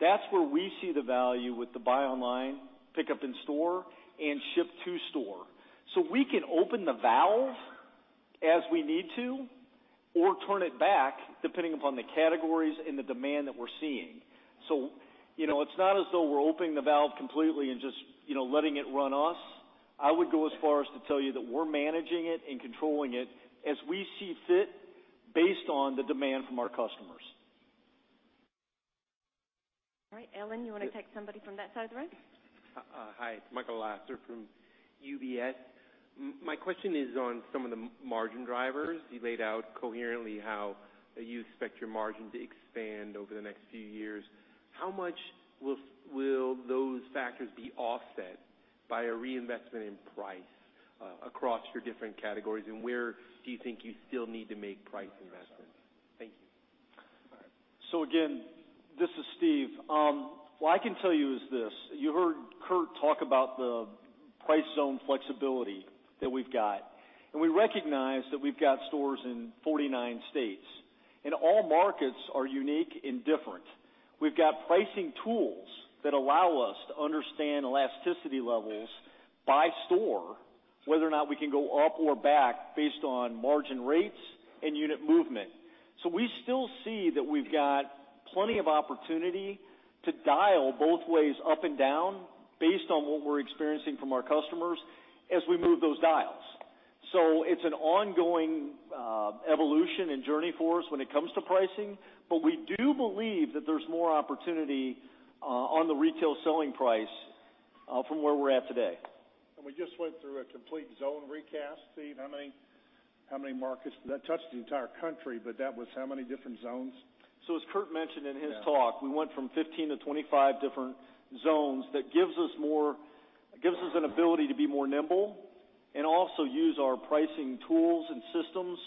That's where we see the value with the buy online, pickup in store, and ship to store. We can open the valve as we need to or turn it back depending upon the categories and the demand that we're seeing. It's not as though we're opening the valve completely and just letting it run us. I would go as far as to tell you that we're managing it and controlling it as we see fit based on the demand from our customers. All right, Ellen, you want to take somebody from that side of the room? Hi, it's Michael Lasser from UBS. My question is on some of the margin drivers. You laid out coherently how you expect your margin to expand over the next few years. How much will those factors be offset by a reinvestment in price across your different categories, and where do you think you still need to make price investments? Thank you. Again, this is Steve. What I can tell you is this. You heard Kurt talk about the price zone flexibility that we've got. We recognize that we've got stores in 49 states. All markets are unique and different. We've got pricing tools that allow us to understand elasticity levels by store, whether or not we can go up or back based on margin rates and unit movement. We still see that we've got plenty of opportunity to dial both ways up and down based on what we're experiencing from our customers as we move those dials. It's an ongoing evolution and journey for us when it comes to pricing. We do believe that there's more opportunity on the retail selling price from where we're at today. We just went through a complete zone recast. Steve, how many markets did that touch the entire country, but that was how many different zones? As Kurt mentioned in his talk, we went from 15 to 25 different zones. That gives us an ability to be more nimble and also use our pricing tools and systems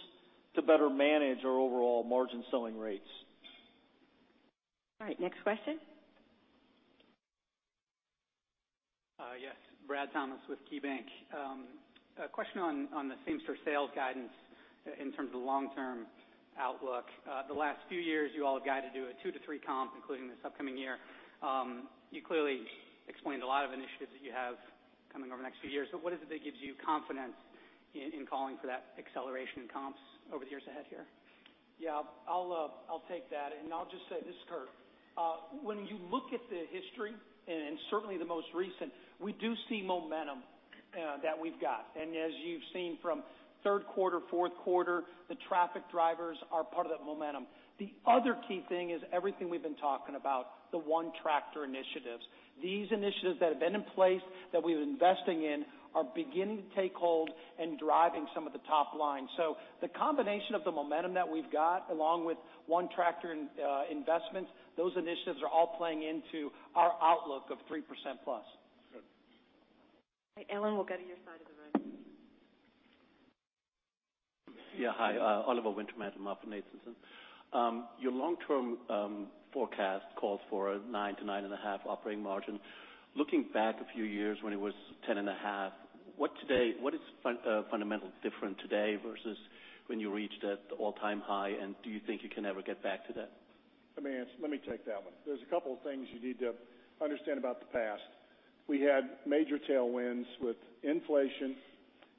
to better manage our overall margin selling rates. All right, next question. Yes. Brad Thomas with KeyBank. A question on the same-store sales guidance in terms of long-term outlook. The last few years, you all have guided to a two to three comp, including this upcoming year. You clearly explained a lot of initiatives that you have coming over the next few years, but what is it that gives you confidence in calling for that acceleration in comps over the years ahead here? Yeah. I'll take that. I'll just say, this is Kurt. When you look at the history and certainly the most recent, we do see momentum that we've got. As you've seen from third quarter, fourth quarter, the traffic drivers are part of that momentum. The other key thing is everything we've been talking about, the ONETractor initiatives. These initiatives that have been in place that we've been investing in are beginning to take hold and driving some of the top line. The combination of the momentum that we've got, along with ONETractor investments, those initiatives are all playing into our outlook of 3%+. Ellen, we'll go to your side of the room. Yeah. Hi, Oliver Wintermantel from MoffettNathanson. Your long-term forecast calls for a 9% to 9.5% operating margin. Looking back a few years when it was 10.5%, what is fundamentally different today versus when you reached that all-time high and do you think you can ever get back to that? Let me take that one. There's a couple of things you need to understand about the past. We had major tailwinds with inflation.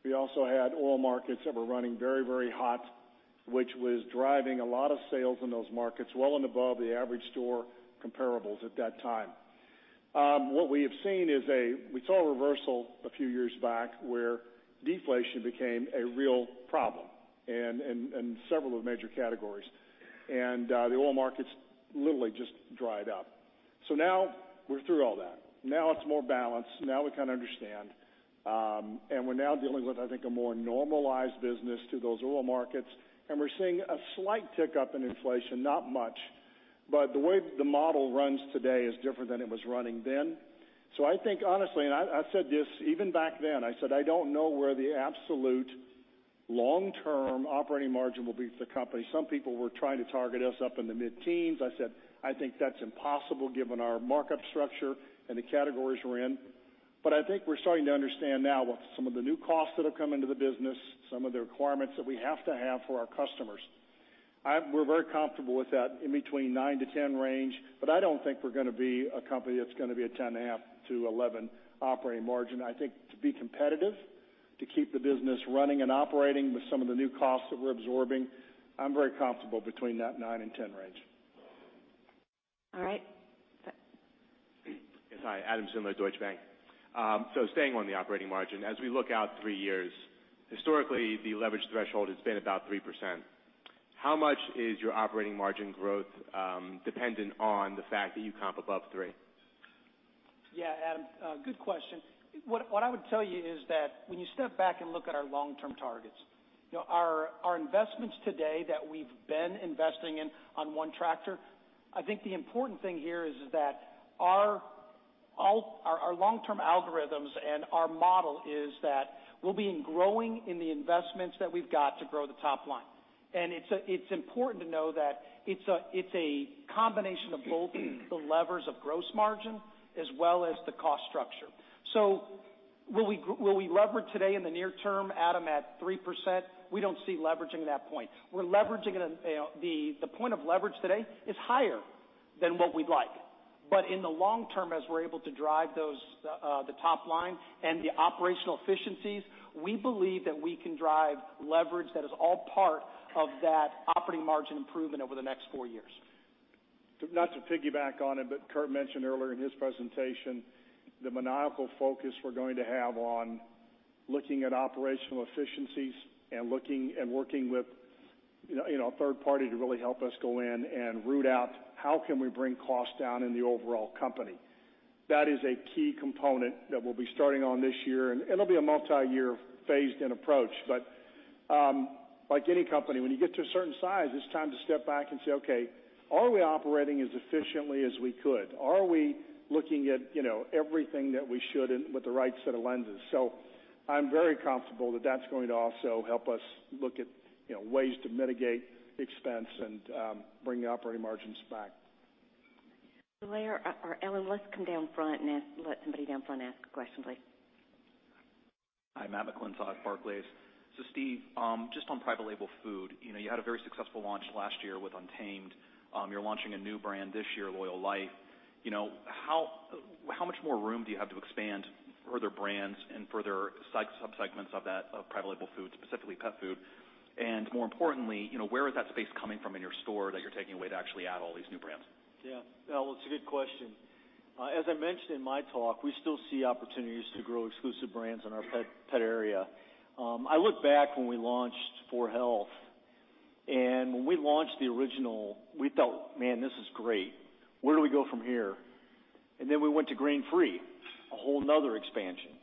We also had oil markets that were running very, very hot, which was driving a lot of sales in those markets well and above the average store comparables at that time. What we have seen is we saw a reversal a few years back where deflation became a real problem in several of the major categories. The oil markets literally just dried up. Now we're through all that. Now it's more balanced. Now we kind of understand. We're now dealing with, I think, a more normalized business to those oil markets. We're seeing a slight tick up in inflation, not much, but the way the model runs today is different than it was running then. I think honestly, and I said this even back then, I said I don't know where the absolute long-term operating margin will be for the company. Some people were trying to target us up in the mid-teens. I said, I think that's impossible given our markup structure and the categories we're in. I think we're starting to understand now with some of the new costs that have come into the business, some of the requirements that we have to have for our customers. We're very comfortable with that in between 9-10 range, but I don't think we're going to be a company that's going to be a 10.5%-11% operating margin. To be competitive, to keep the business running and operating with some of the new costs that we're absorbing, I'm very comfortable between that 9 and 10 range. All right. Yes. Hi, Adam Zimmer, Deutsche Bank. Staying on the operating margin, as we look out three years, historically, the leverage threshold has been about 3%. How much is your operating margin growth dependent on the fact that you comp above 3%? Yeah, Adam, good question. What I would tell you is that when you step back and look at our long-term targets, our investments today that we've been investing in on ONETractor, I think the important thing here is that our long-term algorithms and our model is that we'll be growing in the investments that we've got to grow the top line. It's important to know that it's a combination of both the levers of gross margin as well as the cost structure. Will we lever today in the near term, Adam, at 3%? We don't see leveraging at that point. The point of leverage today is higher than what we'd like. In the long term, as we're able to drive the top line and the operational efficiencies, we believe that we can drive leverage that is all part of that operating margin improvement over the next four years. Not to piggyback on it, Kurt mentioned earlier in his presentation the maniacal focus we're going to have on looking at operational efficiencies and working with a third party to really help us go in and root out how can we bring costs down in the overall company. That is a key component that we'll be starting on this year, and it'll be a multi-year phased in approach. Like any company, when you get to a certain size, it's time to step back and say, "Okay, are we operating as efficiently as we could? Are we looking at everything that we should and with the right set of lenses?" I'm very comfortable that that's going to also help us look at ways to mitigate expense and bring the operating margins back. Valair or Ellen, let's come down front and let somebody down front ask a question, please. Hi, Matt McClintock, Barclays. Steve, just on private label food, you had a very successful launch last year with Untamed. You're launching a new brand this year, Loyall Life. How much more room do you have to expand further brands and further sub-segments of that of private label food, specifically pet food? More importantly, where is that space coming from in your store that you're taking away to actually add all these new brands? Matt, well, it's a good question. As I mentioned in my talk, we still see opportunities to grow exclusive brands in our pet area. I look back when we launched 4health, when we launched the original, we thought, "Man, this is great. Where do we go from here?" Then we went to grain-free, a whole another expansion.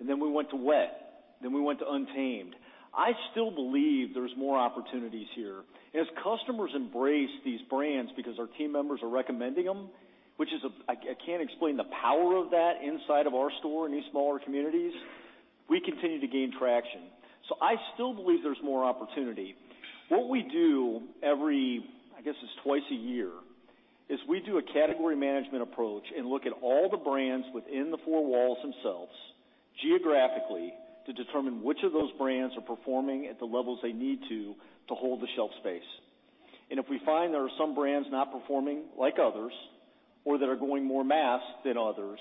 Then we went to wet, then we went to Untamed. I still believe there's more opportunities here. As customers embrace these brands because our team members are recommending them, which I can't explain the power of that inside of our store in these smaller communities. We continue to gain traction. I still believe there's more opportunity. What we do every, I guess, it's twice a year, is we do a category management approach and look at all the brands within the four walls themselves, geographically, to determine which of those brands are performing at the levels they need to hold the shelf space. If we find there are some brands not performing like others, or that are going more mass than others,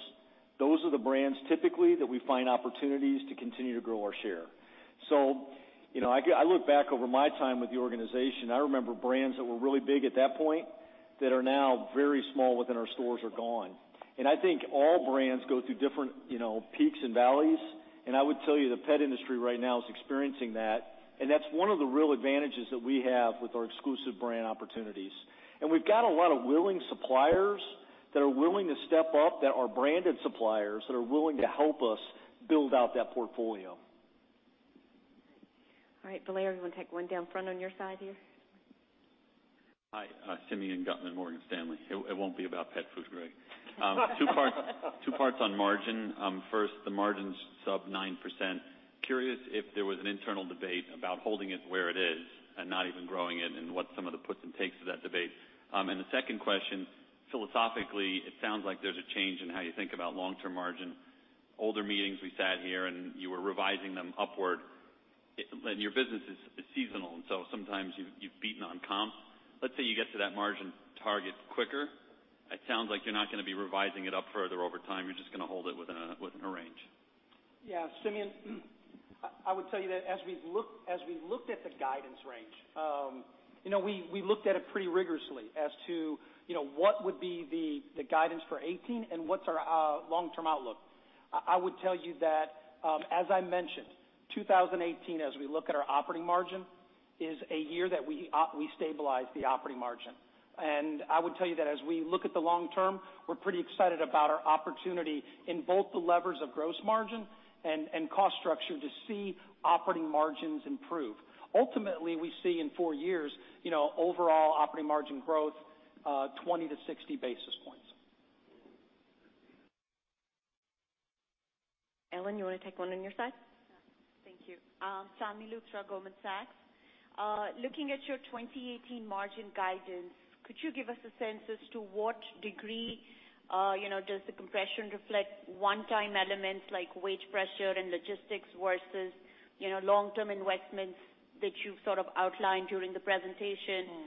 those are the brands typically that we find opportunities to continue to grow our share. I look back over my time with the organization, I remember brands that were really big at that point that are now very small within our stores or gone. I think all brands go through different peaks and valleys, and I would tell you the pet industry right now is experiencing that. That's one of the real advantages that we have with our exclusive brand opportunities. We've got a lot of willing suppliers that are willing to step up, that are branded suppliers, that are willing to help us build out that portfolio. All right. Valair, you want to take one down front on your side here? Hi, Simeon Gutman, Morgan Stanley. It won't be about pet food, Greg. Two parts on margin. First, the margin's sub 9%. Curious if there was an internal debate about holding it where it is and not even growing it, what some of the puts and takes of that debate. The second question, philosophically, it sounds like there's a change in how you think about long-term margin. Older meetings, we sat here, you were revising them upward. Your business is seasonal, sometimes you've beaten on comp. Let's say you get to that margin target quicker, it sounds like you're not going to be revising it up further over time. You're just going to hold it within a range. Yeah. Simeon, I would tell you that as we looked at the guidance range, we looked at it pretty rigorously as to what would be the guidance for 2018, what's our long-term outlook. I would tell you that, as I mentioned, 2018, as we look at our operating margin, is a year that we stabilize the operating margin. I would tell you that as we look at the long term, we're pretty excited about our opportunity in both the levers of gross margin and cost structure to see operating margins improve. Ultimately, we see in 4 years, overall operating margin growth 20 to 60 basis points. Ellen, you want to take one on your side? Thank you. (Sami Luksa), Goldman Sachs. Looking at your 2018 margin guidance, could you give us a sense as to what degree does the compression reflect one-time elements like wage pressure and logistics versus You know, long-term investments that you've sort of outlined during the presentation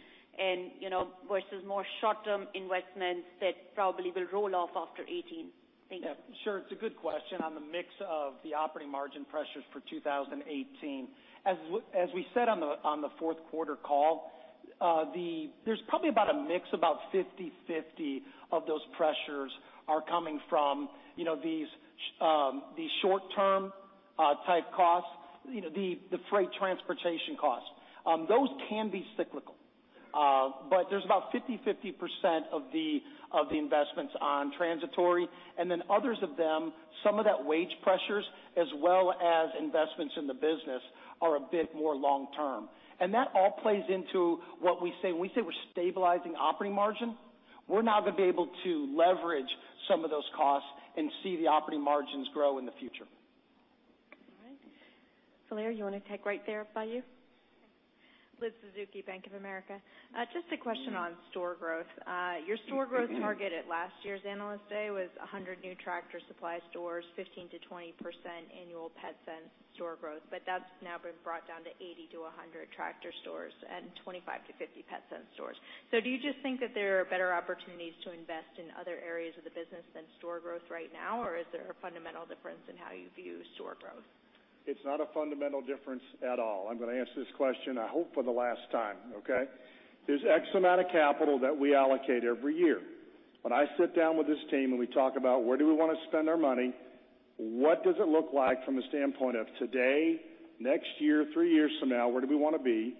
versus more short-term investments that probably will roll off after 2018. Thank you. Yeah. Sure. It's a good question on the mix of the operating margin pressures for 2018. As we said on the fourth quarter call, there's probably about a mix about 50/50 of those pressures are coming from these short-term type costs, the freight transportation costs. Those can be cyclical. There's about 50/50% of the investments on transitory, and then others of them, some of that wage pressures as well as investments in the business are a bit more long term. That all plays into what we say. When we say we're stabilizing operating margin, we're now going to be able to leverage some of those costs and see the operating margins grow in the future. All right. Valair, you want to take right there by you? Liz Suzuki, Bank of America. Just a question on store growth. Your store growth target at last year's Analyst Day was 100 new Tractor Supply stores, 15%-20% annual Petsense store growth. That's now been brought down to 80-100 Tractor stores and 25-50 Petsense stores. Do you just think that there are better opportunities to invest in other areas of the business than store growth right now, or is there a fundamental difference in how you view store growth? It's not a fundamental difference at all. I'm going to answer this question, I hope for the last time, okay? There's X amount of capital that we allocate every year. When I sit down with this team and we talk about where do we want to spend our money, what does it look like from a standpoint of today, next year, three years from now, where do we want to be?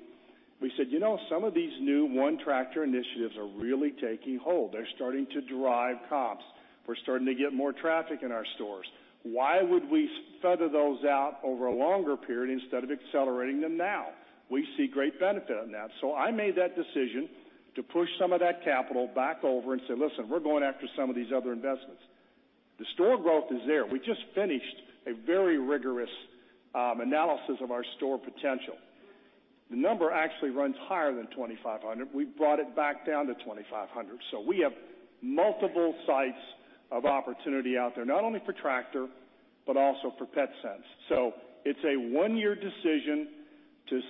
We said, "You know, some of these new ONETractor initiatives are really taking hold. They're starting to drive comps. We're starting to get more traffic in our stores. Why would we feather those out over a longer period instead of accelerating them now?" We see great benefit on that. I made that decision to push some of that capital back over and say, "Listen, we're going after some of these other investments." The store growth is there. We just finished a very rigorous analysis of our store potential. The number actually runs higher than 2,500. We brought it back down to 2,500. We have multiple sites of opportunity out there, not only for Tractor, but also for Petsense. It's a one-year decision to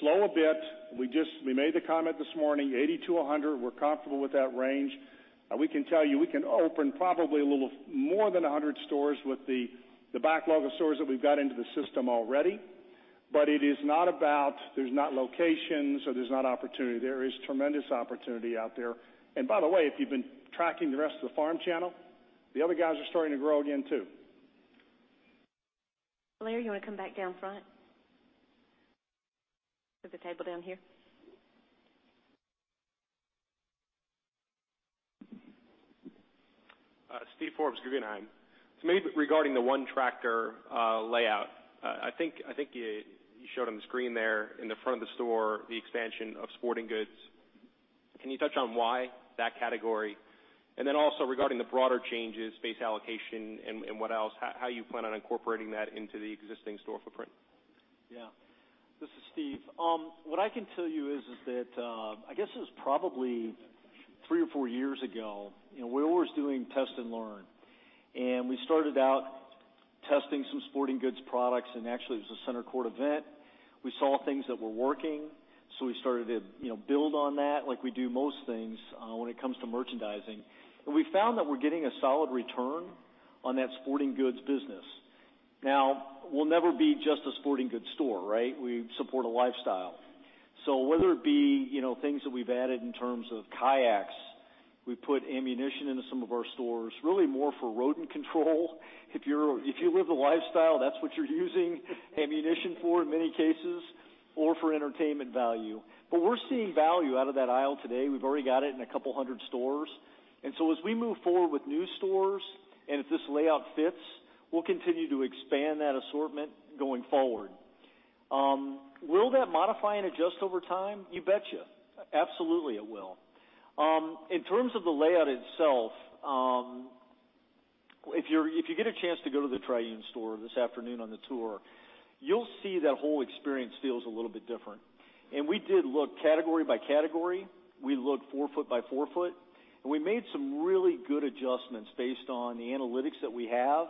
slow a bit. We made the comment this morning, 80 to 100. We're comfortable with that range. We can tell you, we can open probably a little more than 100 stores with the backlog of stores that we've got into the system already. It is not about, there's not locations or there's not opportunity. There is tremendous opportunity out there. By the way, if you've been tracking the rest of the farm channel, the other guys are starting to grow again too. Valair, you want to come back down front? There's a table down here. Steve Forbes, Guggenheim. Maybe regarding the ONETractor layout, I think you showed on the screen there in the front of the store the expansion of sporting goods. Can you touch on why that category? Then also regarding the broader changes, space allocation and what else, how you plan on incorporating that into the existing store footprint? Yeah. This is Steve. What I can tell you is that, I guess it was probably three or four years ago, we were always doing test and learn. We started out testing some sporting goods products, actually it was a Center Court event. We saw things that were working, we started to build on that like we do most things when it comes to merchandising. We found that we're getting a solid return on that sporting goods business. Now, we'll never be just a sporting goods store, right? We support a lifestyle. Whether it be things that we've added in terms of kayaks, we put ammunition into some of our stores, really more for rodent control. If you live the lifestyle, that's what you're using ammunition for in many cases, or for entertainment value. We're seeing value out of that aisle today. We've already got it in a couple hundred stores. As we move forward with new stores, if this layout fits, we'll continue to expand that assortment going forward. Will that modify and adjust over time? You betcha. Absolutely it will. In terms of the layout itself, if you get a chance to go to the Tryon store this afternoon on the tour, you'll see that whole experience feels a little bit different. We did look category by category. We looked 4 foot by 4 foot, and we made some really good adjustments based on the analytics that we have.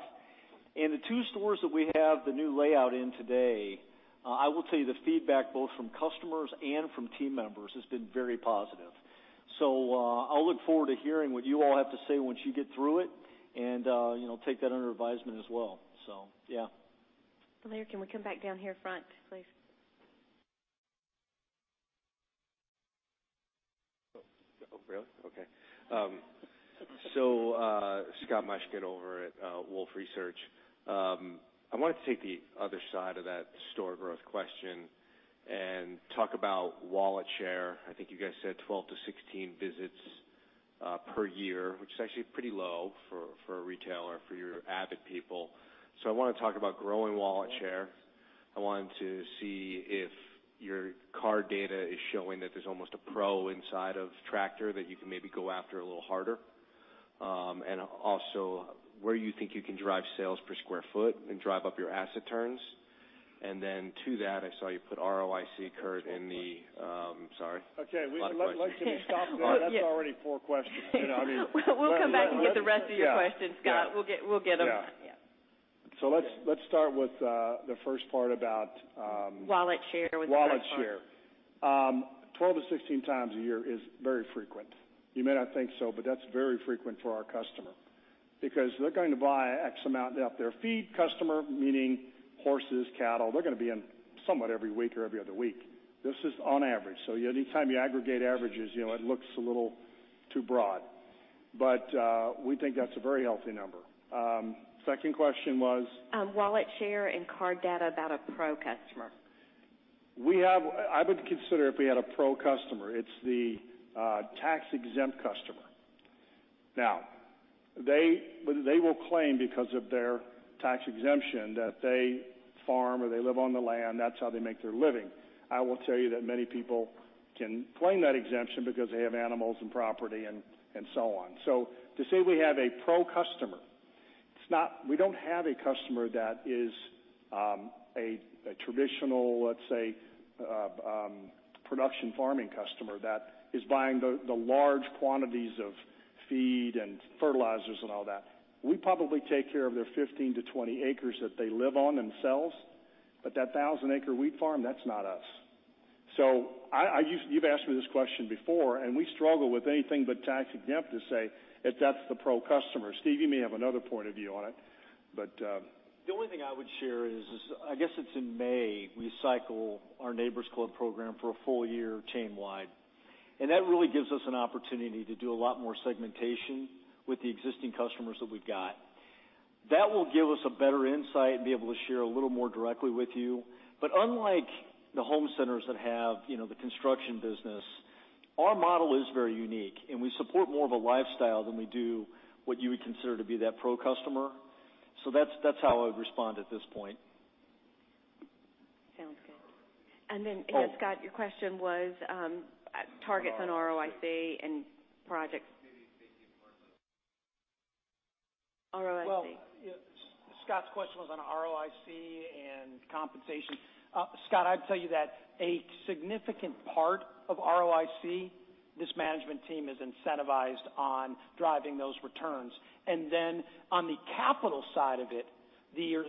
The two stores that we have the new layout in today, I will tell you the feedback both from customers and from team members has been very positive. I'll look forward to hearing what you all have to say once you get through it and take that under advisement as well. Yeah. Valair, can we come back down here front, please? Really? Okay. Scott Mushkin over at Wolfe Research. I wanted to take the other side of that store growth question and talk about wallet share. I think you guys said 12 to 16 visits per year, which is actually pretty low for a retailer for your avid people. I want to talk about growing wallet share. I wanted to see if your card data is showing that there's almost a pro inside of Tractor that you can maybe go after a little harder. Also where you think you can drive sales per square foot and drive up your asset turns. Then to that, I saw you put ROIC, Kurt, in the Sorry. Okay. A lot of questions. Let's just stop there. Yeah. That's already four questions. I mean. We'll come back and get the rest of your questions, Scott. Yeah. We'll get them. Yeah. Let's start with the first part about. Wallet share was the first part. Wallet share. 12 times a year-16 times a year is very frequent. You may not think so, but that's very frequent for our customer because they're going to buy X amount. Now if they're a feed customer, meaning horses, cattle, they're going to be in somewhat every week or every other week. This is on average. Anytime you aggregate averages, it looks a little too broad. We think that's a very healthy number. Second question was? Wallet share and card data about a pro customer. I would consider if we had a pro customer. It's the tax-exempt customer. They will claim because of their tax exemption that they farm or they live on the land, that's how they make their living. I will tell you that many people can claim that exemption because they have animals and property and so on. To say we have a pro customer, we don't have a customer that is a traditional, let's say, production farming customer that is buying the large quantities of feed and fertilizers and all that. We probably take care of their 15-20 acres that they live on themselves. That 1,000-acre wheat farm, that's not us. You've asked me this question before, we struggle with anything but tax-exempt to say if that's the pro customer. Steve, you may have another point of view on it, but The only thing I would share is, I guess it's in May we cycle our Neighbor's Club program for a full year chain-wide. That really gives us an opportunity to do a lot more segmentation with the existing customers that we've got. That will give us a better insight and be able to share a little more directly with you. Unlike the home centers that have the construction business, our model is very unique, and we support more of a lifestyle than we do what you would consider to be that pro customer. That's how I would respond at this point. Sounds good. Scott, your question was targets on ROIC and projects. Maybe repeat the part about ROIC. Scott's question was on ROIC and compensation. Scott, I'd tell you that a significant part of ROIC, this management team is incentivized on driving those returns. On the capital side of it,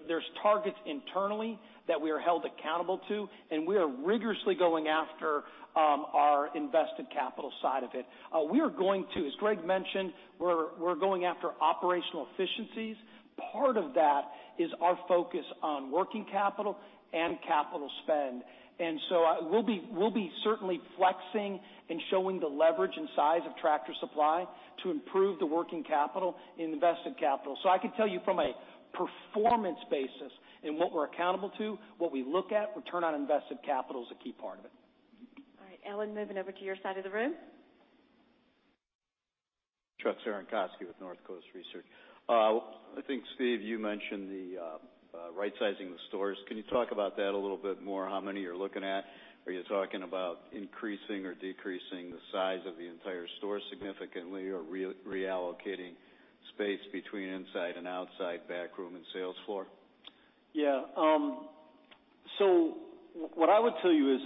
there's targets internally that we are held accountable to, and we are rigorously going after our invested capital side of it. As Greg mentioned, we're going after operational efficiencies. Part of that is our focus on working capital and capital spend. We'll be certainly flexing and showing the leverage and size of Tractor Supply to improve the working capital and invested capital. I could tell you from a performance basis in what we're accountable to, what we look at, return on invested capital is a key part of it. All right, Ellen, moving over to your side of the room. Chuck Cerankosky with Northcoast Research. I think Steve, you mentioned the right sizing the stores. Can you talk about that a little bit more, how many you're looking at? Are you talking about increasing or decreasing the size of the entire store significantly or reallocating space between inside and outside backroom and sales floor? What I would tell you is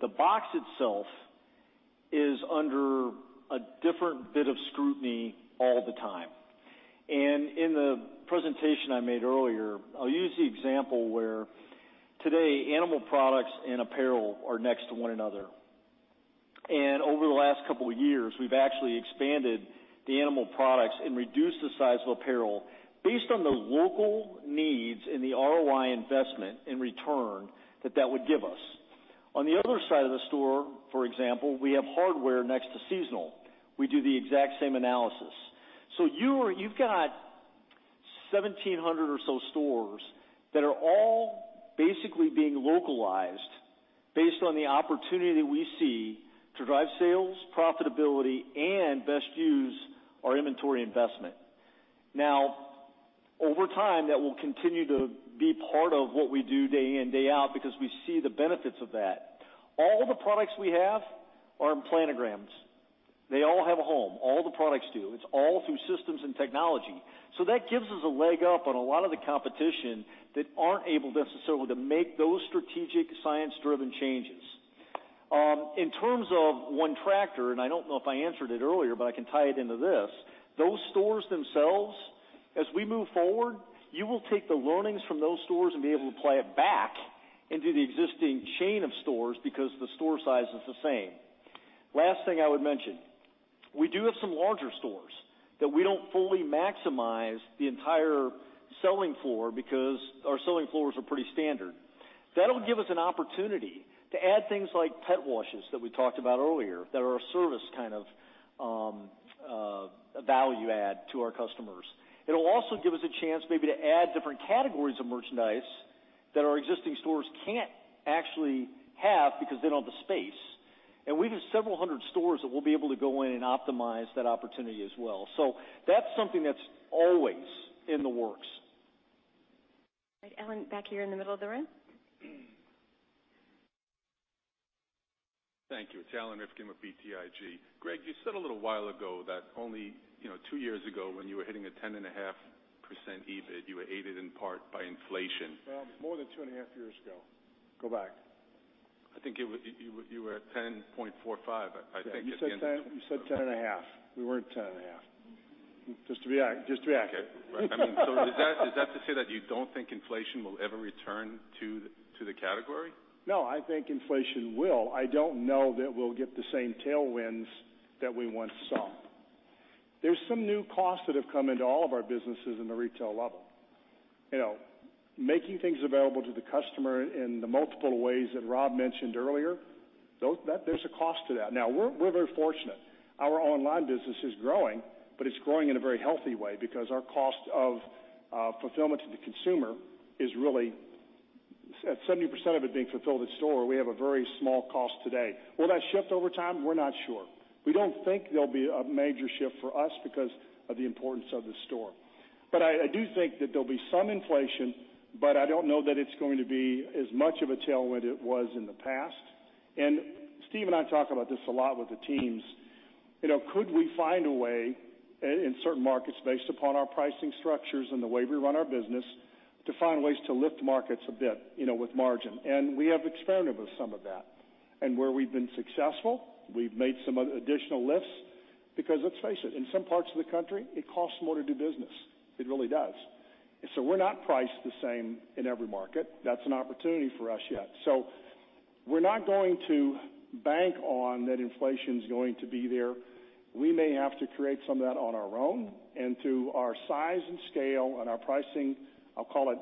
the box itself is under a different bit of scrutiny all the time. In the presentation I made earlier, I'll use the example where today animal products and apparel are next to one another. Over the last couple of years, we've actually expanded the animal products and reduced the size of apparel based on the local needs in the ROI investment in return that that would give us. On the other side of the store, for example, we have hardware next to seasonal. We do the exact same analysis. You've got 1,700 or so stores that are all basically being localized based on the opportunity we see to drive sales, profitability, and best use our inventory investment. Now, over time, that will continue to be part of what we do day in, day out because we see the benefits of that. All the products we have are in planograms. They all have a home. All the products do. It's all through systems and technology. That gives us a leg up on a lot of the competition that aren't able necessarily to make those strategic science-driven changes. In terms of ONETractor, and I don't know if I answered it earlier, but I can tie it into this. Those stores themselves, as we move forward, you will take the learnings from those stores and be able to apply it back into the existing chain of stores because the store size is the same. Last thing I would mention, we do have some larger stores that we don't fully maximize the entire selling floor because our selling floors are pretty standard. That'll give us an opportunity to add things like pet washes that we talked about earlier that are a service kind of value add to our customers. It'll also give us a chance maybe to add different categories of merchandise that our existing stores can't actually have because they don't have the space. We have several hundred stores that we'll be able to go in and optimize that opportunity as well. That's something that's always in the works. All right, Alan, back here in the middle of the room. Thank you. It's Alan Rifkin with BTIG. Greg, you said a little while ago that only two years ago when you were hitting a 10.5% EBIT, you were aided in part by inflation. Well, more than two and a half years ago. Go back. I think you were at 10.45, I think at the end of- Yeah, you said 10.5. We weren't 10.5. Just to be accurate. Okay. Right. Is that to say that you don't think inflation will ever return to the category? I think inflation will. I don't know that we'll get the same tailwinds that we once saw. There's some new costs that have come into all of our businesses in the retail level. Making things available to the customer in the multiple ways that Rob mentioned earlier, there's a cost to that. We're very fortunate. Our online business is growing, but it's growing in a very healthy way because our cost of fulfillment to the consumer is really at 70% of it being fulfilled at store. We have a very small cost today. Will that shift over time? We're not sure. We don't think there'll be a major shift for us because of the importance of the store. I do think that there'll be some inflation, but I don't know that it's going to be as much of a tailwind it was in the past. Steve and I talk about this a lot with the teams. Could we find a way in certain markets based upon our pricing structures and the way we run our business to find ways to lift markets a bit with margin? We have experimented with some of that. Where we've been successful, we've made some additional lifts because let's face it, in some parts of the country, it costs more to do business. It really does. We're not priced the same in every market. That's an opportunity for us yet. We're not going to bank on that inflation's going to be there. We may have to create some of that on our own and through our size and scale and our pricing, I'll call it,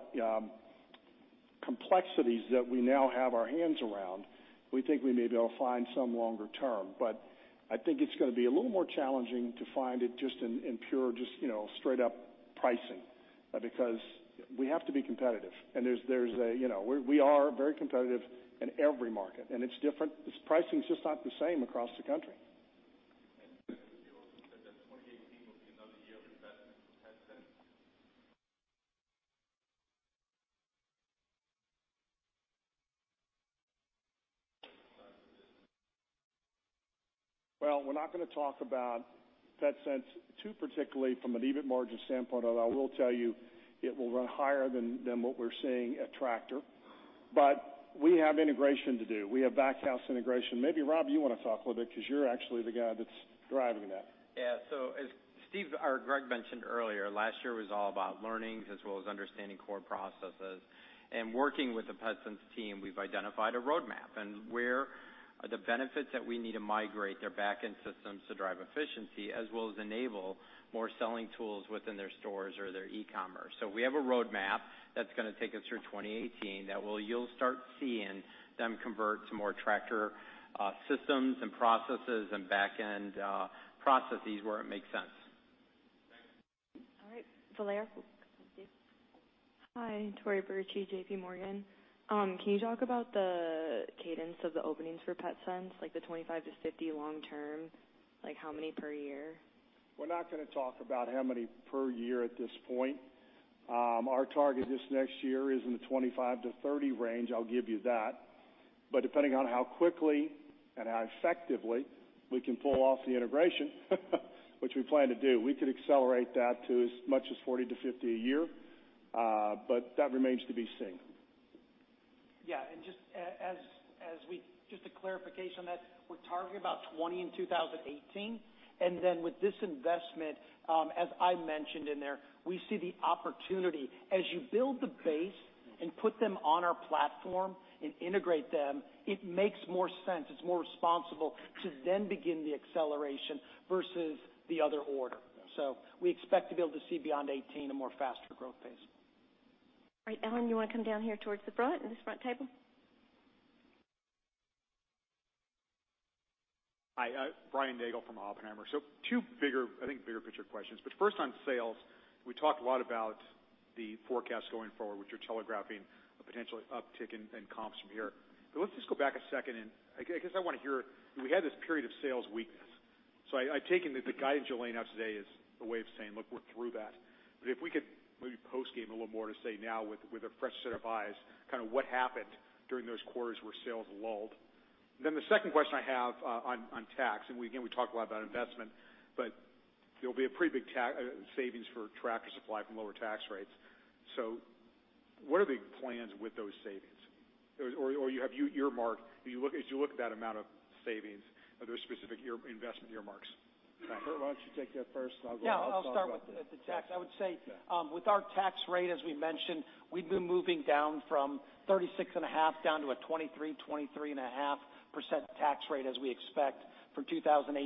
complexities that we now have our hands around. We think we may be able to find some longer term, but I think it's going to be a little more challenging to find it just in pure straight-up pricing, because we have to be competitive. We are very competitive in every market, and it's different. Pricing is just not the same across the country. You said that 2018 will be another year of investment for Petsense. Well, we're not going to talk about Petsense too particularly from an EBIT margin standpoint, although I will tell you it will run higher than what we're seeing at Tractor. We have integration to do. We have back house integration. Maybe Rob, you want to talk a little bit because you're actually the guy that's driving that. Yeah. As Steve or Greg mentioned earlier, last year was all about learning as well as understanding core processes. Working with the Petsense team, we've identified a roadmap and where the benefits that we need to migrate their backend systems to drive efficiency as well as enable more selling tools within their stores or their e-commerce. We have a roadmap that's going to take us through 2018 that you'll start seeing them convert to more Tractor systems and processes and backend processes where it makes sense. Thanks. All right. Valair. Hi. Tori Bertucci, JP Morgan. Can you talk about the cadence of the openings for Petsense, like the 25 to 50 long term, like how many per year? We're not going to talk about how many per year at this point. Our target this next year is in the 25 to 30 range. I'll give you that. Depending on how quickly and how effectively we can pull off the integration which we plan to do, we could accelerate that to as much as 40 to 50 a year. That remains to be seen. Yeah. Just a clarification on that. We're targeting about 20 in 2018. With this investment, as I mentioned in there, we see the opportunity as you build the base and put them on our platform and integrate them, it makes more sense. It's more responsible to then begin the acceleration versus the other order. We expect to be able to see beyond 2018, a more faster growth pace. All right. Alan, you want to come down here towards the front, in this front table? Hi. Brian Nagel from Oppenheimer. Two bigger, I think bigger picture questions. First on sales, we talked a lot about the forecast going forward, which you're telegraphing a potential uptick in comps from here. Let's just go back a second and I guess I want to hear, we had this period of sales weakness, I take it that the guidance you're laying out today is a way of saying, "Look, we're through that." If we could maybe post game a little more to say now with a fresh set of eyes, what happened during those quarters where sales lulled? The second question I have on tax, and again, we talked a lot about investment, there'll be a pretty big savings for Tractor Supply from lower tax rates. What are the plans with those savings? As you look at that amount of savings, are there specific investment earmarks? Kurt, why don't you take that first and I'll talk about the tax side. I'll start with the tax. I would say, with our tax rate, as we mentioned, we've been moving down from 36.5% down to a 23%-23.5% tax rate as we expect for 2018.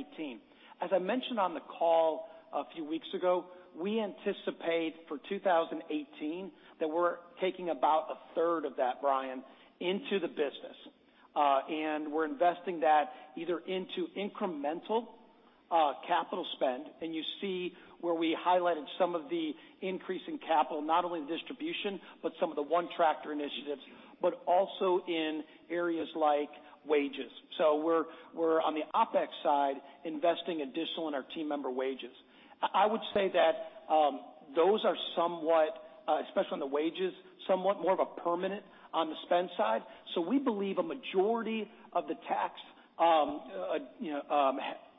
As I mentioned on the call a few weeks ago, we anticipate for 2018 that we're taking about a third of that, Brian, into the business. We're investing that either into incremental capital spend, and you see where we highlighted some of the increase in capital, not only in distribution, but some of the ONETractor initiatives, but also in areas like wages. We're on the OPEX side investing additional in our team member wages. I would say that those are somewhat, especially on the wages, more of a permanent on the spend side. We believe a majority of the tax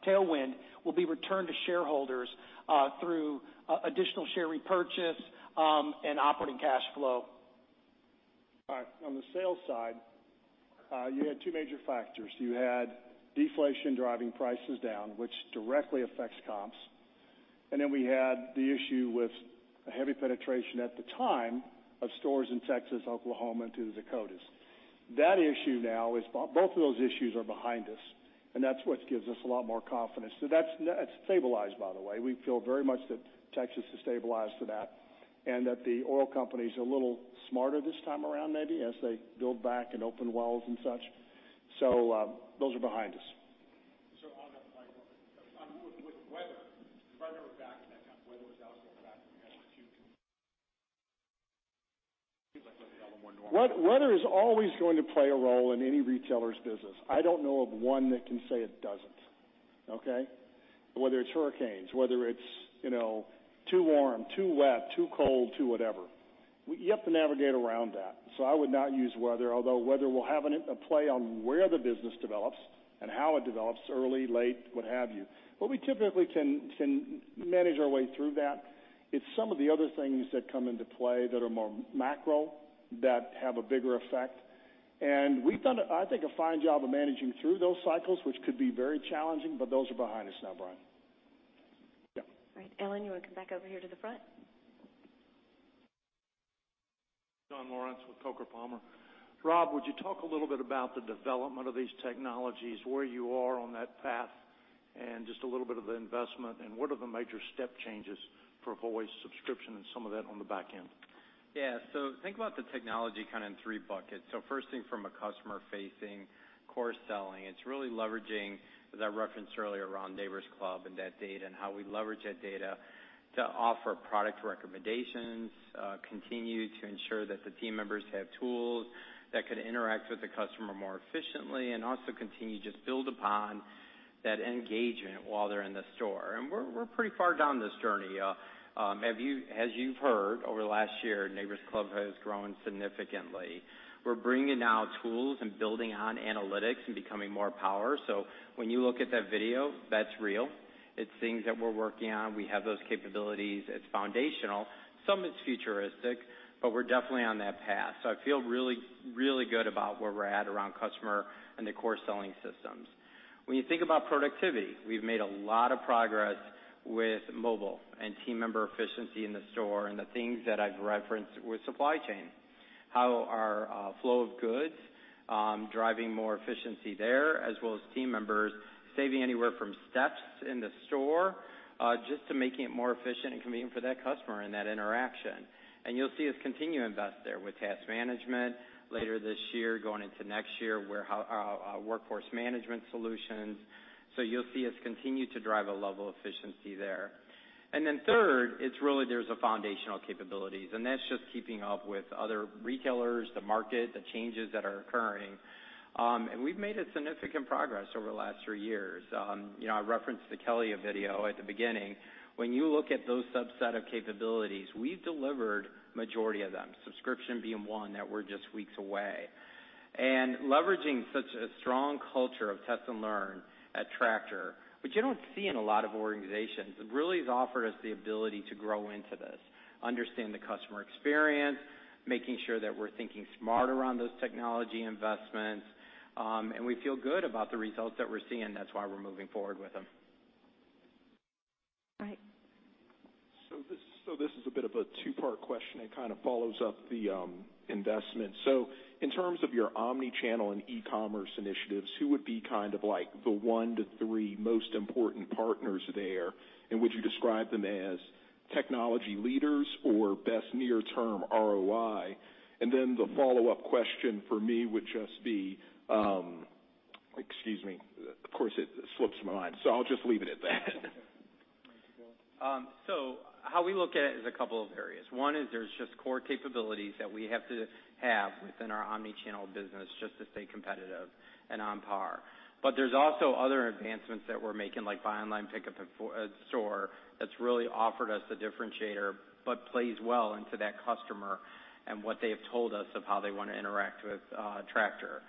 tailwind will be returned to shareholders through additional share repurchase and operating cash flow. All right. On the sales side, you had two major factors. You had deflation driving prices down, which directly affects comps. We had the issue with a heavy penetration at the time of stores in Texas, Oklahoma into the Dakotas. Both of those issues are behind us, and that's what gives us a lot more confidence. That's stabilized, by the way. We feel very much that Texas has stabilized to that, and that the oil companies are a little smarter this time around, maybe, as they build back and open wells and such. Those are behind us. On that point, with weather, if I remember back at that time, weather was also a factor. We had two seems like a little more normal. Weather is always going to play a role in any retailer's business. I don't know of one that can say it doesn't. Okay. Whether it's hurricanes, whether it's too warm, too wet, too cold, too whatever. You have to navigate around that. I would not use weather, although weather will have a play on where the business develops and how it develops early, late, what have you. We typically can manage our way through that. It's some of the other things that come into play that are more macro, that have a bigger effect. We've done, I think, a fine job of managing through those cycles, which could be very challenging, but those are behind us now, Brian. Yeah. All right, Alan, you want to come back over here to the front? John Lawrence with Coker & Palmer. Rob, would you talk a little bit about the development of these technologies, where you are on that path, and just a little bit of the investment, and what are the major step changes for voice subscription and some of that on the back end? Yeah. Think about the technology in three buckets. First thing from a customer facing core selling, it's really leveraging, as I referenced earlier, around Neighbor's Club and that data and how we leverage that data to offer product recommendations, continue to ensure that the team members have tools that could interact with the customer more efficiently and also continue to just build upon that engagement while they're in the store. We're pretty far down this journey. As you've heard over the last year, Neighbor's Club has grown significantly. We're bringing now tools and building on analytics and becoming more power. When you look at that video, that's real. It's things that we're working on. We have those capabilities. It's foundational. Some is futuristic, but we're definitely on that path. I feel really good about where we're at around customer and the core selling systems. When you think about productivity, we've made a lot of progress with mobile and team member efficiency in the store and the things that I've referenced with supply chain. How our flow of goods, driving more efficiency there, as well as team members saving anywhere from steps in the store, just to making it more efficient and convenient for that customer and that interaction. You'll see us continue to invest there with task management later this year, going into next year, our workforce management solutions. You'll see us continue to drive a level of efficiency there. Then third, it's really there's foundational capabilities, and that's just keeping up with other retailers, the market, the changes that are occurring. We've made a significant progress over the last three years. I referenced the Kelly video at the beginning. When you look at those subset of capabilities, we've delivered majority of them, subscription being one that we're just weeks away. Leveraging such a strong culture of test and learn at Tractor, which you don't see in a lot of organizations, really has offered us the ability to grow into this. Understand the customer experience, making sure that we're thinking smarter on those technology investments. We feel good about the results that we're seeing. That's why we're moving forward with them. All right. This is a bit of a two-part question. It kind of follows up the investment. In terms of your omnichannel and e-commerce initiatives, who would be the one to three most important partners there? Would you describe them as technology leaders or best near-term ROI? The follow-up question for me would just be, excuse me. Of course, it slips my mind. I'll just leave it at that. How we look at it is a couple of areas. One is there's just core capabilities that we have to have within our omnichannel business just to stay competitive and on par. There's also other advancements that we're making, like buy online, pickup in store, that's really offered us a differentiator, but plays well into that customer and what they have told us of how they want to interact with Tractor.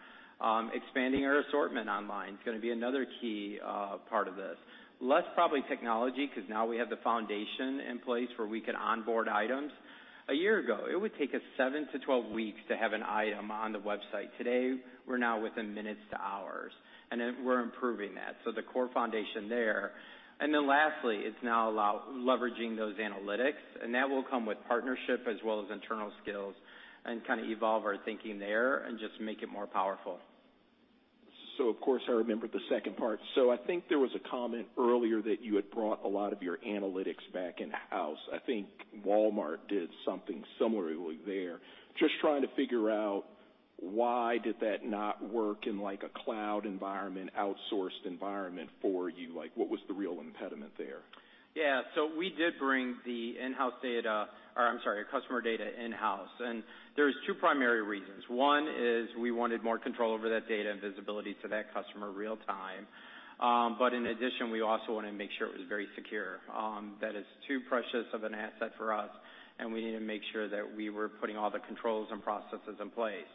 Expanding our assortment online is going to be another key part of this. Less probably technology, because now we have the foundation in place where we could onboard items. A year ago, it would take us seven to 12 weeks to have an item on the website. Today, we're now within minutes to hours, and then we're improving that. The core foundation there. Lastly, it's now leveraging those analytics, and that will come with partnership as well as internal skills and evolve our thinking there and just make it more powerful. Of course, I remembered the second part. I think there was a comment earlier that you had brought a lot of your analytics back in-house. I think Walmart did something similarly there. Just trying to figure out why did that not work in a cloud environment, outsourced environment for you? What was the real impediment there? Yeah. We did bring the customer data in-house. There's two primary reasons. One is we wanted more control over that data and visibility to that customer real time. In addition, we also wanted to make sure it was very secure. That is too precious of an asset for us, and we needed to make sure that we were putting all the controls and processes in place.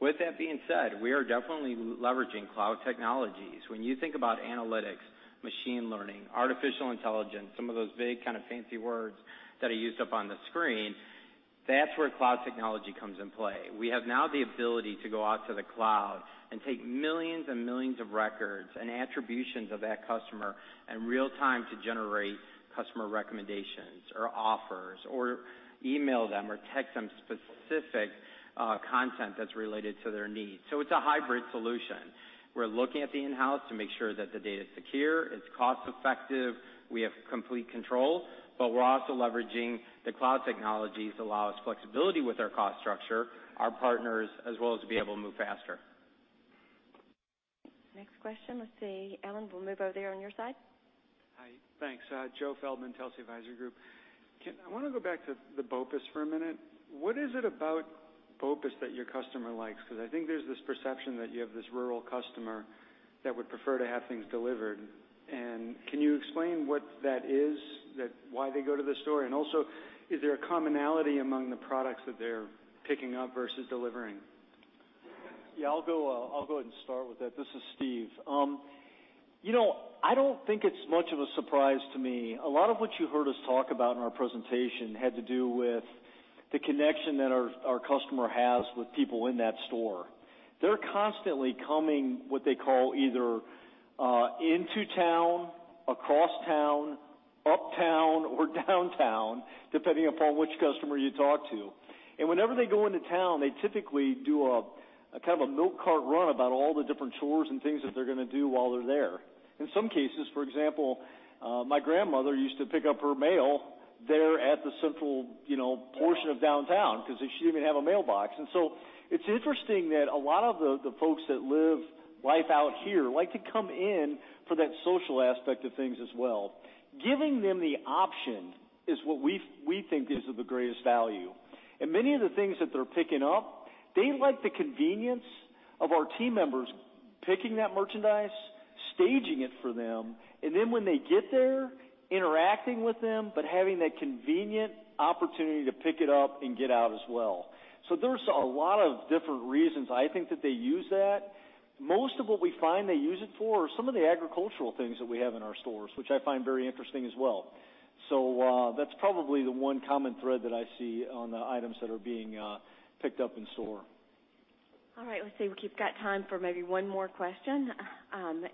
With that being said, we are definitely leveraging cloud technologies. When you think about analytics, machine learning, artificial intelligence, some of those big kind of fancy words that are used up on the screen, that's where cloud technology comes in play. We have now the ability to go out to the cloud and take millions and millions of records and attributions of that customer in real time to generate customer recommendations or offers or email them or text them specific content that's related to their needs. It's a hybrid solution. We're looking at the in-house to make sure that the data's secure, it's cost effective, we have complete control, but we're also leveraging the cloud technologies allow us flexibility with our cost structure, our partners, as well as to be able to move faster. Next question. Let's see. Alan, we'll move over there on your side. Hi. Thanks. Joe Feldman, Telsey Advisory Group. I want to go back to the BOPIS for a minute. What is it about BOPIS that your customer likes? I think there's this perception that you have this rural customer that would prefer to have things delivered. Can you explain what that is, why they go to the store? Is there a commonality among the products that they're picking up versus delivering? Yeah, I'll go ahead and start with that. This is Steve. I don't think it's much of a surprise to me. A lot of what you heard us talk about in our presentation had to do with the connection that our customer has with people in that store. They're constantly coming, what they call either into town, across town, uptown, or downtown, depending upon which customer you talk to. Whenever they go into town, they typically do a kind of a milk cart run about all the different chores and things that they're gonna do while they're there. In some cases, for example, my grandmother used to pick up her mail there at the central portion of downtown because she didn't have a mailbox. It's interesting that a lot of the folks that live life out here like to come in for that social aspect of things as well. Giving them the option is what we think is of the greatest value. Many of the things that they're picking up, they like the convenience of our team members picking that merchandise, staging it for them, and then when they get there, interacting with them, but having that convenient opportunity to pick it up and get out as well. There's a lot of different reasons I think that they use that. Most of what we find they use it for are some of the agricultural things that we have in our stores, which I find very interesting as well. That's probably the one common thread that I see on the items that are being picked up in store. All right. Let's see. We've got time for maybe one more question.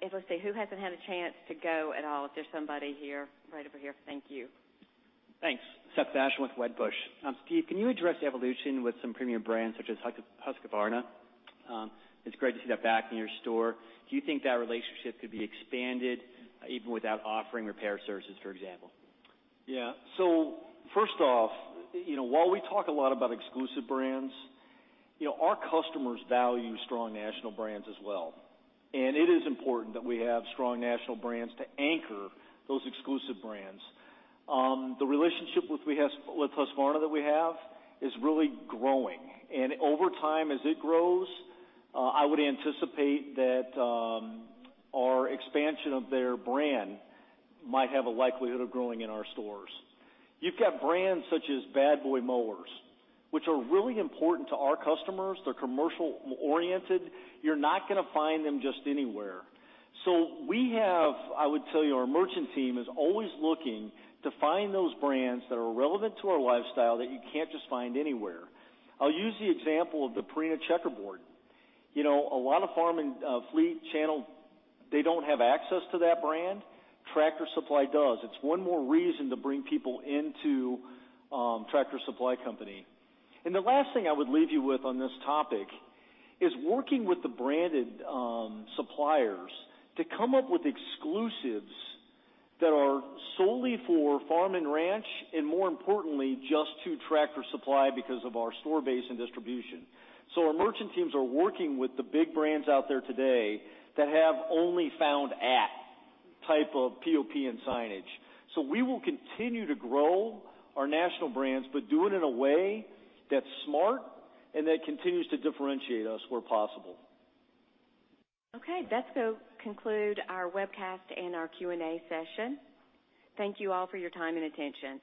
Let's see, who hasn't had a chance to go at all? Is there somebody here? Right over here. Thank you. Thanks. Seth Basham with Wedbush. Steve, can you address the evolution with some premium brands such as Husqvarna? It's great to see that back in your store. Do you think that relationship could be expanded even without offering repair services, for example? Yeah. First off, while we talk a lot about exclusive brands, our customers value strong national brands as well, and it is important that we have strong national brands to anchor those exclusive brands. The relationship with Husqvarna that we have is really growing, and over time as it grows, I would anticipate that our expansion of their brand might have a likelihood of growing in our stores. You've got brands such as Bad Boy Mowers, which are really important to our customers. They're commercial-oriented. You're not gonna find them just anywhere. We have, I would tell you, our merchant team is always looking to find those brands that are relevant to our lifestyle that you can't just find anywhere. I'll use the example of the Purina Checkerboard. A lot of farm and fleet channel, they don't have access to that brand. Tractor Supply does. It's one more reason to bring people into Tractor Supply Company. The last thing I would leave you with on this topic is working with the branded suppliers to come up with exclusives that are solely for farm and ranch, and more importantly, just to Tractor Supply because of our store base and distribution. Our merchant teams are working with the big brands out there today that have only found at type of POP and signage. We will continue to grow our national brands, but do it in a way that's smart and that continues to differentiate us where possible. Okay. That's going to conclude our webcast and our Q&A session. Thank you all for your time and attention.